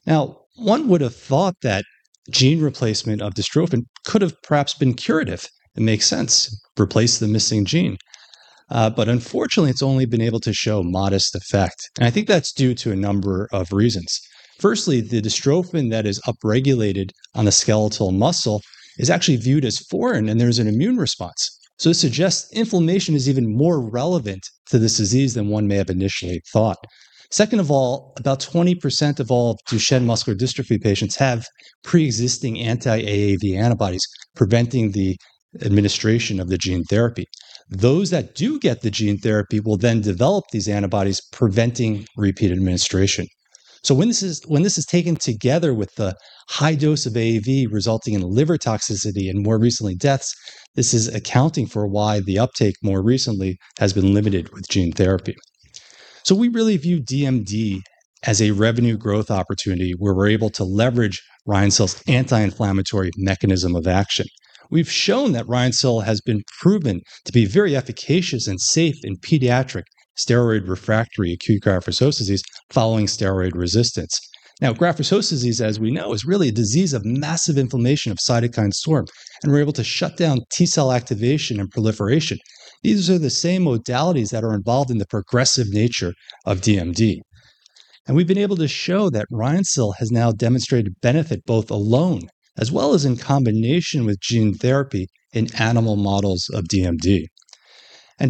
Speaker 4: Now, one would have thought that gene replacement of dystrophin could have perhaps been curative. It makes sense. Replace the missing gene. Unfortunately, it's only been able to show modest effect. I think that's due to a number of reasons. Firstly, the dystrophin that is upregulated on the skeletal muscle is actually viewed as foreign, and there's an immune response. This suggests inflammation is even more relevant to this disease than one may have initially thought. Second of all, about 20% of all Duchenne's muscular dystrophy patients have pre-existing anti-AAV antibodies, preventing the administration of the gene therapy. Those that do get the gene therapy will then develop these antibodies, preventing repeat administration. When this is taken together with the high dose of AAV resulting in liver toxicity and more recently deaths, this is accounting for why the uptake more recently has been limited with gene therapy. We really view DMD as a revenue growth opportunity where we're able to leverage Rhinceil's anti-inflammatory mechanism of action. We've shown that Rhinceil has been proven to be very efficacious and safe in pediatric steroid-refractory acute graft-versus-host disease following steroid resistance. Now, graft-versus-host disease, as we know, is really a disease of massive inflammation of cytokine storm, and we're able to shut down T-cell activation and proliferation. These are the same modalities that are involved in the progressive nature of DMD. We've been able to show that Rhinceil has now demonstrated benefit both alone as well as in combination with gene therapy in animal models of DMD.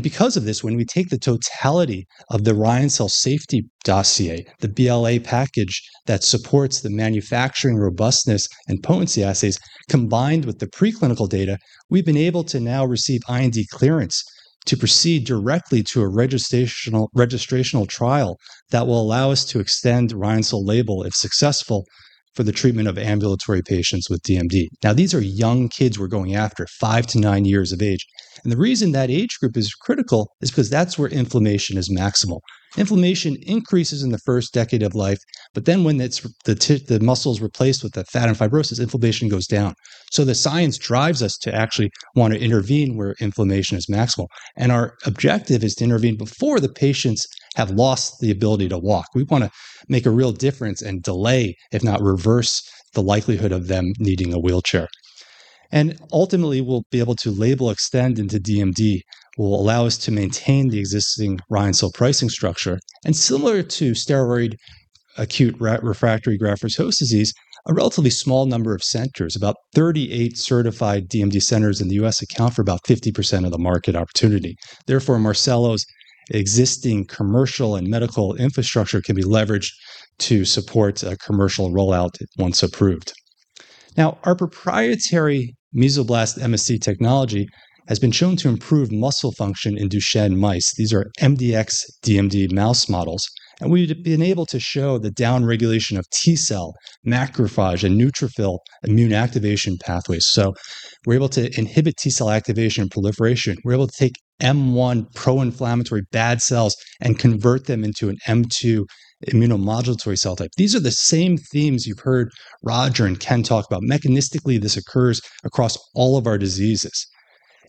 Speaker 4: Because of this, when we take the totality of the Rhinceil safety dossier, the BLA package that supports the manufacturing robustness and potency assays, combined with the preclinical data, we've been able to now receive IND clearance to proceed directly to a registrational trial that will allow us to extend Rhinceil label, if successful, for the treatment of ambulatory patients with DMD. Now, these are young kids we're going after, 5-9 years of age. The reason that age group is critical is because that's where inflammation is maximal. Inflammation increases in the first decade of life, but then when the muscle is replaced with the fat and fibrosis, inflammation goes down. The science drives us to actually want to intervene where inflammation is maximal, and our objective is to intervene before the patients have lost the ability to walk. We want to make a real difference and delay, if not reverse, the likelihood of them needing a wheelchair. Ultimately, we'll be able to label extension into DMD will allow us to maintain the existing Rhinceil pricing structure. Similar to steroid-refractory acute graft-versus-host disease, a relatively small number of centers, about 38 certified DMD centers in the U.S. account for about 50% of the market opportunity. Therefore, Marcelo's existing commercial and medical infrastructure can be leveraged to support a commercial rollout once approved. Now, our proprietary Mesoblast MSC technology has been shown to improve muscle function in Duchenne mice. These are mdx DMD mouse models, and we've been able to show the downregulation of T cell, macrophage, and neutrophil immune activation pathways. We're able to inhibit T cell activation and proliferation. We're able to take M1 pro-inflammatory bad cells and convert them into an M2 immunomodulatory cell type. These are the same themes you've heard Roger and Ken talk about. Mechanistically, this occurs across all of our diseases.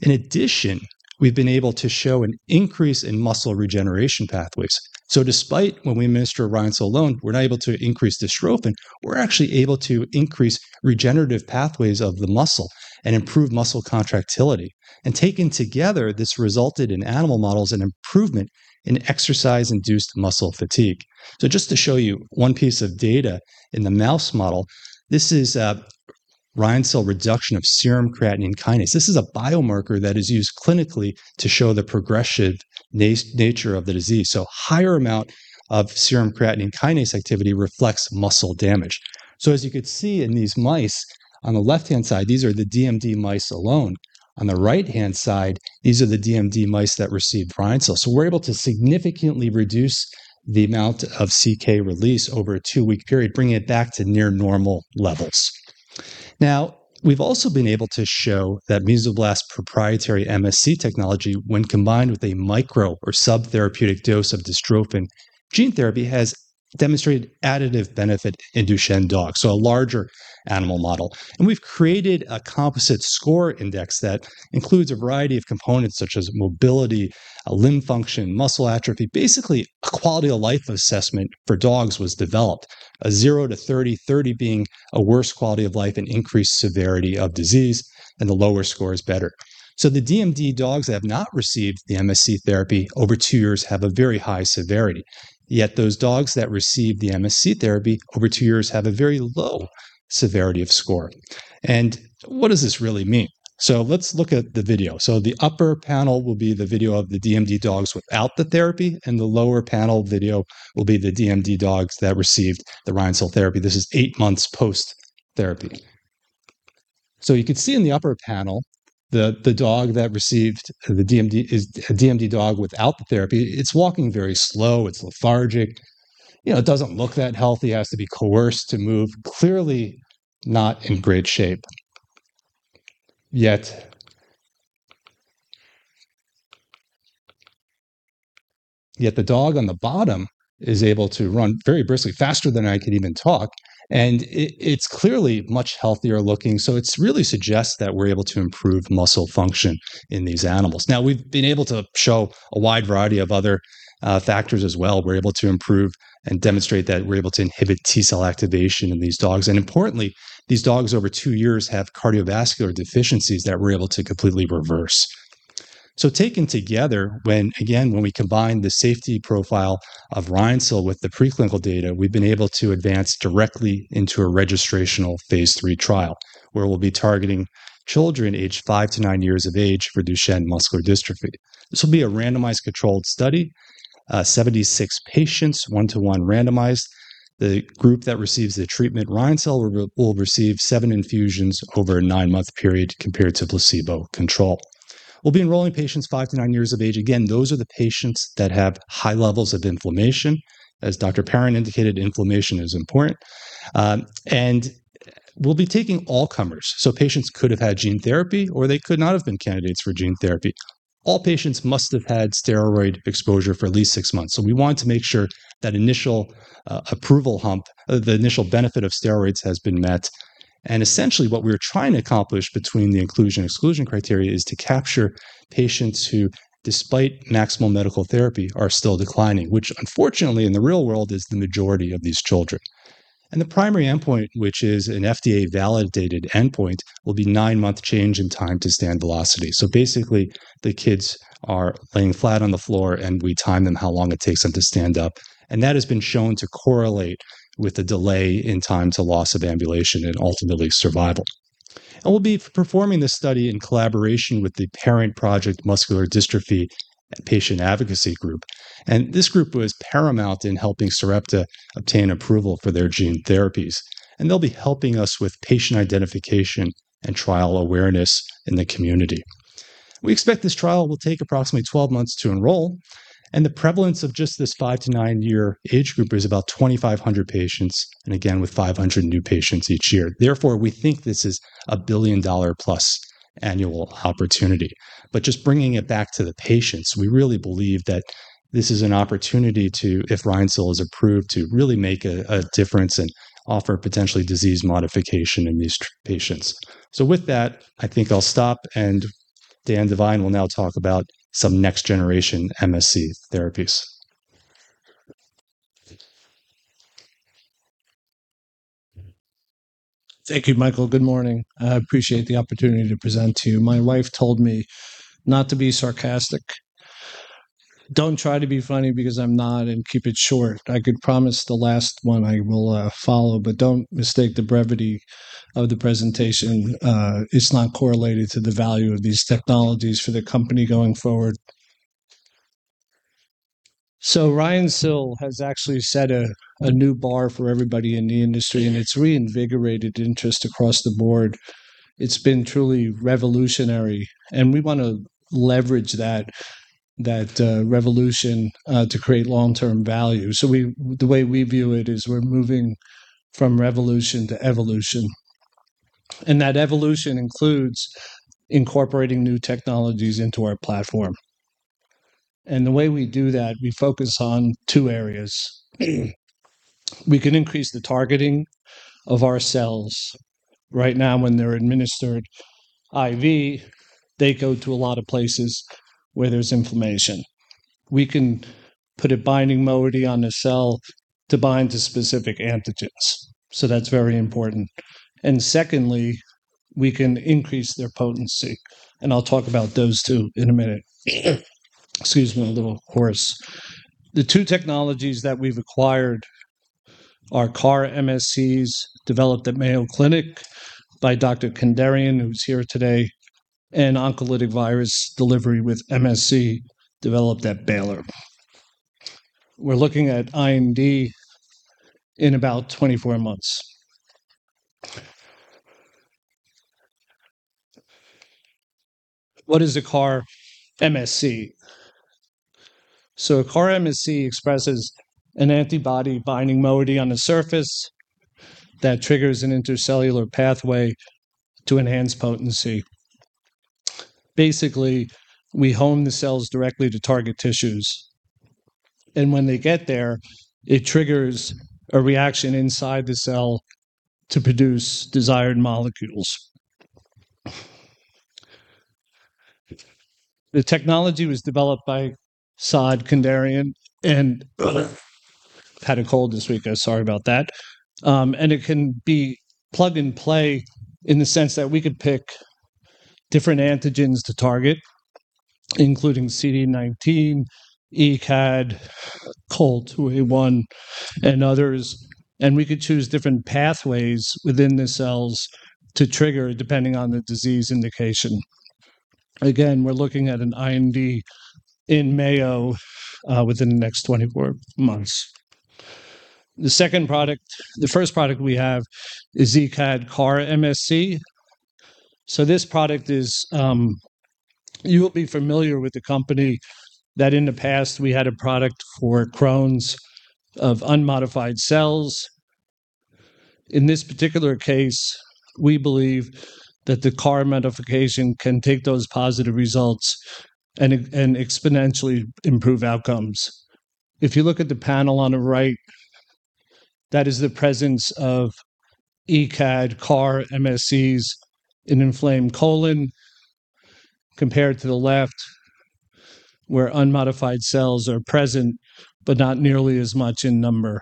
Speaker 4: In addition, we've been able to show an increase in muscle regeneration pathways. Despite when we administer RYONCIL alone, we're not able to increase dystrophin, we're actually able to increase regenerative pathways of the muscle and improve muscle contractility. Taken together, this resulted in animal models an improvement in exercise-induced muscle fatigue. Just to show you one piece of data in the mouse model, this is a RYONCIL reduction of serum creatine kinase. This is a biomarker that is used clinically to show the progressive nature of the disease. Higher amount of serum creatine kinase activity reflects muscle damage. As you can see in these mice, on the left-hand side, these are the DMD mice alone. On the right-hand side, these are the DMD mice that received Rhinceol. We're able to significantly reduce the amount of CK release over a two-week period, bringing it back to near normal levels. Now, we've also been able to show that Mesoblast proprietary MSC technology when combined with a micro or subtherapeutic dose of dystrophin gene therapy has demonstrated additive benefit in Duchenne dogs, so a larger animal model. We've created a composite score index that includes a variety of components such as mobility, limb function, muscle atrophy. Basically, a quality-of-life assessment for dogs was developed, a 0-30, 30 being a worse quality of life and increased severity of disease, and the lower score is better. The DMD dogs that have not received the MSC therapy over 2 years have a very high severity. Yet those dogs that received the MSC therapy over 2 years have a very low severity of score. What does this really mean? Let's look at the video. The upper panel will be the video of the DMD dogs without the therapy, and the lower panel video will be the DMD dogs that received the Rhinceol therapy. This is 8 months post-therapy. You could see in the upper panel, the dog that received the DMD is a DMD dog without the therapy. It's walking very slow. It's lethargic. It doesn't look that healthy, has to be coerced to move, clearly not in great shape. The dog on the bottom is able to run very briskly, faster than I could even talk, and it's clearly much healthier looking. It really suggests that we're able to improve muscle function in these animals. We've been able to show a wide variety of other factors as well. We're able to improve and demonstrate that we're able to inhibit T-cell activation in these dogs. Importantly, these dogs over two years have cardiovascular deficiencies that we're able to completely reverse. Taken together, when we combine the safety profile of Rhinceol with the preclinical data, we've been able to advance directly into a registrational Phase III trial, where we'll be targeting children aged five to nine years of age for Duchenne muscular dystrophy. This will be a randomized controlled study, 76 patients, 1:1 randomized. The group that receives the treatment, Rhinceol, will receive 7 infusions over a 9-month period compared to placebo control. We'll be enrolling patients 5-9 years of age. Again, those are the patients that have high levels of inflammation. As Dr. Perin indicated, inflammation is important. We'll be taking all comers, so patients could have had gene therapy, or they could not have been candidates for gene therapy. All patients must have had steroid exposure for at least 6 months. We want to make sure that initial approval hump, the initial benefit of steroids has been met. Essentially what we're trying to accomplish between the inclusion/exclusion criteria is to capture patients who, despite maximal medical therapy, are still declining, which unfortunately, in the real world, is the majority of these children. The primary endpoint, which is an FDA-validated endpoint, will be 9-month change in time to stand velocity. Basically, the kids are laying flat on the floor, and we time them how long it takes them to stand up, and that has been shown to correlate with the delay in time to loss of ambulation and ultimately survival. We'll be performing this study in collaboration with the Parent Project Muscular Dystrophy patient advocacy group, and this group was paramount in helping Sarepta obtain approval for their gene therapies. They'll be helping us with patient identification and trial awareness in the community. We expect this trial will take approximately 12 months to enroll, and the prevalence of just this 5- to 9-year age group is about 2,500 patients, and again, with 500 new patients each year. Therefore, we think this is a billion-dollar-plus annual opportunity. Just bringing it back to the patients, we really believe that this is an opportunity to, if Rhinceol is approved, to really make a difference and offer potentially disease modification in these patients. With that, I think I'll stop, and Dan Devine will now talk about some next-generation MSC therapies.
Speaker 12: Thank you, Michael. Good morning. I appreciate the opportunity to present to you. My wife told me not to be sarcastic. Don't try to be funny because I'm not, and keep it short. I could promise the last one I will follow, but don't mistake the brevity of the presentation. It's not correlated to the value of these technologies for the company going forward. Ryan Sill has actually set a new bar for everybody in the industry, and it's reinvigorated interest across the board. It's been truly revolutionary, and we want to leverage that revolution to create long-term value. The way we view it is we're moving from revolution to evolution, and that evolution includes incorporating new technologies into our platform. The way we do that, we focus on two areas. We can increase the targeting of our cells. Right now, when they're administered IV, they go to a lot of places where there's inflammation. We can put a binding moiety on the cell to bind to specific antigens. That's very important. Secondly, we can increase their potency, and I'll talk about those two in a minute. Excuse me, a little hoarse. The two technologies that we've acquired are CAR MSCs developed at Mayo Clinic by Dr. Kenderian, who's here today, and oncolytic virus delivery with MSC developed at Baylor. We're looking at IND in about 24 months. What is a CAR MSC? A CAR MSC expresses an antibody binding moiety on the surface that triggers an intercellular pathway to enhance potency. Basically, we home the cells directly to target tissues, and when they get there, it triggers a reaction inside the cell to produce desired molecules. The technology was developed by Saad Kenderian, and I've had a cold this week. I'm sorry about that. It can be plug and play in the sense that we could pick different antigens to target, including CD19, ECAD, COL2A1, and others, and we could choose different pathways within the cells to trigger depending on the disease indication. Again, we're looking at an IND in Mayo within the next 24 months. The first product we have is ECAD CAR MSC. This product is, you will be familiar with the company that in the past, we had a product for Crohn's of unmodified cells. In this particular case, we believe that the CAR modification can take those positive results and exponentially improve outcomes. If you look at the panel on the right, that is the presence of ECAD CAR MSCs in inflamed colon compared to the left, where unmodified cells are present, but not nearly as much in number.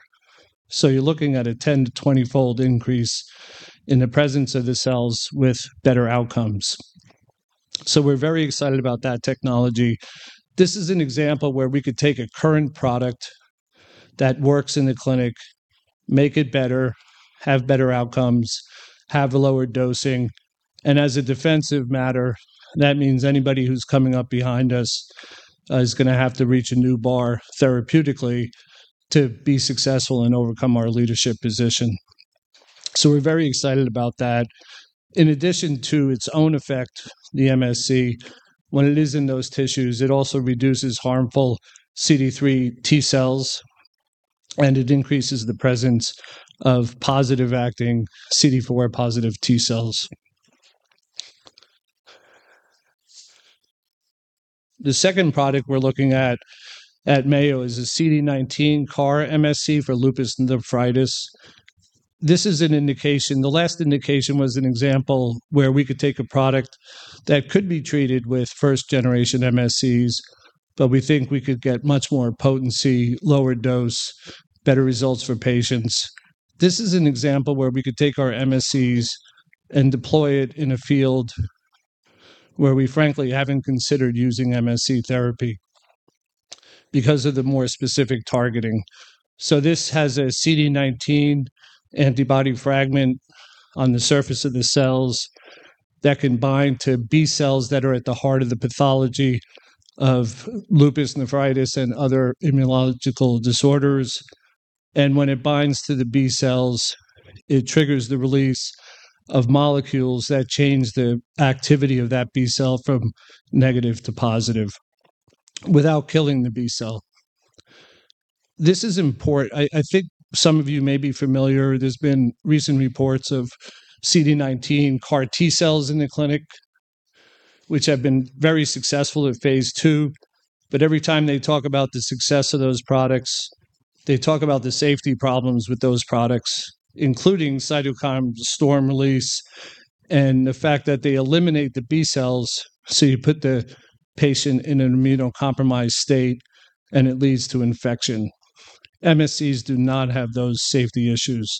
Speaker 12: You're looking at a 10-20-fold increase in the presence of the cells with better outcomes. We're very excited about that technology. This is an example where we could take a current product that works in the clinic, make it better, have better outcomes, have lower dosing, and as a defensive matter, that means anybody who's coming up behind us is going to have to reach a new bar therapeutically to be successful and overcome our leadership position. We're very excited about that. In addition to its own effect, the MSC, when it is in those tissues, it also reduces harmful CD3 T cells, and it increases the presence of positive-acting CD4 positive T cells. The second product we're looking at Mayo is a CD19 CAR MSC for lupus nephritis. This is an indication. The last indication was an example where we could take a product that could be treated with first generation MSCs, but we think we could get much more potency, lower dose, better results for patients. This is an example where we could take our MSCs and deploy it in a field where we frankly haven't considered using MSC therapy because of the more specific targeting. This has a CD19 antibody fragment on the surface of the cells that can bind to B cells that are at the heart of the pathology of lupus nephritis and other immunological disorders. When it binds to the B cells, it triggers the release of molecules that change the activity of that B cell from negative to positive without killing the B cell. This is important. I think some of you may be familiar. There's been recent reports of CD19 CAR T cells in the clinic, which have been very successful at Phase II. Every time they talk about the success of those products, they talk about the safety problems with those products, including cytokine release syndrome and the fact that they eliminate the B cells, so you put the patient in an immunocompromised state, and it leads to infection. MSCs do not have those safety issues.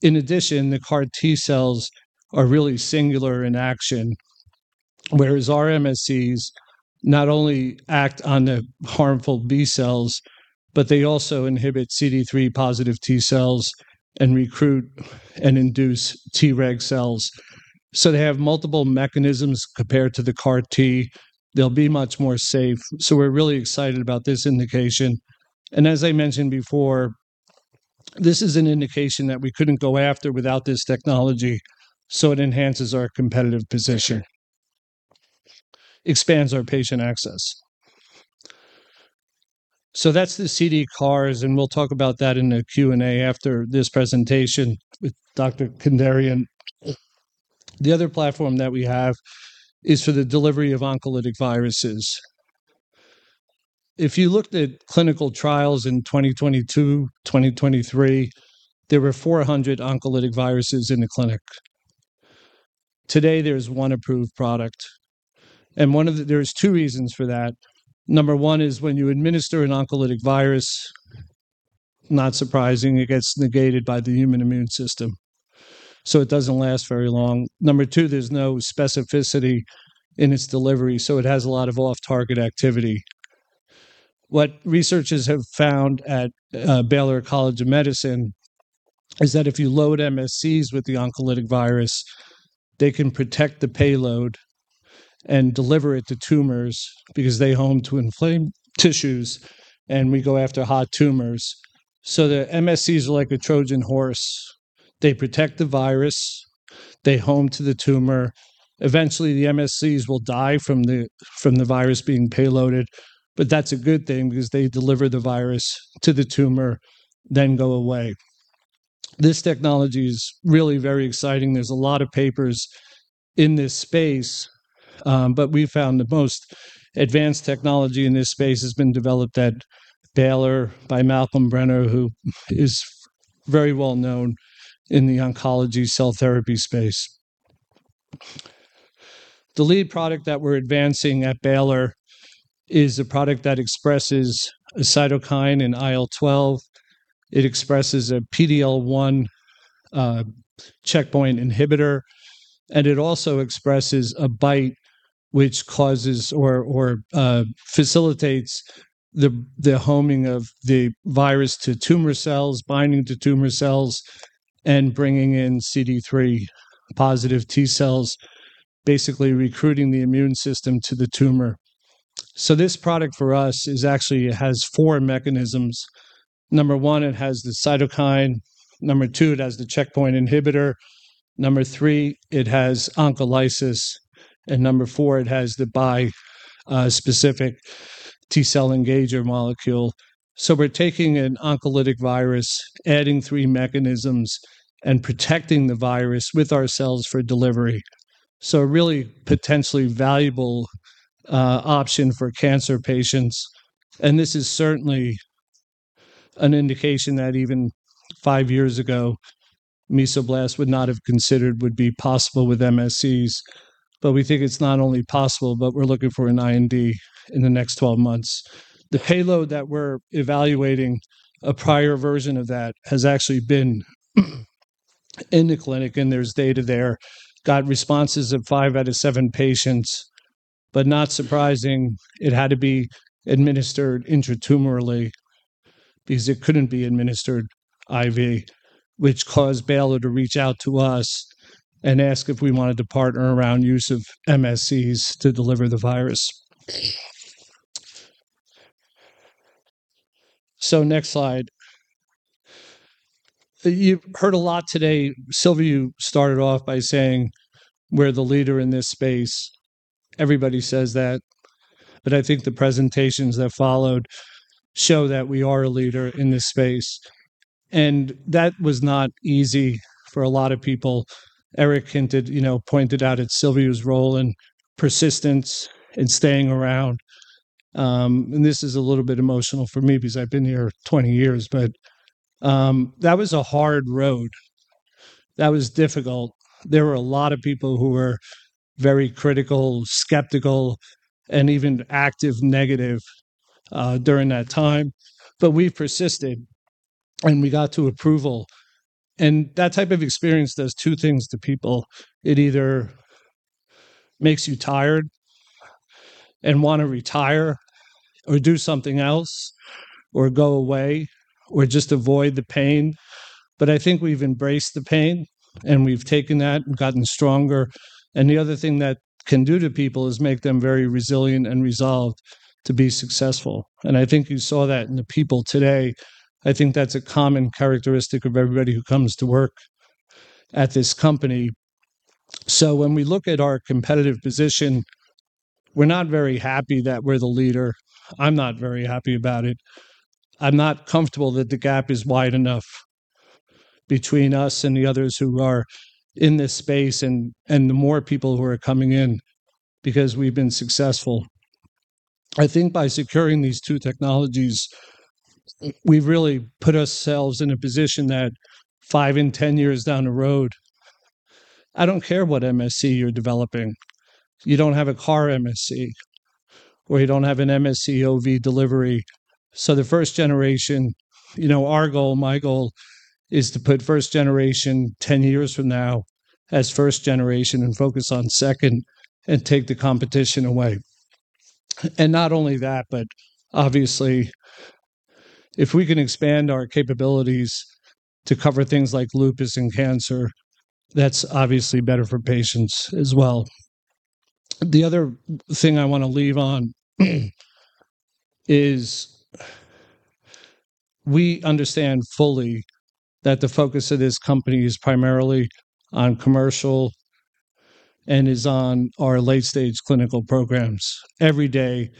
Speaker 12: In addition, the CAR T cells are really singular in action, whereas our MSCs not only act on the harmful B cells, but they also inhibit CD3 positive T cells and recruit and induce Treg cells. They have multiple mechanisms compared to the CAR T. They'll be much more safe. We're really excited about this indication. As I mentioned before, this is an indication that we couldn't go after without this technology, so it enhances our competitive position, expands our patient access. That's the CD-CARs, and we'll talk about that in the Q&A after this presentation with Dr. Kenderian. The other platform that we have is for the delivery of oncolytic viruses. If you looked at clinical trials in 2022, 2023, there were 400 oncolytic viruses in the clinic. Today, there's one approved product. There's two reasons for that. Number 1 is when you administer an oncolytic virus, not surprising, it gets negated by the human immune system, so it doesn't last very long. Number 2, there's no specificity in its delivery, so it has a lot of off-target activity. What researchers have found at Baylor College of Medicine is that if you load MSCs with the oncolytic virus, they can protect the payload and deliver it to tumors because they home to inflamed tissues, and we go after hot tumors. The MSCs are like a Trojan horse. They protect the virus. They home to the tumor. Eventually, the MSCs will die from the virus being payloaded, but that's a good thing because they deliver the virus to the tumor, then go away. This technology is really very exciting. There's a lot of papers in this space, but we've found the most advanced technology in this space has been developed at Baylor by Malcolm Brenner, who is very well known in the oncology cell therapy space. The lead product that we're advancing at Baylor is a product that expresses a cytokine in IL-12. It expresses a PD-L1 checkpoint inhibitor, and it also expresses a bite which causes or facilitates the homing of the virus to tumor cells, binding to tumor cells, and bringing in CD3 positive T cells, basically recruiting the immune system to the tumor. This product for us actually has four mechanisms. Number one, it has the cytokine, number two, it has the checkpoint inhibitor, number three, it has oncolysis, and number four, it has the bispecific T-cell engager molecule. We're taking an oncolytic virus, adding three mechanisms, and protecting the virus with our cells for delivery. A really potentially valuable option for cancer patients, and this is certainly an indication that even 5 years ago, Mesoblast would not have considered would be possible with MSCs. We think it's not only possible, but we're looking for an IND in the next 12 months. The payload that we're evaluating, a prior version of that has actually been in the clinic, and there's data there. Got responses of 5 out of 7 patients, but not surprising, it had to be administered intratumorally because it couldn't be administered IV, which caused Baylor to reach out to us and ask if we wanted to partner around use of MSCs to deliver the virus. Next slide. You've heard a lot today. Silviu, you started off by saying we're the leader in this space. Everybody says that, but I think the presentations that followed show that we are a leader in this space, and that was not easy for a lot of people. Eric hinted, pointed out at Silviu's role in persistence and staying around. This is a little bit emotional for me because I've been here 20 years, but that was a hard road. That was difficult. There were a lot of people who were very critical, skeptical, and even active negative during that time. We persisted, and we got to approval. That type of experience does two things to people. It either makes you tired and want to retire or do something else or go away or just avoid the pain. I think we've embraced the pain, and we've taken that and gotten stronger. The other thing that can do to people is make them very resilient and resolved to be successful. I think you saw that in the people today. I think that's a common characteristic of everybody who comes to work at this company. When we look at our competitive position, we're not very happy that we're the leader. I'm not very happy about it. I'm not comfortable that the gap is wide enough between us and the others who are in this space and the more people who are coming in because we've been successful. I think by securing these two technologies, we've really put ourselves in a position that 5 and 10 years down the road, I don't care what MSC you're developing, you don't have a CAR MSC, or you don't have an MSC OV delivery. The first generation, our goal, my goal, is to put first generation 10 years from now as first generation and focus on second and take the competition away. And not only that, but obviously, if we can expand our capabilities to cover things like lupus and cancer, that's obviously better for patients as well. The other thing I want to leave on is we understand fully that the focus of this company is primarily on commercial and is on our late-stage clinical programs. Every day,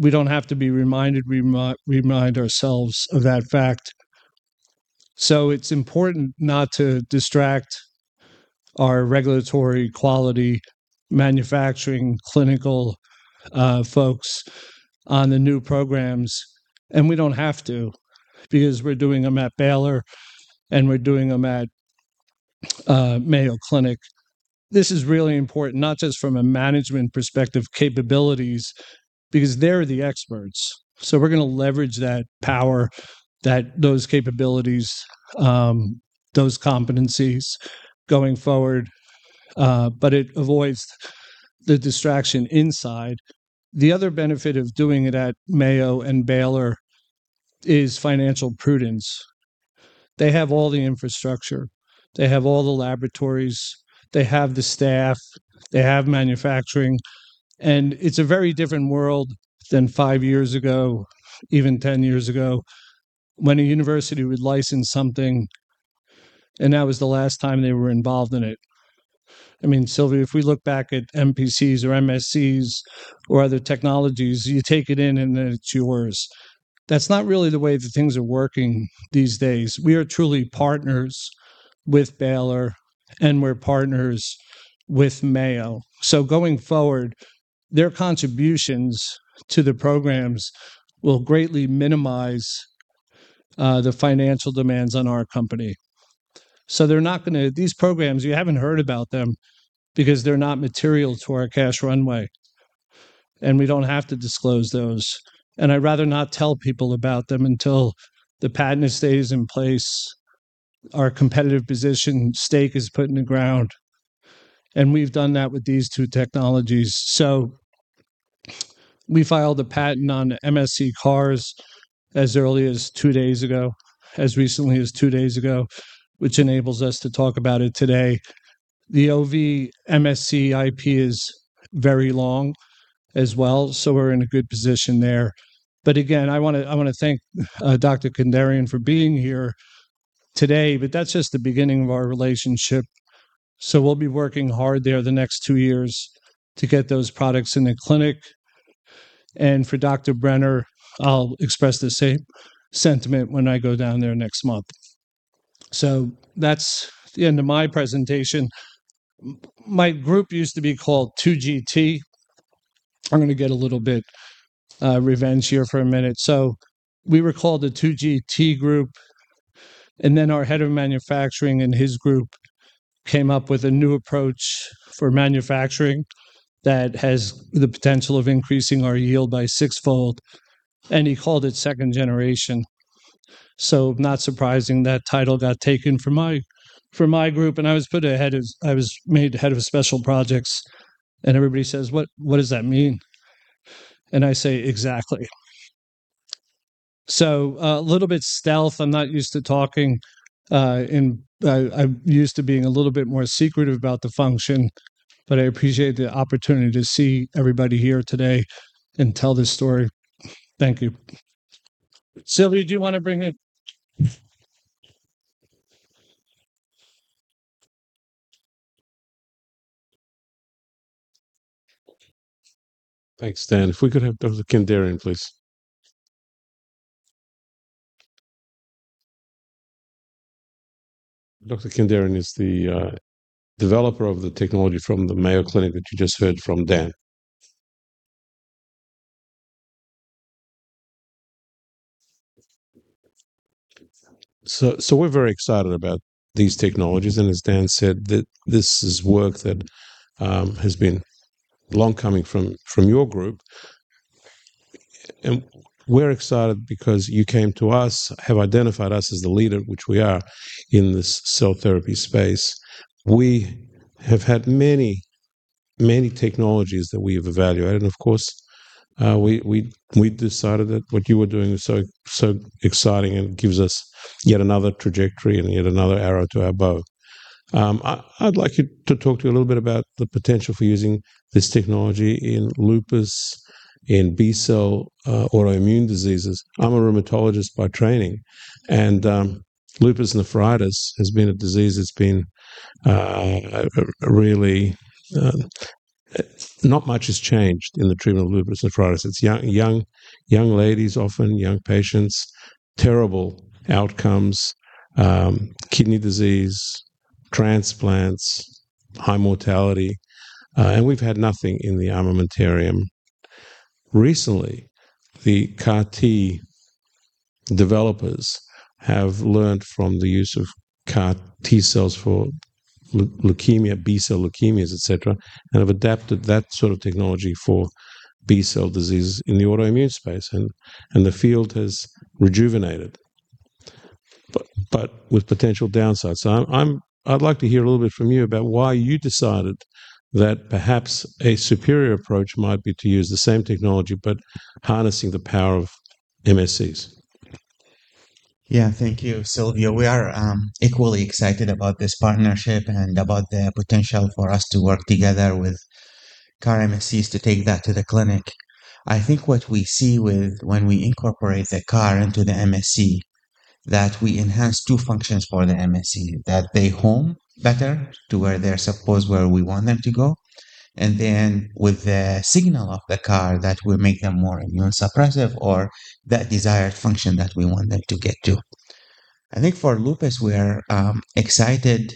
Speaker 12: we don't have to be reminded. We remind ourselves of that fact. It's important not to distract our regulatory quality manufacturing clinical folks on the new programs, and we don't have to because we're doing them at Baylor, and we're doing them at Mayo Clinic. This is really important not just from a management perspective capabilities, because they're the experts. We're going to leverage that power, those capabilities, those competencies going forward. It avoids the distraction inside. The other benefit of doing it at Mayo and Baylor is financial prudence. They have all the infrastructure. They have all the laboratories. They have the staff. They have manufacturing, and it's a very different world than 5 years ago, even 10 years ago, when a university would license something, and that was the last time they were involved in it. I mean, Sylvia, if we look back at MPCs or MSCs or other technologies, you take it in, and then it's yours. That's not really the way that things are working these days. We are truly partners with Baylor, and we're partners with Mayo. Going forward, their contributions to the programs will greatly minimize the financial demands on our company. These programs, you haven't heard about them because they're not material to our cash runway, and we don't have to disclose those. I'd rather not tell people about them until the patent stays in place, our competitive position stake is put in the ground, and we've done that with these two technologies. We filed a patent on MSC CARs as early as 2 days ago, as recently as 2 days ago, which enables us to talk about it today. The OV MSC IP is very long as well, so we're in a good position there. I want to thank Dr. Kenderian for being here today, but that's just the beginning of our relationship, so we'll be working hard there the next 2 years to get those products in the clinic. For Dr. Brenner, I'll express the same sentiment when I go down there next month. That's the end of my presentation. My group used to be called 2GT. I'm going to get a little bit revenge here for a minute. We were called the 2GT group, and then our head of manufacturing and his group came up with a new approach for manufacturing that has the potential of increasing our yield by sixfold, and he called it second generation. Not surprising, that title got taken from my group, and I was made head of special projects, and everybody says, "What does that mean?" I say, "Exactly." A little bit stealth. I'm not used to talking, and I'm used to being a little bit more secretive about the function, but I appreciate the opportunity to see everybody here today and tell this story. Thank you. Sylvia, do you want to bring it?
Speaker 2: Thanks, Dan. If we could have Dr. Kenderian, please. Dr. Kenderian is the developer of the technology from the Mayo Clinic that you just heard from Dan. We're very excited about these technologies, and as Dan said, this is work that has been long coming from your group. We're excited because you came to us, have identified us as the leader, which we are, in this cell therapy space. We have had many technologies that we have evaluated, and of course, we decided that what you were doing is so exciting and gives us yet another trajectory and yet another arrow to our bow. I'd like to talk to you a little bit about the potential for using this technology in lupus, in B-cell autoimmune diseases. I'm a rheumatologist by training, and lupus nephritis has been a disease that's been. Not much has changed in the treatment of lupus nephritis. It's young ladies, often young patients, terrible outcomes, kidney disease, transplants, high mortality, and we've had nothing in the armamentarium. Recently, the CAR T developers have learned from the use of CAR T-cells for leukemia, B-cell leukemias, et cetera, and have adapted that sort of technology for B-cell diseases in the autoimmune space, and the field has rejuvenated. With potential downsides. I'd like to hear a little bit from you about why you decided that perhaps a superior approach might be to use the same technology, but harnessing the power of MSCs.
Speaker 13: Yeah. Thank you, Silviu. We are equally excited about this partnership and about the potential for us to work together with CAR MSCs to take that to the clinic. I think what we see when we incorporate the CAR into the MSC, that we enhance two functions for the MSC, that they home better to where they're supposed, where we want them to go. With the signal of the CAR, that will make them more immunosuppressive or that desired function that we want them to get to. I think for lupus, we are excited.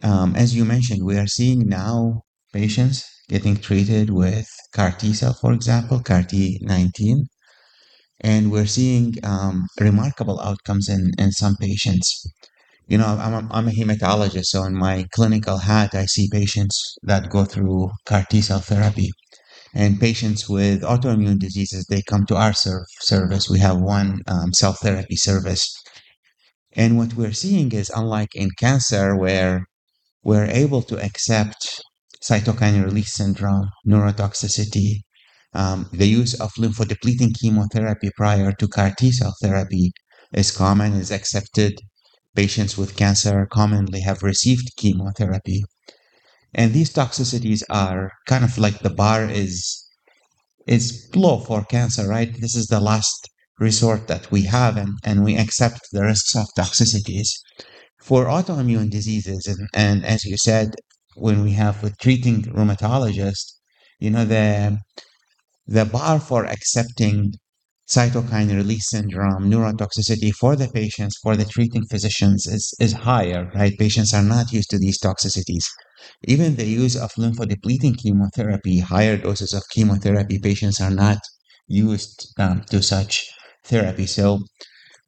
Speaker 13: As you mentioned, we are seeing now patients getting treated with CAR T-cell, for example, CAR T19, and we're seeing remarkable outcomes in some patients. I'm a hematologist, so in my clinical hat, I see patients that go through CAR T-cell therapy. Patients with autoimmune diseases, they come to our service. We have one cell therapy service. What we're seeing is, unlike in cancer, where we're able to accept cytokine release syndrome, neurotoxicity, the use of lymphodepleting chemotherapy prior to CAR T-cell therapy is common, is accepted. Patients with cancer commonly have received chemotherapy. These toxicities are kind of like the bar is low for cancer, right? This is the last resort that we have, and we accept the risks of toxicities. For autoimmune diseases, and as you said, when we have with treating rheumatologists, the bar for accepting cytokine release syndrome, neurotoxicity for the patients, for the treating physicians is higher, right? Patients are not used to these toxicities. Even the use of lymphodepleting chemotherapy, higher doses of chemotherapy, patients are not used to such therapy.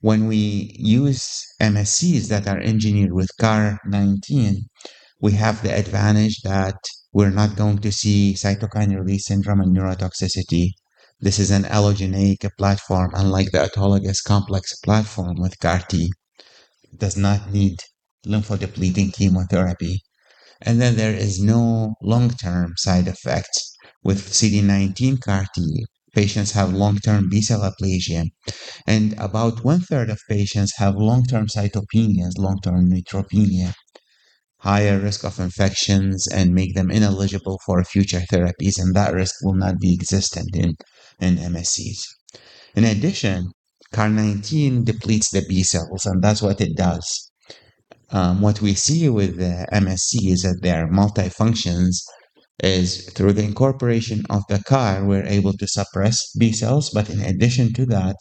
Speaker 13: When we use MSCs that are engineered with CAR 19, we have the advantage that we're not going to see cytokine release syndrome and neurotoxicity. This is an allogeneic platform, unlike the autologous complex platform with CAR T, does not need lymphodepleting chemotherapy. Then there is no long-term side effects. With CD19 CAR T, patients have long-term B-cell aplasia, and about one-third of patients have long-term cytopenias, long-term neutropenia, higher risk of infections, and make them ineligible for future therapies, and that risk will not be existent in MSCs. In addition, CAR 19 depletes the B cells, and that's what it does. What we see with the MSC is that their multi-functions is through the incorporation of the CAR, we're able to suppress B cells, but in addition to that,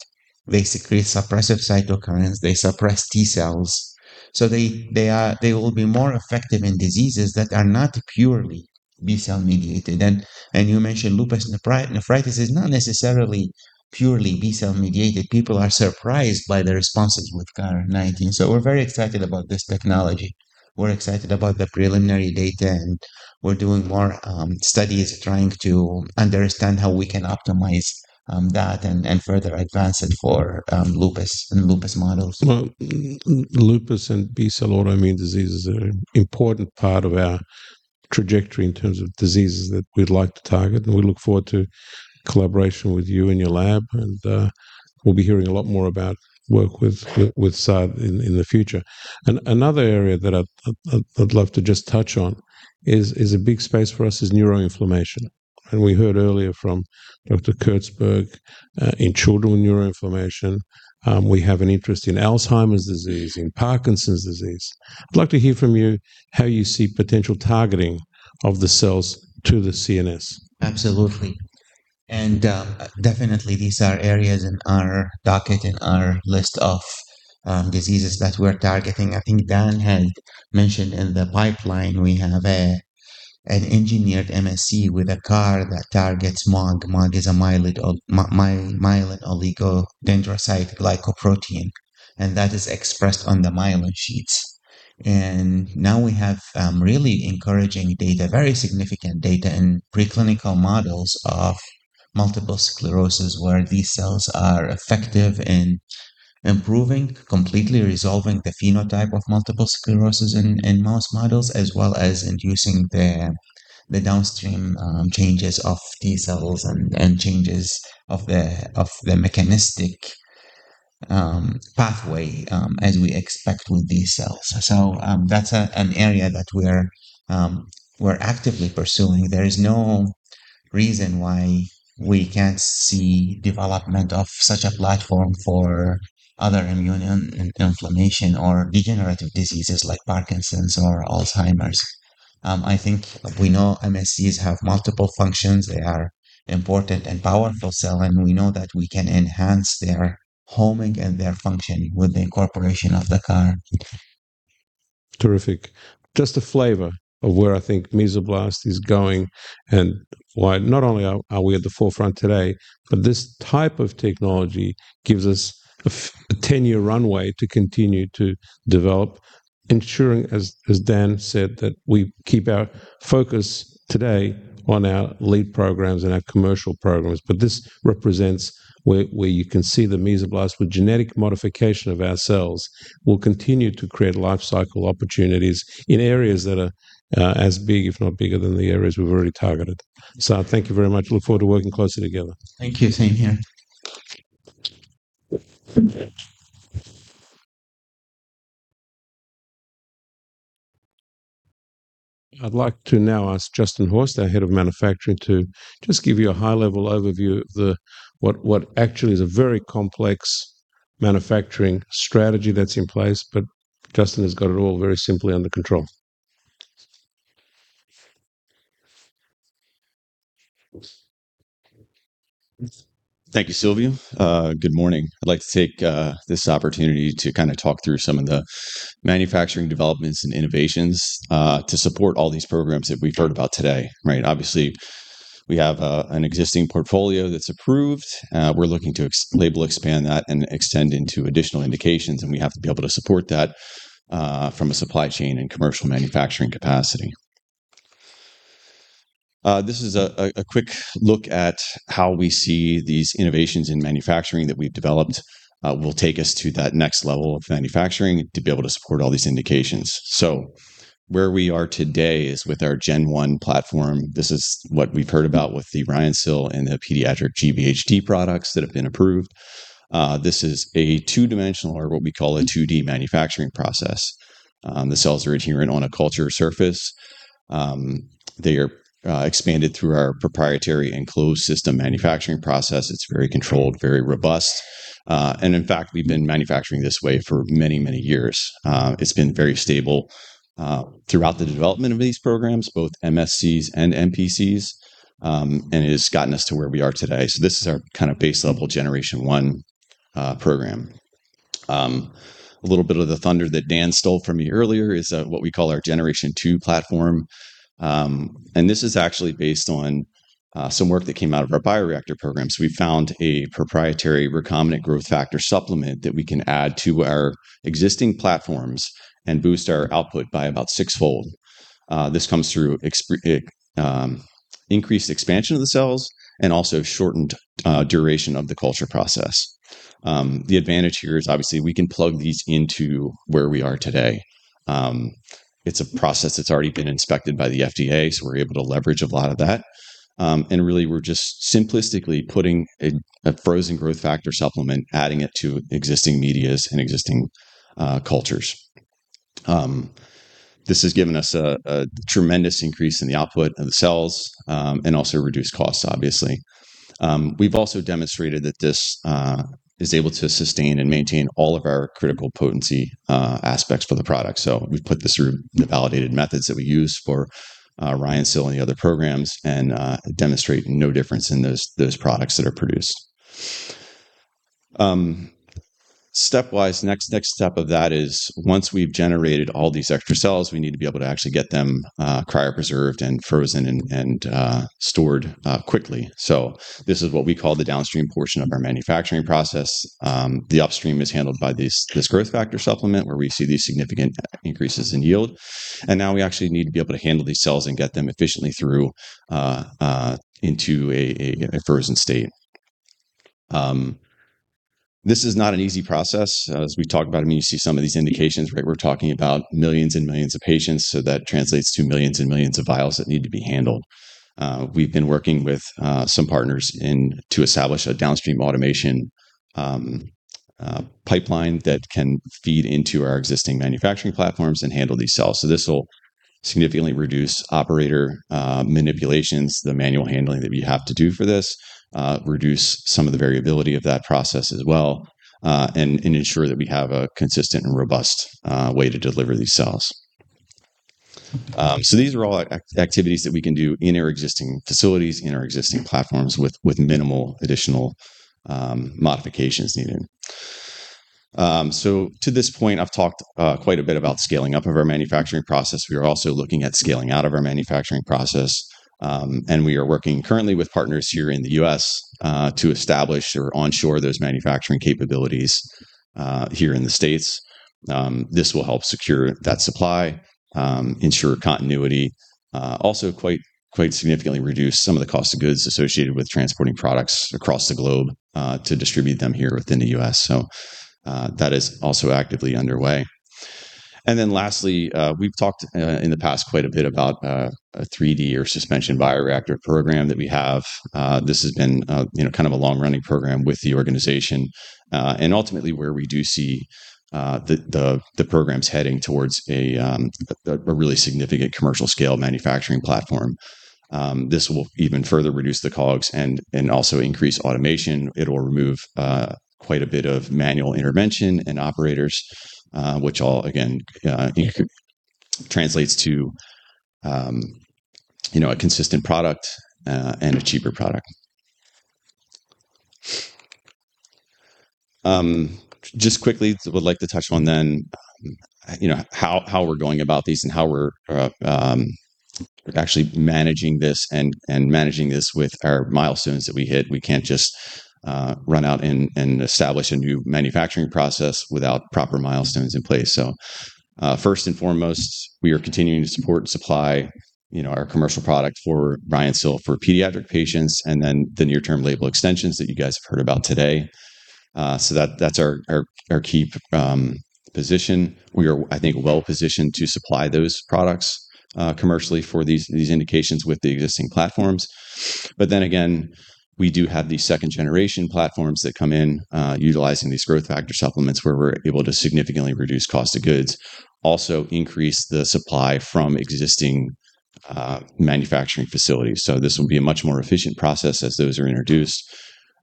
Speaker 13: they secrete suppressive cytokines. They suppress T cells. They will be more effective in diseases that are not purely B-cell mediated. You mentioned lupus nephritis is not necessarily purely B-cell mediated. People are surprised by the responses with CAR 19. We're very excited about this technology. We're excited about the preliminary data, and we're doing more studies trying to understand how we can optimize that and further advance it for lupus and lupus models.
Speaker 2: Well, lupus and B-cell autoimmune diseases are an important part of our trajectory in terms of diseases that we'd like to target, and we look forward to collaboration with you and your lab. We'll be hearing a lot more about work with Saad in the future. Another area that I'd love to just touch on is a big space for us is neuroinflammation. We heard earlier from Dr. Kurtzberg in children neuroinflammation. We have an interest in Alzheimer's disease, in Parkinson's disease. I'd like to hear from you how you see potential targeting of the cells to the CNS.
Speaker 13: Absolutely. Definitely, these are areas in our docket, in our list of diseases that we're targeting. I think Dan had mentioned in the pipeline, we have an engineered MSC with a CAR that targets MOG. MOG is a myelin oligodendrocyte glycoprotein, and that is expressed on the myelin sheaths. Now we have really encouraging data, very significant data in preclinical models of multiple sclerosis, where these cells are effective in improving, completely resolving the phenotype of multiple sclerosis in mouse models, as well as inducing the downstream changes of T cells and changes of the mechanistic pathway, as we expect with these cells. That's an area that we're actively pursuing. There is no reason why we can't see development of such a platform for other immune inflammation or degenerative diseases like Parkinson's or Alzheimer's. I think we know MSCs have multiple functions. They are important and powerful cell, and we know that we can enhance their homing and their functioning with the incorporation of the CAR.
Speaker 2: Terrific. Just a flavor of where I think Mesoblast is going and why not only are we at the forefront today, but this type of technology gives us a 10-year runway to continue to develop, ensuring, as Dan said, that we keep our focus today on our lead programs and our commercial programs. This represents where you can see the Mesoblast with genetic modification of our cells will continue to create life cycle opportunities in areas that are as big, if not bigger, than the areas we've already targeted. Thank you very much. I look forward to working closely together.
Speaker 13: Thank you. Same here.
Speaker 2: I'd like to now ask Justin Horst, our head of manufacturing, to just give you a high-level overview of what actually is a very complex manufacturing strategy that's in place, but Justin has got it all very simply under control.
Speaker 14: Thank you, Silviu. Good morning. I'd like to take this opportunity to talk through some of the manufacturing developments and innovations to support all these programs that we've heard about today. Right. Obviously, we have an existing portfolio that's approved. We're looking to label expand that and extend into additional indications, and we have to be able to support that from a supply chain and commercial manufacturing capacity. This is a quick look at how we see these innovations in manufacturing that we've developed will take us to that next level of manufacturing to be able to support all these indications. Where we are today is with our gen one platform. This is what we've heard about with the Rhinceil and the pediatric GBHD products that have been approved. This is a two-dimensional or what we call a 2D manufacturing process. The cells are adherent on a culture surface. They are expanded through our proprietary and closed system manufacturing process. It's very controlled, very robust. In fact, we've been manufacturing this way for many, many years. It's been very stable throughout the development of these programs, both MSCs and NPCs, and it has gotten us to where we are today. This is our base level Generation 1 program. A little bit of the thunder that Dan stole from me earlier is what we call our Generation 2 platform. This is actually based on some work that came out of our bioreactor program. We found a proprietary recombinant growth factor supplement that we can add to our existing platforms and boost our output by about sixfold. This comes through increased expansion of the cells and also shortened duration of the culture process. The advantage here is obviously we can plug these into where we are today. It's a process that's already been inspected by the FDA, so we're able to leverage a lot of that. Really, we're just simplistically putting a frozen growth factor supplement, adding it to existing media and existing cultures. This has given us a tremendous increase in the output of the cells, and also reduced costs, obviously. We've also demonstrated that this is able to sustain and maintain all of our critical potency aspects for the product. We've put this through the validated methods that we use for Rhinceil and the other programs and demonstrate no difference in those products that are produced. Stepwise, next step of that is once we've generated all these extra cells, we need to be able to actually get them cryopreserved and frozen, and stored quickly. This is what we call the downstream portion of our manufacturing process. The upstream is handled by this growth factor supplement where we see these significant increases in yield, and now we actually need to be able to handle these cells and get them efficiently through into a frozen state. This is not an easy process, as we've talked about. When you see some of these indications, we're talking about millions and millions of patients, so that translates to millions and millions of vials that need to be handled. We've been working with some partners to establish a downstream automation pipeline that can feed into our existing manufacturing platforms and handle these cells. This will significantly reduce operator manipulations, the manual handling that we have to do for this, reduce some of the variability of that process as well, and ensure that we have a consistent and robust way to deliver these cells. These are all activities that we can do in our existing facilities, in our existing platforms with minimal additional modifications needed. To this point, I've talked quite a bit about scaling up of our manufacturing process. We are also looking at scaling out of our manufacturing process. We are working currently with partners here in the U.S. to establish or onshore those manufacturing capabilities here in the States. This will help secure that supply, ensure continuity, also quite significantly reduce some of the cost of goods associated with transporting products across the globe to distribute them here within the U.S. That is also actively underway. Then lastly, we've talked in the past quite a bit about a 3D or suspension bioreactor program that we have. This has been a long-running program with the organization, and ultimately where we do see the programs heading towards a really significant commercial scale manufacturing platform. This will even further reduce the COGS and also increase automation. It'll remove quite a bit of manual intervention and operators, which all, again, translates to a consistent product and a cheaper product. Just quickly, would like to touch on then how we're going about these and how we're actually managing this, and managing this with our milestones that we hit. We can't just run out and establish a new manufacturing process without proper milestones in place. First and foremost, we are continuing to support and supply our commercial product for Ryan's Son for pediatric patients, and then the near-term label extensions that you guys have heard about today. That's our key position. We are, I think, well-positioned to supply those products commercially for these indications with the existing platforms. we do have these second-generation platforms that come in utilizing these growth factor supplements, where we're able to significantly reduce cost of goods, also increase the supply from existing manufacturing facilities. this will be a much more efficient process as those are introduced.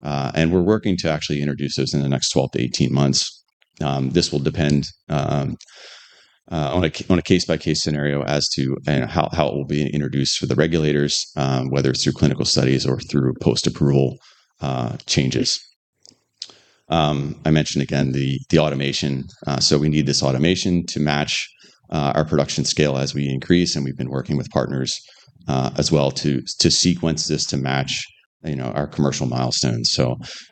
Speaker 14: we're working to actually introduce those in the next 12-18 months. This will depend on a case-by-case scenario as to how it will be introduced for the regulators, whether it's through clinical studies or through post-approval changes. I mentioned again the automation we need to match our production scale as we increase, and we've been working with partners as well to sequence this to match our commercial milestones.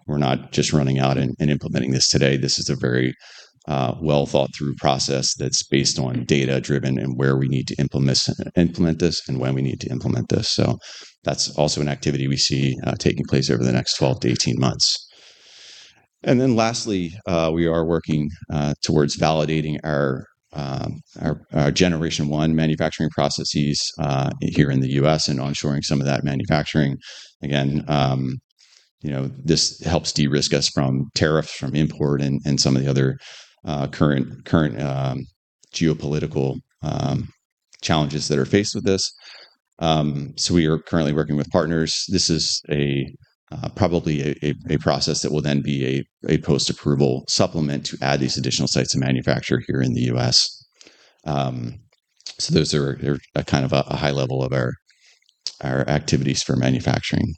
Speaker 14: we're not just running out and implementing this today. This is a very well-thought-through process that's based on data-driven and where we need to implement this, and when we need to implement this. That's also an activity we see taking place over the next 12-18 months. Then lastly, we are working towards validating our Generation 1 manufacturing processes here in the U.S. and onshoring some of that manufacturing. Again, this helps de-risk us from tariffs from import and some of the other current geopolitical challenges that are faced with this. We are currently working with partners. This is probably a process that will then be a post-approval supplement to add these additional sites of manufacture here in the U.S. Those are kind of a high level of our activities for manufacturing.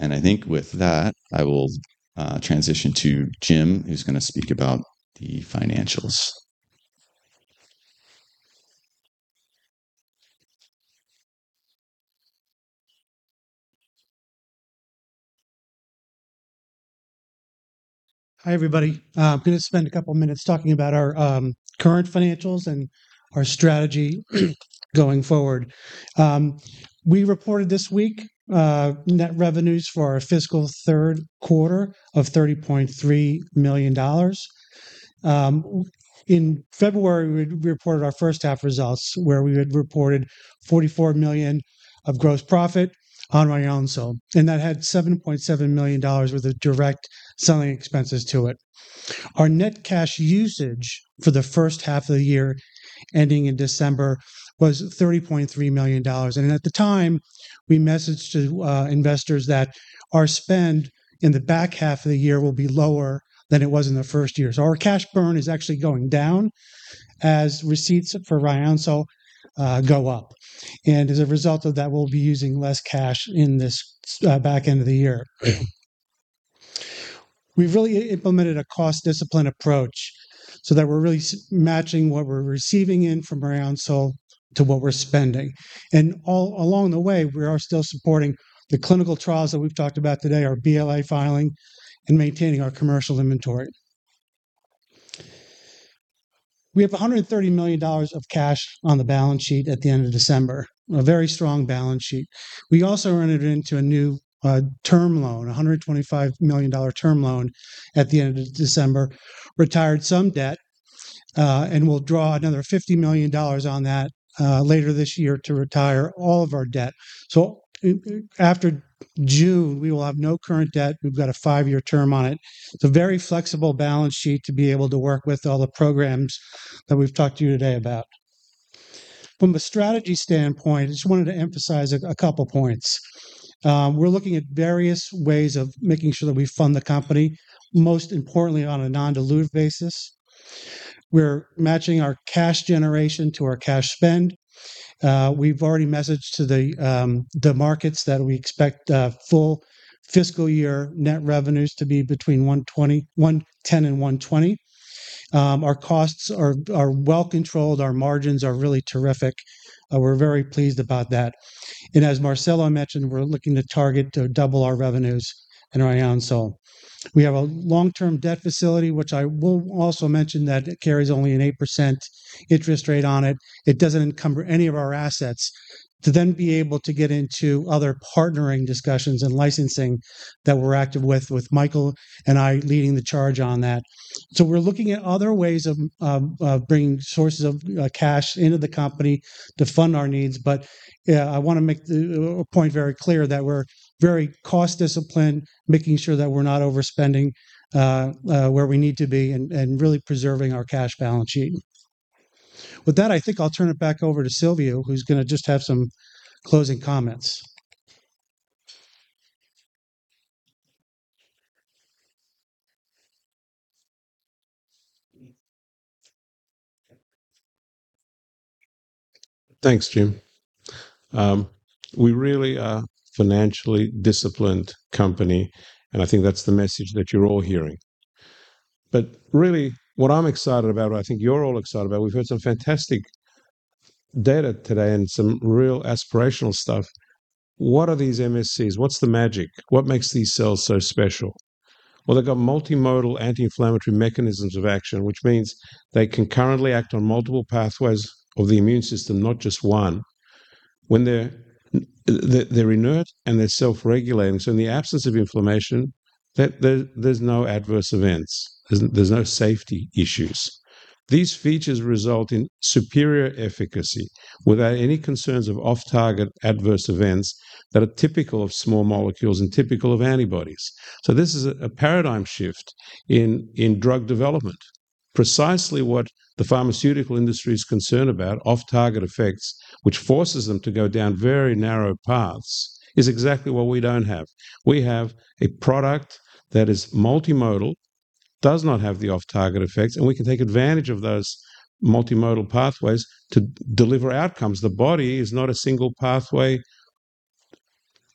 Speaker 14: I think with that, I will transition to Jim, who's going to speak about the financials.
Speaker 15: Hi, everybody. I'm going to spend a couple of minutes talking about our current financials and our strategy going forward. We reported this week net revenues for our fiscal third quarter of $30.3 million. In February, we reported our first-half results, where we had reported $44 million of gross profit on Ryan's Son, and that had $7.7 million worth of direct selling expenses to it. Our net cash usage for the first half of the year ending in December was $30.3 million. At the time, we messaged to investors that our spend in the back half of the year will be lower than it was in the first year. Our cash burn is actually going down as receipts for Ryan's Son go up. As a result of that, we'll be using less cash in this back end of the year. We've really implemented a cost discipline approach so that we're really matching what we're receiving in from Ryan's Son to what we're spending. All along the way, we are still supporting the clinical trials that we've talked about today, our BLA filing, and maintaining our commercial inventory. We have $130 million of cash on the balance sheet at the end of December, a very strong balance sheet. We also entered into a new term loan, $125 million term loan at the end of December, retired some debt, and we'll draw another $50 million on that later this year to retire all of our debt. After June, we will have no current debt. We've got a five-year term on it. It's a very flexible balance sheet to be able to work with all the programs that we've talked to you today about. From a strategy standpoint, I just wanted to emphasize a couple of points. We're looking at various ways of making sure that we fund the company, most importantly, on a non-dilutive basis. We're matching our cash generation to our cash spend. We've already messaged to the markets that we expect full fiscal year net revenues to be between $110 and $120. Our costs are well controlled. Our margins are really terrific. We're very pleased about that. As Marcelo mentioned, we're looking to target to double our revenues in Ryan's Son. We have a long-term debt facility, which I will also mention that it carries only an 8% interest rate on it. It doesn't encumber any of our assets to then be able to get into other partnering discussions and licensing that we're active with Michael and I leading the charge on that. We're looking at other ways of bringing sources of cash into the company to fund our needs. Yeah, I want to make a point very clear that we're very cost discipline, making sure that we're not overspending where we need to be and really preserving our cash balance sheet. With that, I think I'll turn it back over to Silviu, who's going to just have some closing comments.
Speaker 2: Thanks, Jim. We really are a financially disciplined company, and I think that's the message that you're all hearing. Really what I'm excited about, and I think you're all excited about, we've heard some fantastic data today and some real aspirational stuff. What are these MSCs? What's the magic? What makes these cells so special? Well, they've got multimodal anti-inflammatory mechanisms of action, which means they can concurrently act on multiple pathways of the immune system, not just one. When they're inert and they're self-regulating, so in the absence of inflammation, there's no adverse events. There's no safety issues. These features result in superior efficacy without any concerns of off-target adverse events that are typical of small molecules and typical of antibodies. This is a paradigm shift in drug development. Precisely what the pharmaceutical industry is concerned about, off-target effects, which forces them to go down very narrow paths, is exactly what we don't have. We have a product that is multimodal, does not have the off-target effects, and we can take advantage of those multimodal pathways to deliver outcomes. The body is not a single pathway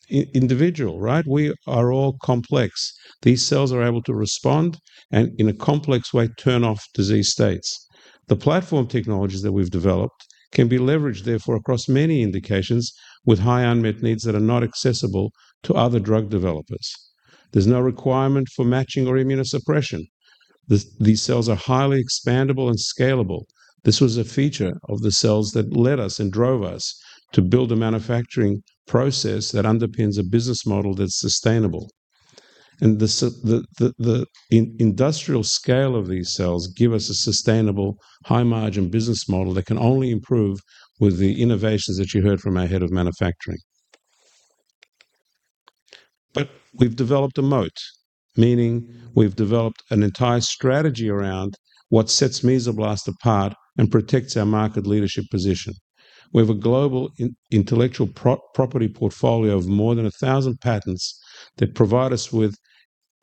Speaker 2: individual, right? We are all complex. These cells are able to respond and, in a complex way, turn off disease states. The platform technologies that we've developed can be leveraged therefore across many indications with high unmet needs that are not accessible to other drug developers. There's no requirement for matching or immunosuppression. These cells are highly expandable and scalable. This was a feature of the cells that led us and drove us to build a manufacturing process that underpins a business model that's sustainable. The industrial scale of these cells give us a sustainable, high-margin business model that can only improve with the innovations that you heard from our head of manufacturing. We've developed a moat, meaning we've developed an entire strategy around what sets Mesoblast apart and protects our market leadership position. We have a global intellectual property portfolio of more than 1,000 patents that provide us with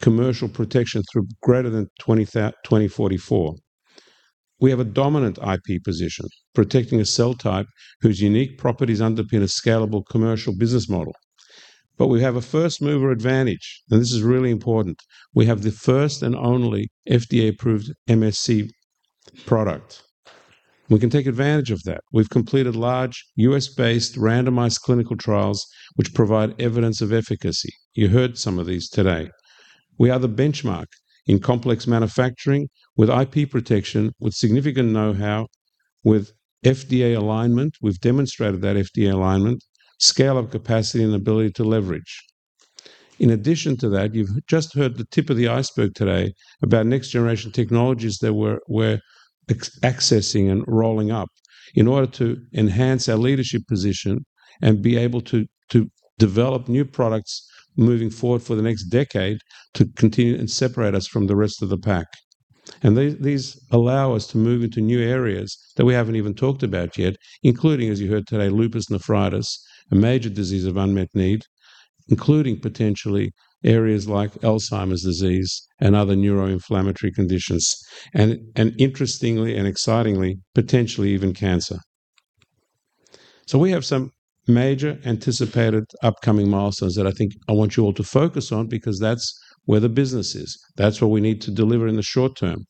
Speaker 2: commercial protection through greater than 2044. We have a dominant IP position protecting a cell type whose unique properties underpin a scalable commercial business model. We have a first-mover advantage, and this is really important. We have the first and only FDA-approved MSC product. We can take advantage of that. We've completed large U.S.-based randomized clinical trials which provide evidence of efficacy. You heard some of these today. We are the benchmark in complex manufacturing with IP protection, with significant know-how, with FDA alignment. We've demonstrated that FDA alignment, scale of capacity, and ability to leverage. In addition to that, you've just heard the tip of the iceberg today about next-generation technologies that we're accessing and rolling up in order to enhance our leadership position and be able to develop new products moving forward for the next decade to continue and separate us from the rest of the pack. These allow us to move into new areas that we haven't even talked about yet, including, as you heard today, lupus nephritis, a major disease of unmet need, including potentially areas like Alzheimer's disease and other neuroinflammatory conditions and, interestingly and excitingly, potentially even cancer. We have some major anticipated upcoming milestones that I think I want you all to focus on because that's where the business is. That's what we need to deliver in the short term.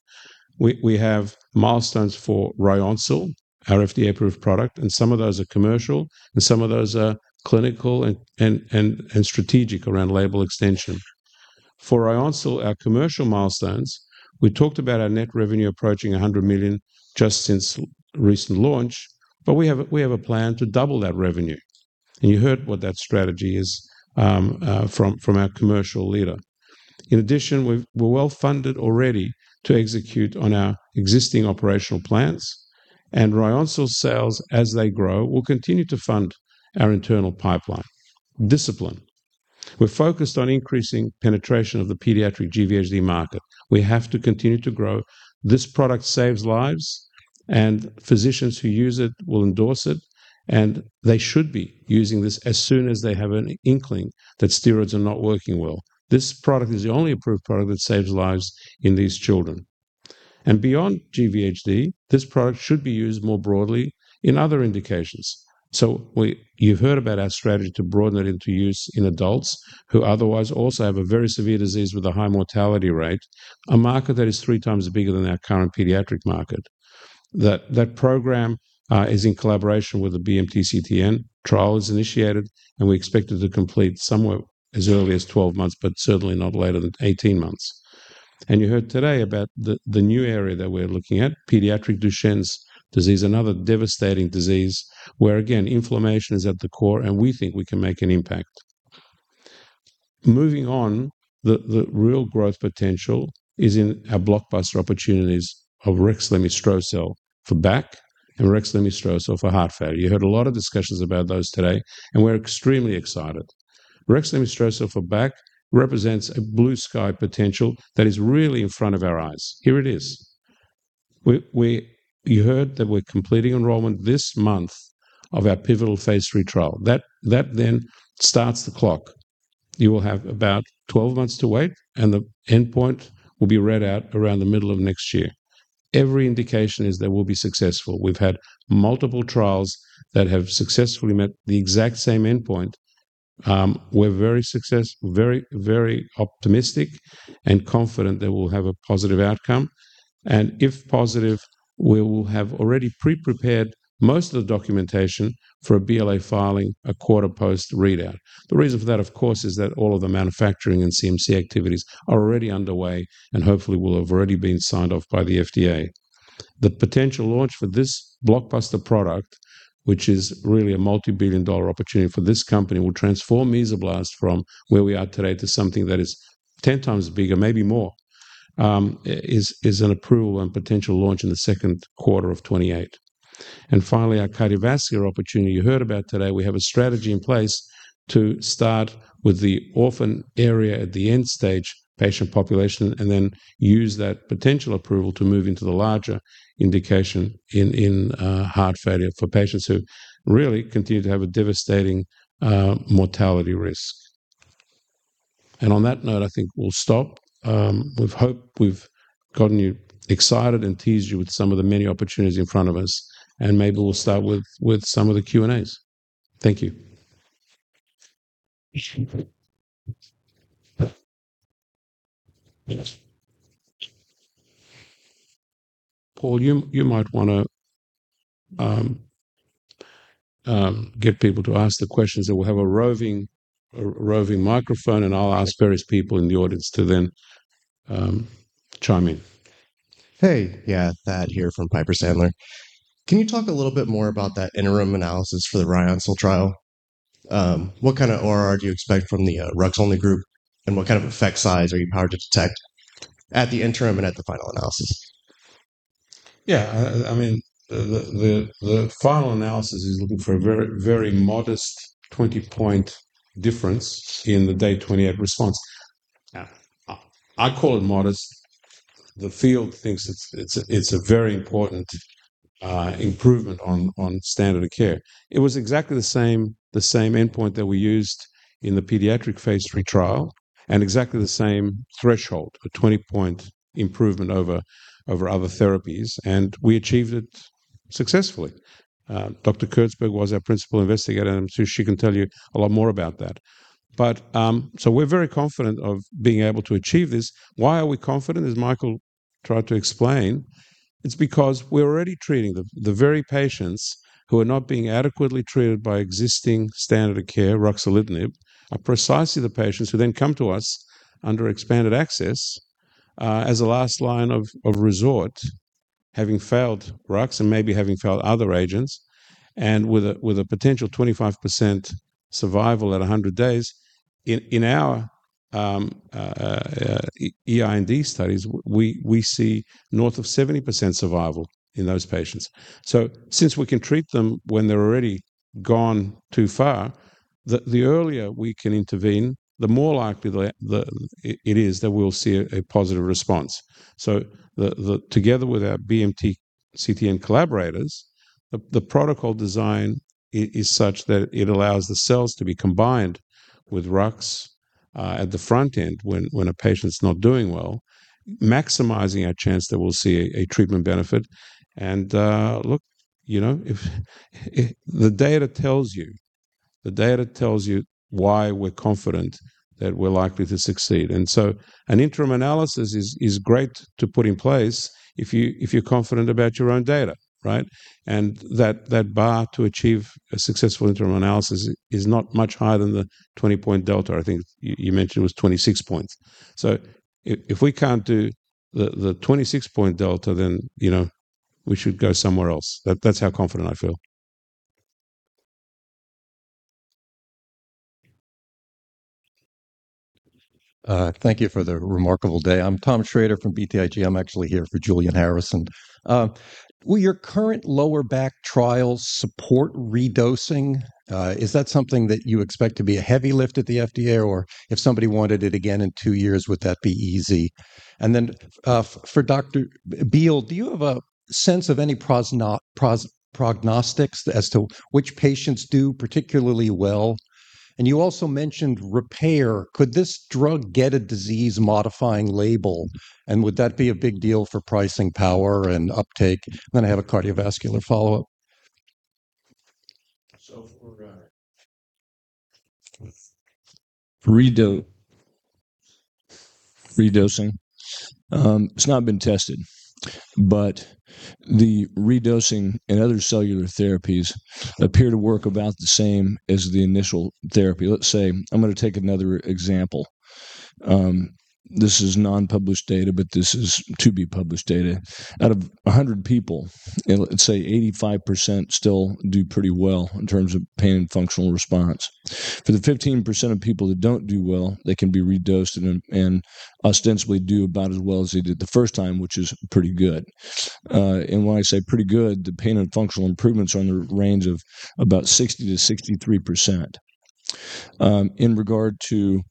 Speaker 2: We have milestones for RYONCIL, our FDA-approved product, and some of those are commercial, and some of those are clinical and strategic around label extension. For RYONCIL, our commercial milestones, we talked about our net revenue approaching $100 million just since recent launch, but we have a plan to double that revenue, and you heard what that strategy is from our commercial leader. In addition, we're well-funded already to execute on our existing operational plans, and RYONCIL sales, as they grow, will continue to fund our internal pipeline. Discipline. We're focused on increasing penetration of the pediatric GvHD market. We have to continue to grow. This product saves lives, and physicians who use it will endorse it, and they should be using this as soon as they have an inkling that steroids are not working well. This product is the only approved product that saves lives in these children. Beyond GvHD, this product should be used more broadly in other indications. You've heard about our strategy to broaden it into use in adults who otherwise also have a very severe disease with a high mortality rate, a market that is three times bigger than our current pediatric market. That program is in collaboration with the BMT CTN. Trial is initiated, and we expect it to complete somewhere as early as 12 months but certainly not later than 18 months. You heard today about the new area that we're looking at, pediatric Duchenne's disease, another devastating disease where again, inflammation is at the core, and we think we can make an impact. Moving on, the real growth potential is in our blockbuster opportunities of Rexlemestrocel for back and Rexlemestrocel for heart failure. You heard a lot of discussions about those today, and we're extremely excited. Rexlemestrocel for back represents a blue sky potential that is really in front of our eyes. Here it is. You heard that we're completing enrollment this month of our pivotal Phase III trial. That then starts the clock. You will have about 12 months to wait, and the endpoint will be read out around the middle of next year. Every indication is that we'll be successful. We've had multiple trials that have successfully met the exact same endpoint. We're very optimistic and confident that we'll have a positive outcome. If positive, we will have already pre-prepared most of the documentation for a BLA filing, a quarter post-readout. The reason for that, of course, is that all of the manufacturing and CMC activities are already underway and hopefully will have already been signed off by the FDA. The potential launch for this blockbuster product, which is really a multi-billion dollar opportunity for this company, will transform Mesoblast from where we are today to something that is 10 times bigger, maybe more, is an approval and potential launch in the second quarter of 2028. Finally, our cardiovascular opportunity you heard about today. We have a strategy in place to start with the orphan area at the end-stage patient population, and then use that potential approval to move into the larger indication in heart failure for patients who really continue to have a devastating mortality risk. On that note, I think we'll stop. We hope we've gotten you excited and teased you with some of the many opportunities in front of us, and maybe we'll start with some of the Q&As. Thank you. Paul, you might want to get people to ask the questions, and we'll have a roving microphone, and I'll ask various people in the audience to then chime in.
Speaker 16: Hey. Yeah. Thad here from Piper Sandler. Can you talk a little bit more about that interim analysis for the RYONCIL trial? What kind of ORR do you expect from the Rux only group, and what kind of effect size are you powered to detect at the interim and at the final analysis?
Speaker 2: Yeah. The final analysis is looking for a very modest 20-point difference in the day 28 response. I call it modest. The field thinks it's a very important improvement on standard of care. It was exactly the same endpoint that we used in the pediatric Phase III trial, and exactly the same threshold, a 20-point improvement over other therapies, and we achieved it successfully. Dr. Kurtzberg was our principal investigator, and I'm sure she can tell you a lot more about that. We're very confident of being able to achieve this. Why are we confident, as Michael tried to explain? It's because we're already treating the very patients who are not being adequately treated by existing standard of care, ruxolitinib, are precisely the patients who then come to us under expanded access as a last line of resort, having failed Rux and maybe having failed other agents, and with a potential 25% survival at 100 days. In our EIND studies, we see north of 70% survival in those patients. Since we can treat them when they're already gone too far, the earlier we can intervene, the more likely it is that we'll see a positive response. Together with our BMT CTN collaborators, the protocol design is such that it allows the cells to be combined with Rux, at the front end when a patient's not doing well, maximizing our chance that we'll see a treatment benefit. Look, the data tells you why we're confident that we're likely to succeed. An interim analysis is great to put in place if you're confident about your own data, right? That bar to achieve a successful interim analysis is not much higher than the 20-point delta. I think you mentioned it was 26 points. If we can't do the 26-point delta, then we should go somewhere else. That's how confident I feel.
Speaker 17: Thank you for the remarkable day. I'm Tom Schrader from BTIG. I'm actually here for Julian Harrison. Will your current lower back trials support redosing? Is that something that you expect to be a heavy lift at the FDA? Or if somebody wanted it again in two years, would that be easy? And then, for Dr. Beal, do you have a sense of any prognostics as to which patients do particularly well? And you also mentioned repair. Could this drug get a disease-modifying label? And would that be a big deal for pricing power and uptake? I have a cardiovascular follow-up.
Speaker 8: For redose, redosing, it's not been tested, but the redosing in other cellular therapies appear to work about the same as the initial therapy. Let's say, I'm going to take another example. This is non-published data, but this is to-be-published data. Out of 100 people, let's say 85% still do pretty well in terms of pain and functional response. For the 15% of people that don't do well, they can be redosed and ostensibly do about as well as they did the first time, which is pretty good. When I say pretty good, the pain and functional improvements are in the range of about 60%-63%. In regard to.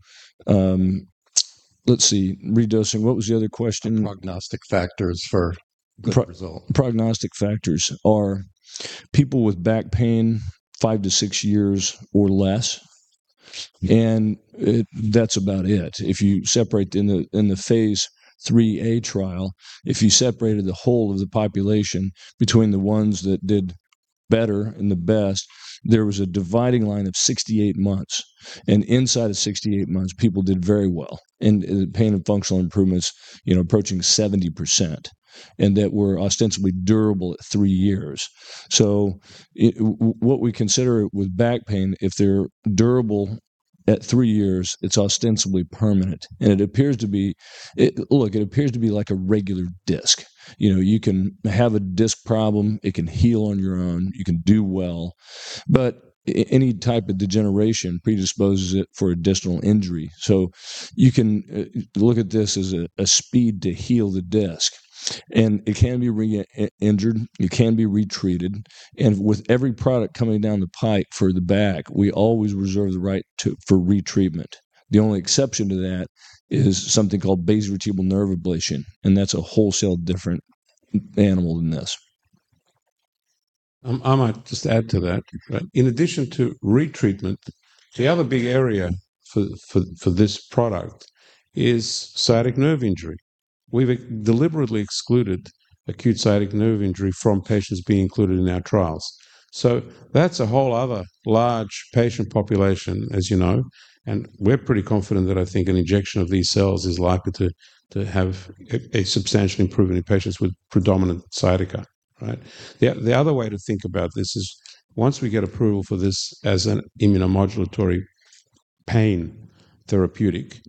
Speaker 8: Let's see, redosing. What was the other question?
Speaker 2: Prognostic factors for good results.
Speaker 8: Prognostic factors are people with back pain, 5-6 years or less, and that's about it. In the Phase IIIa trial, if you separated the whole of the population between the ones that did better and the best, there was a dividing line of 68 months. Inside of 68 months, people did very well, and the pain and functional improvements approaching 70%, and that were ostensibly durable at 3 years. What we consider with back pain, if they're durable at 3 years, it's ostensibly permanent, and it appears to be like a regular disc. You can have a disc problem, it can heal on your own. You can do well. Any type of degeneration predisposes it for additional injury. You can look at this as a speed to heal the disc, and it can be re-injured. It can be re-treated, and with every product coming down the pipe for the back, we always reserve the right for re-treatment. The only exception to that is something called basivertebral nerve ablation, and that's a wholly different animal than this.
Speaker 2: I might just add to that. In addition to re-treatment, the other big area for this product is sciatic nerve injury. We've deliberately excluded acute sciatic nerve injury from patients being included in our trials. That's a whole other large patient population, as you know, and we're pretty confident that I think an injection of these cells is likely to have a substantial improvement in patients with predominant sciatica. Right? The other way to think about this is once we get approval for this as an immunomodulatory pain therapeutic,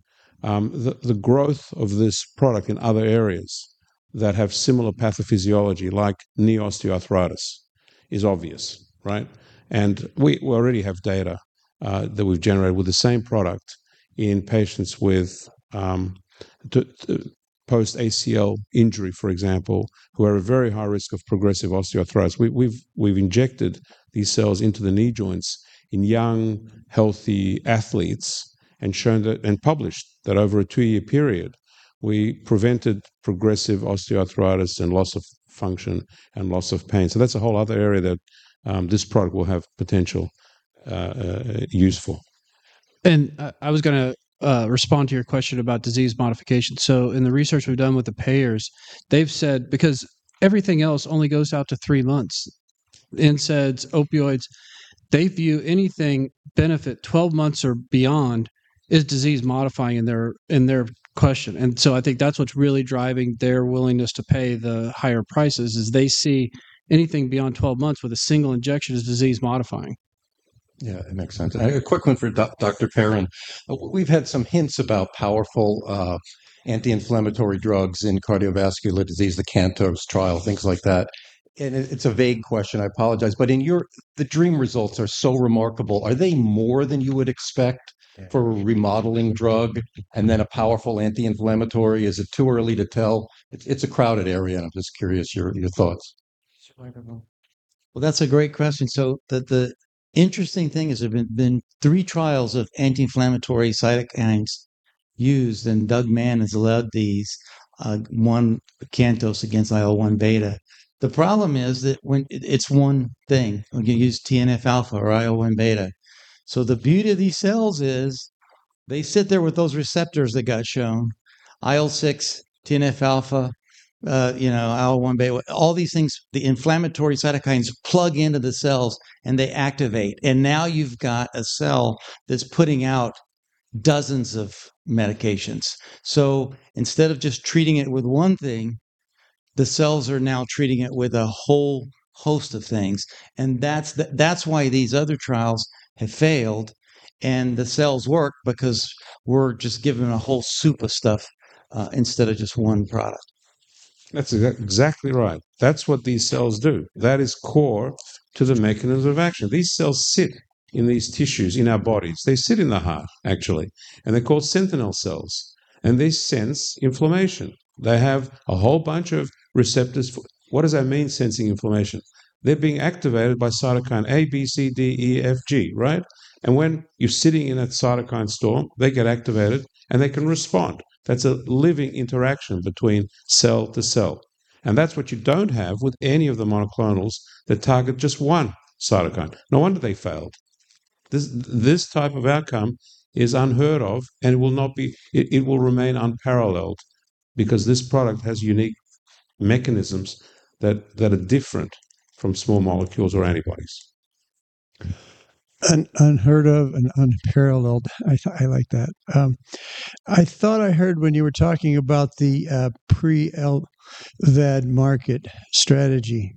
Speaker 2: the growth of this product in other areas that have similar pathophysiology, like knee osteoarthritis, is obvious. Right? We already have data that we've generated with the same product in patients with post-ACL injury, for example, who are at very high risk of progressive osteoarthritis. We've injected these cells into the knee joints in young, healthy athletes and published that over a 2-year period, we prevented progressive osteoarthritis and loss of function and loss of pain. That's a whole other area that this product will have potential use for.
Speaker 7: I was going to respond to your question about disease modification. In the research we've done with the payers, they've said because everything else only goes out to three months, NSAIDs, opioids, they view any benefit 12 months or beyond is disease modifying in their question. I think that's what's really driving their willingness to pay the higher prices, is they see anything beyond 12 months with a single injection as disease modifying.
Speaker 17: Yeah, it makes sense. A quick one for Dr. Perin. We've had some hints about powerful anti-inflammatory drugs in cardiovascular disease, the CANTOS trial, things like that. It's a vague question, I apologize, but the DREAM results are so remarkable. Are they more than you would expect for a remodeling drug and then a powerful anti-inflammatory? Is it too early to tell? It's a crowded area, and I'm just curious your thoughts.
Speaker 10: Well, that's a great question. The interesting thing is there've been three trials of anti-inflammatory cytokines used, and Doug Mann has led these, one CANTOS against IL-1 beta. The problem is that it's one thing when you use TNF alpha or IL-1 beta. The beauty of these cells is they sit there with those receptors that got shown, IL-6, TNF alpha, IL-1 beta, all these things. The inflammatory cytokines plug into the cells, and they activate. Now you've got a cell that's putting out dozens of medications. Instead of just treating it with one thing, the cells are now treating it with a whole host of things. That's why these other trials have failed and the cells work, because we're just giving a whole soup of stuff instead of just one product.
Speaker 2: That's exactly right. That's what these cells do. That is core to the mechanism of action. These cells sit in these tissues in our bodies. They sit in the heart, actually, and they're called sentinel cells. They sense inflammation. They have a whole bunch of receptors. What does that mean, sensing inflammation? They're being activated by cytokine A, B, C, D, E, F, G, right? When you're sitting in a cytokine storm, they get activated, and they can respond. That's a living interaction between cell to cell. That's what you don't have with any of the monoclonals that target just one cytokine. No wonder they failed. This type of outcome is unheard of and it will remain unparalleled because this product has unique mechanisms that are different from small molecules or antibodies.
Speaker 17: Unheard of and unparalleled. I like that. I thought I heard when you were talking about the pre-LVAD market strategy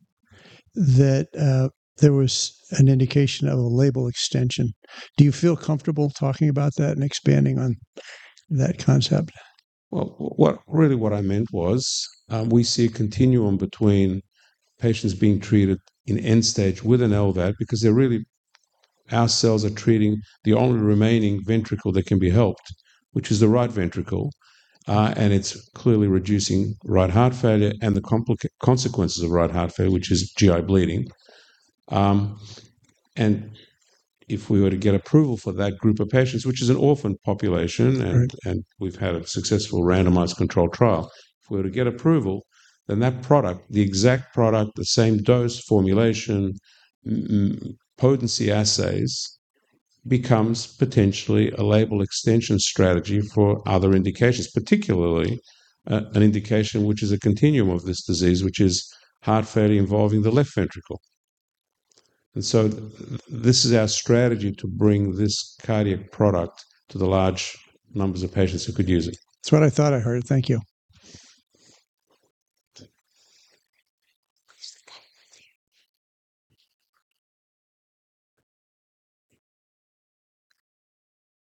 Speaker 17: that there was an indication of a label extension. Do you feel comfortable talking about that and expanding on that concept?
Speaker 2: Well, really what I meant was we see a continuum between patients being treated in end stage with an LVAD because our cells are treating the only remaining ventricle that can be helped, which is the right ventricle. It's clearly reducing right heart failure and the consequences of right heart failure, which is GI bleeding. If we were to get approval for that group of patients, which is an orphan population-
Speaker 9: That's correct. We've had a successful randomized controlled trial. If we were to get approval, then that product, the exact product, the same dose, formulation, potency assays, becomes potentially a label extension strategy for other indications, particularly an indication which is a continuum of this disease, which is heart failure involving the left ventricle. This is our strategy to bring this cardiac product to the large numbers of patients who could use it.
Speaker 17: That's what I thought I heard. Thank you.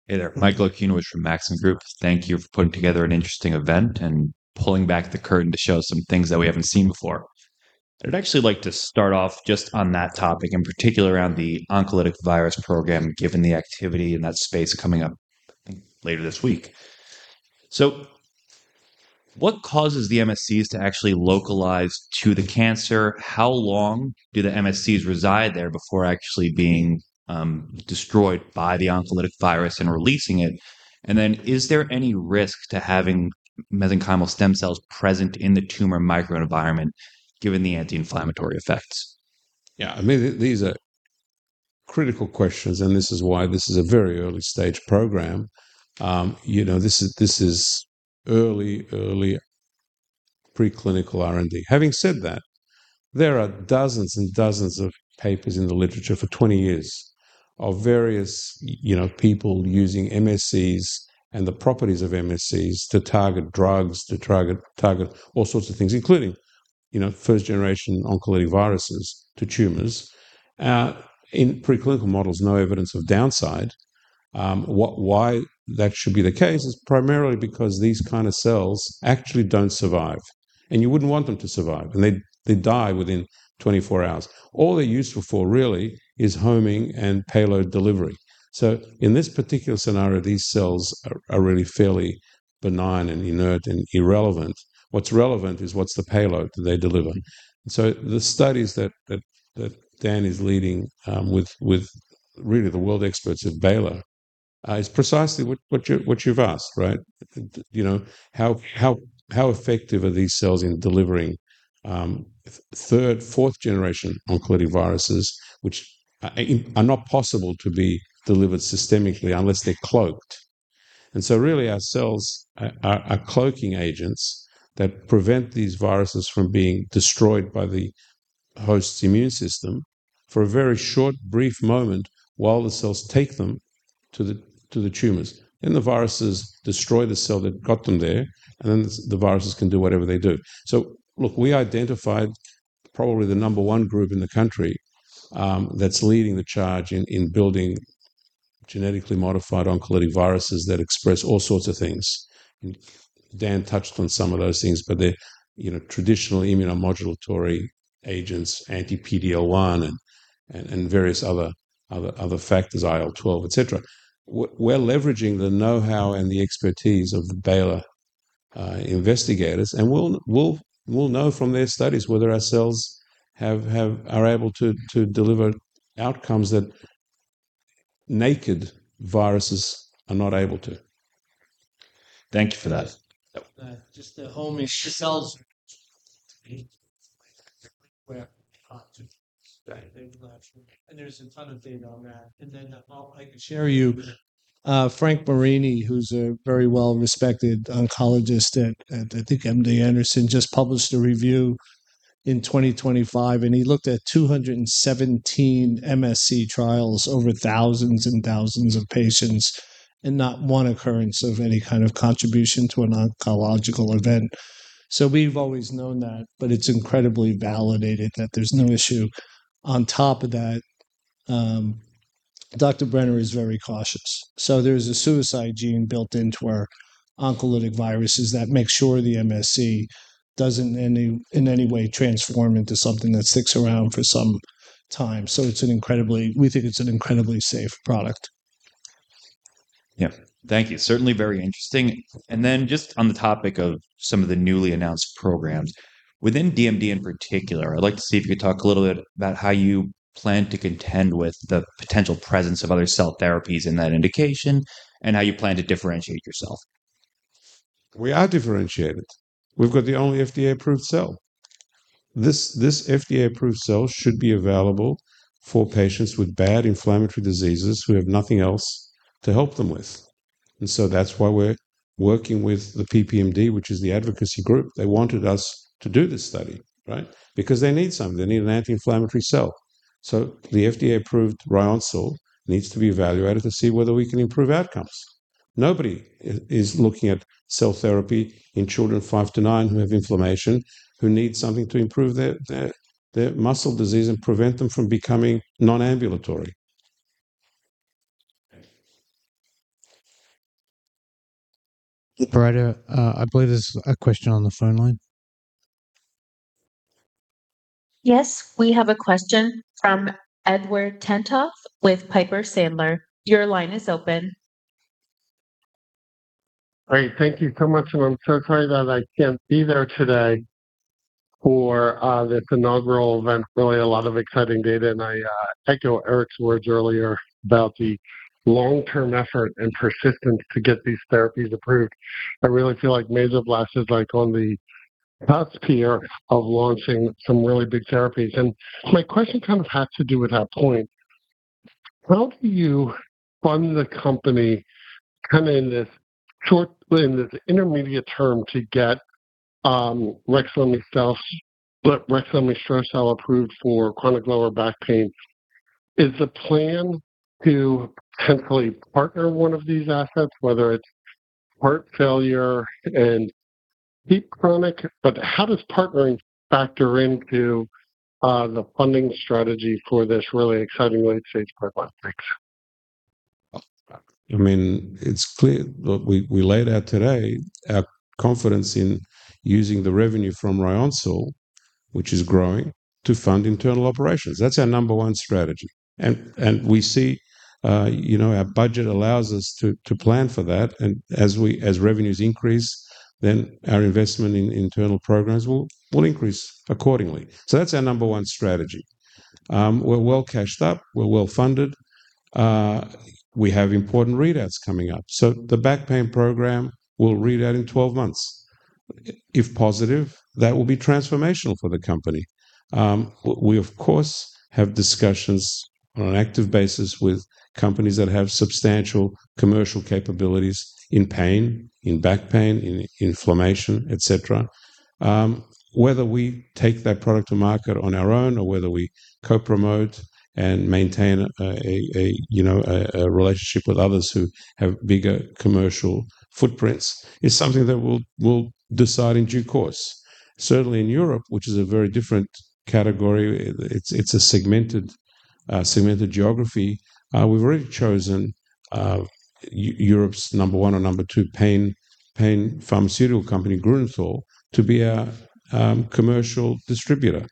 Speaker 18: Hey there. Michael Okunewitch from Maxim Group. Thank you for putting together an interesting event and pulling back the curtain to show some things that we haven't seen before. I'd actually like to start off just on that topic, in particular around the oncolytic virus program, given the activity in that space coming up later this week. What causes the MSCs to actually localize to the cancer? How long do the MSCs reside there before actually being destroyed by the oncolytic virus and releasing it? And then is there any risk to having mesenchymal stem cells present in the tumor microenvironment given the anti-inflammatory effects?
Speaker 2: Yeah. These are critical questions, and this is why this is a very early-stage program. This is early pre-clinical R&D. Having said that, there are dozens and dozens of papers in the literature for 20 years of various people using MSCs and the properties of MSCs to target drugs, to target all sorts of things, including first-generation oncolytic viruses to tumors. In pre-clinical models, no evidence of downside. Why that should be the case is primarily because these kind of cells actually don't survive, and you wouldn't want them to survive. They die within 24 hours. All they're useful for really is homing and payload delivery. In this particular scenario, these cells are really fairly benign and inert and irrelevant. What's relevant is what's the payload that they deliver. The studies that Dan is leading with really the world experts at Baylor is precisely what you've asked, right? How effective are these cells in delivering third, fourth generation oncolytic viruses, which are not possible to be delivered systemically unless they're cloaked. Really, our cells are cloaking agents that prevent these viruses from being destroyed by the host's immune system for a very short, brief moment while the cells take them to the tumors. The viruses destroy the cell that got them there, and then the viruses can do whatever they do. Look, we identified probably the number one group in the country that's leading the charge in building genetically modified oncolytic viruses that express all sorts of things. Dan touched on some of those things, but they're traditional immunomodulatory agents, anti-PD-L1 and various other factors, IL-12, et cetera. We're leveraging the knowhow and the expertise of the Baylor investigators, and we'll know from their studies whether our cells are able to deliver outcomes that naked viruses are not able to. Thank you for that.
Speaker 12: Just the homing cells are and there's a ton of data on that. I could share you, Frank Marini, who's a very well-respected oncologist at, I think, MD Anderson, just published a review in 2025, and he looked at 217 MSC trials over thousands and thousands of patients, and not one occurrence of any kind of contribution to an oncological event. We've always known that, but it's incredibly validated that there's no issue. On top of that, Dr. Brenner is very cautious. There's a suicide gene built into our oncolytic viruses that make sure the MSC doesn't in any way transform into something that sticks around for some time. We think it's an incredibly safe product.
Speaker 18: Yeah. Thank you. Certainly very interesting. Just on the topic of some of the newly announced programs. Within DMD in particular, I'd like to see if you could talk a little bit about how you plan to contend with the potential presence of other cell therapies in that indication and how you plan to differentiate yourself.
Speaker 2: We are differentiated. We've got the only FDA-approved cell. This FDA-approved cell should be available for patients with bad inflammatory diseases who have nothing else to help them with. That's why we're working with the PPMD, which is the advocacy group. They wanted us to do this study, right? Because they need something. They need an anti-inflammatory cell. The FDA-approved Ryoncil needs to be evaluated to see whether we can improve outcomes. Nobody is looking at cell therapy in children five to nine who have inflammation, who need something to improve their muscle disease and prevent them from becoming non-ambulatory.
Speaker 12: I believe there's a question on the phone line.
Speaker 19: Yes, we have a question from Edward Tenthoff with Piper Sandler. Your line is open.
Speaker 20: Great. Thank you so much, and I'm so sorry that I can't be there today for this inaugural event. Really a lot of exciting data, and I echo Eric's words earlier about the long-term effort and persistence to get these therapies approved. I really feel like Mesoblast is on the cusp here of launching some really big therapies. My question kind of has to do with that point. How do you fund the company in this intermediate term to get Rexlemestrocel approved for chronic lower back pain? Is the plan to potentially partner one of these assets, whether it's heart failure and deep chronic, but how does partnering factor into the funding strategy for this really exciting late-stage pipeline? Thanks.
Speaker 2: It's clear. Look, we laid out today our confidence in using the revenue from Ryoncil, which is growing, to fund internal operations. That's our number one strategy. We see our budget allows us to plan for that, and as revenues increase, then our investment in internal programs will increase accordingly. That's our number one strategy. We're well cashed up. We're well funded. We have important readouts coming up. The back pain program will read out in 12 months. If positive, that will be transformational for the company. We, of course, have discussions on an active basis with companies that have substantial commercial capabilities in pain, in back pain, in inflammation, et cetera. Whether we take that product to market on our own or whether we co-promote and maintain a relationship with others who have bigger commercial footprints is something that we'll decide in due course. Certainly in Europe, which is a very different category, it's a segmented geography. We've already chosen Europe's number one or number two pain pharmaceutical company, Grünenthal, to be our commercial distributor.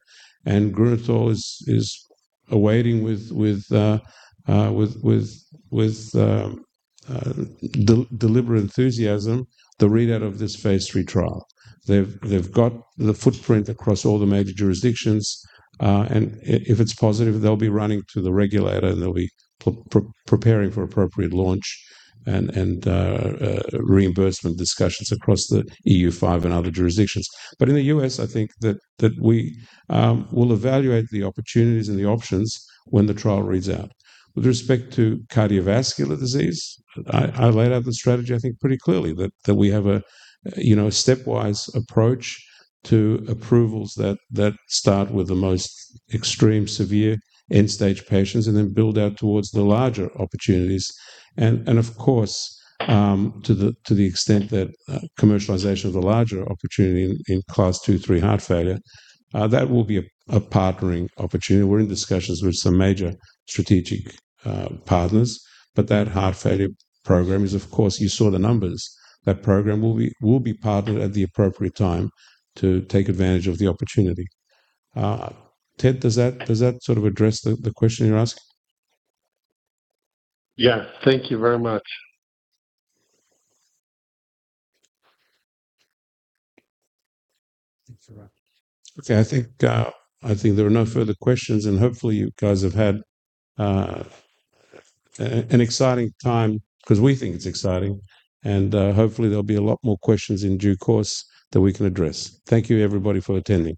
Speaker 2: Grünenthal is awaiting with deliberate enthusiasm the readout of this Phase III trial. They've got the footprint across all the major jurisdictions. If it's positive, they'll be running to the regulator, and they'll be preparing for appropriate launch and reimbursement discussions across the EU5 and other jurisdictions. In the U.S., I think that we will evaluate the opportunities and the options when the trial reads out. With respect to cardiovascular disease, I laid out the strategy, I think, pretty clearly that we have a stepwise approach to approvals that start with the most extreme severe end-stage patients and then build out towards the larger opportunities. Of course, to the extent that commercialization of the larger opportunity in Class 2-3 heart failure, that will be a partnering opportunity. We're in discussions with some major strategic partners, but that heart failure program is, of course, you saw the numbers. That program will be partnered at the appropriate time to take advantage of the opportunity. Ed, does that sort of address the question you're asking?
Speaker 20: Yeah. Thank you very much.
Speaker 2: Thanks, Ed. Okay. I think there are no further questions, and hopefully, you guys have had an exciting time because we think it's exciting, and hopefully, there'll be a lot more questions in due course that we can address. Thank you, everybody, for attending.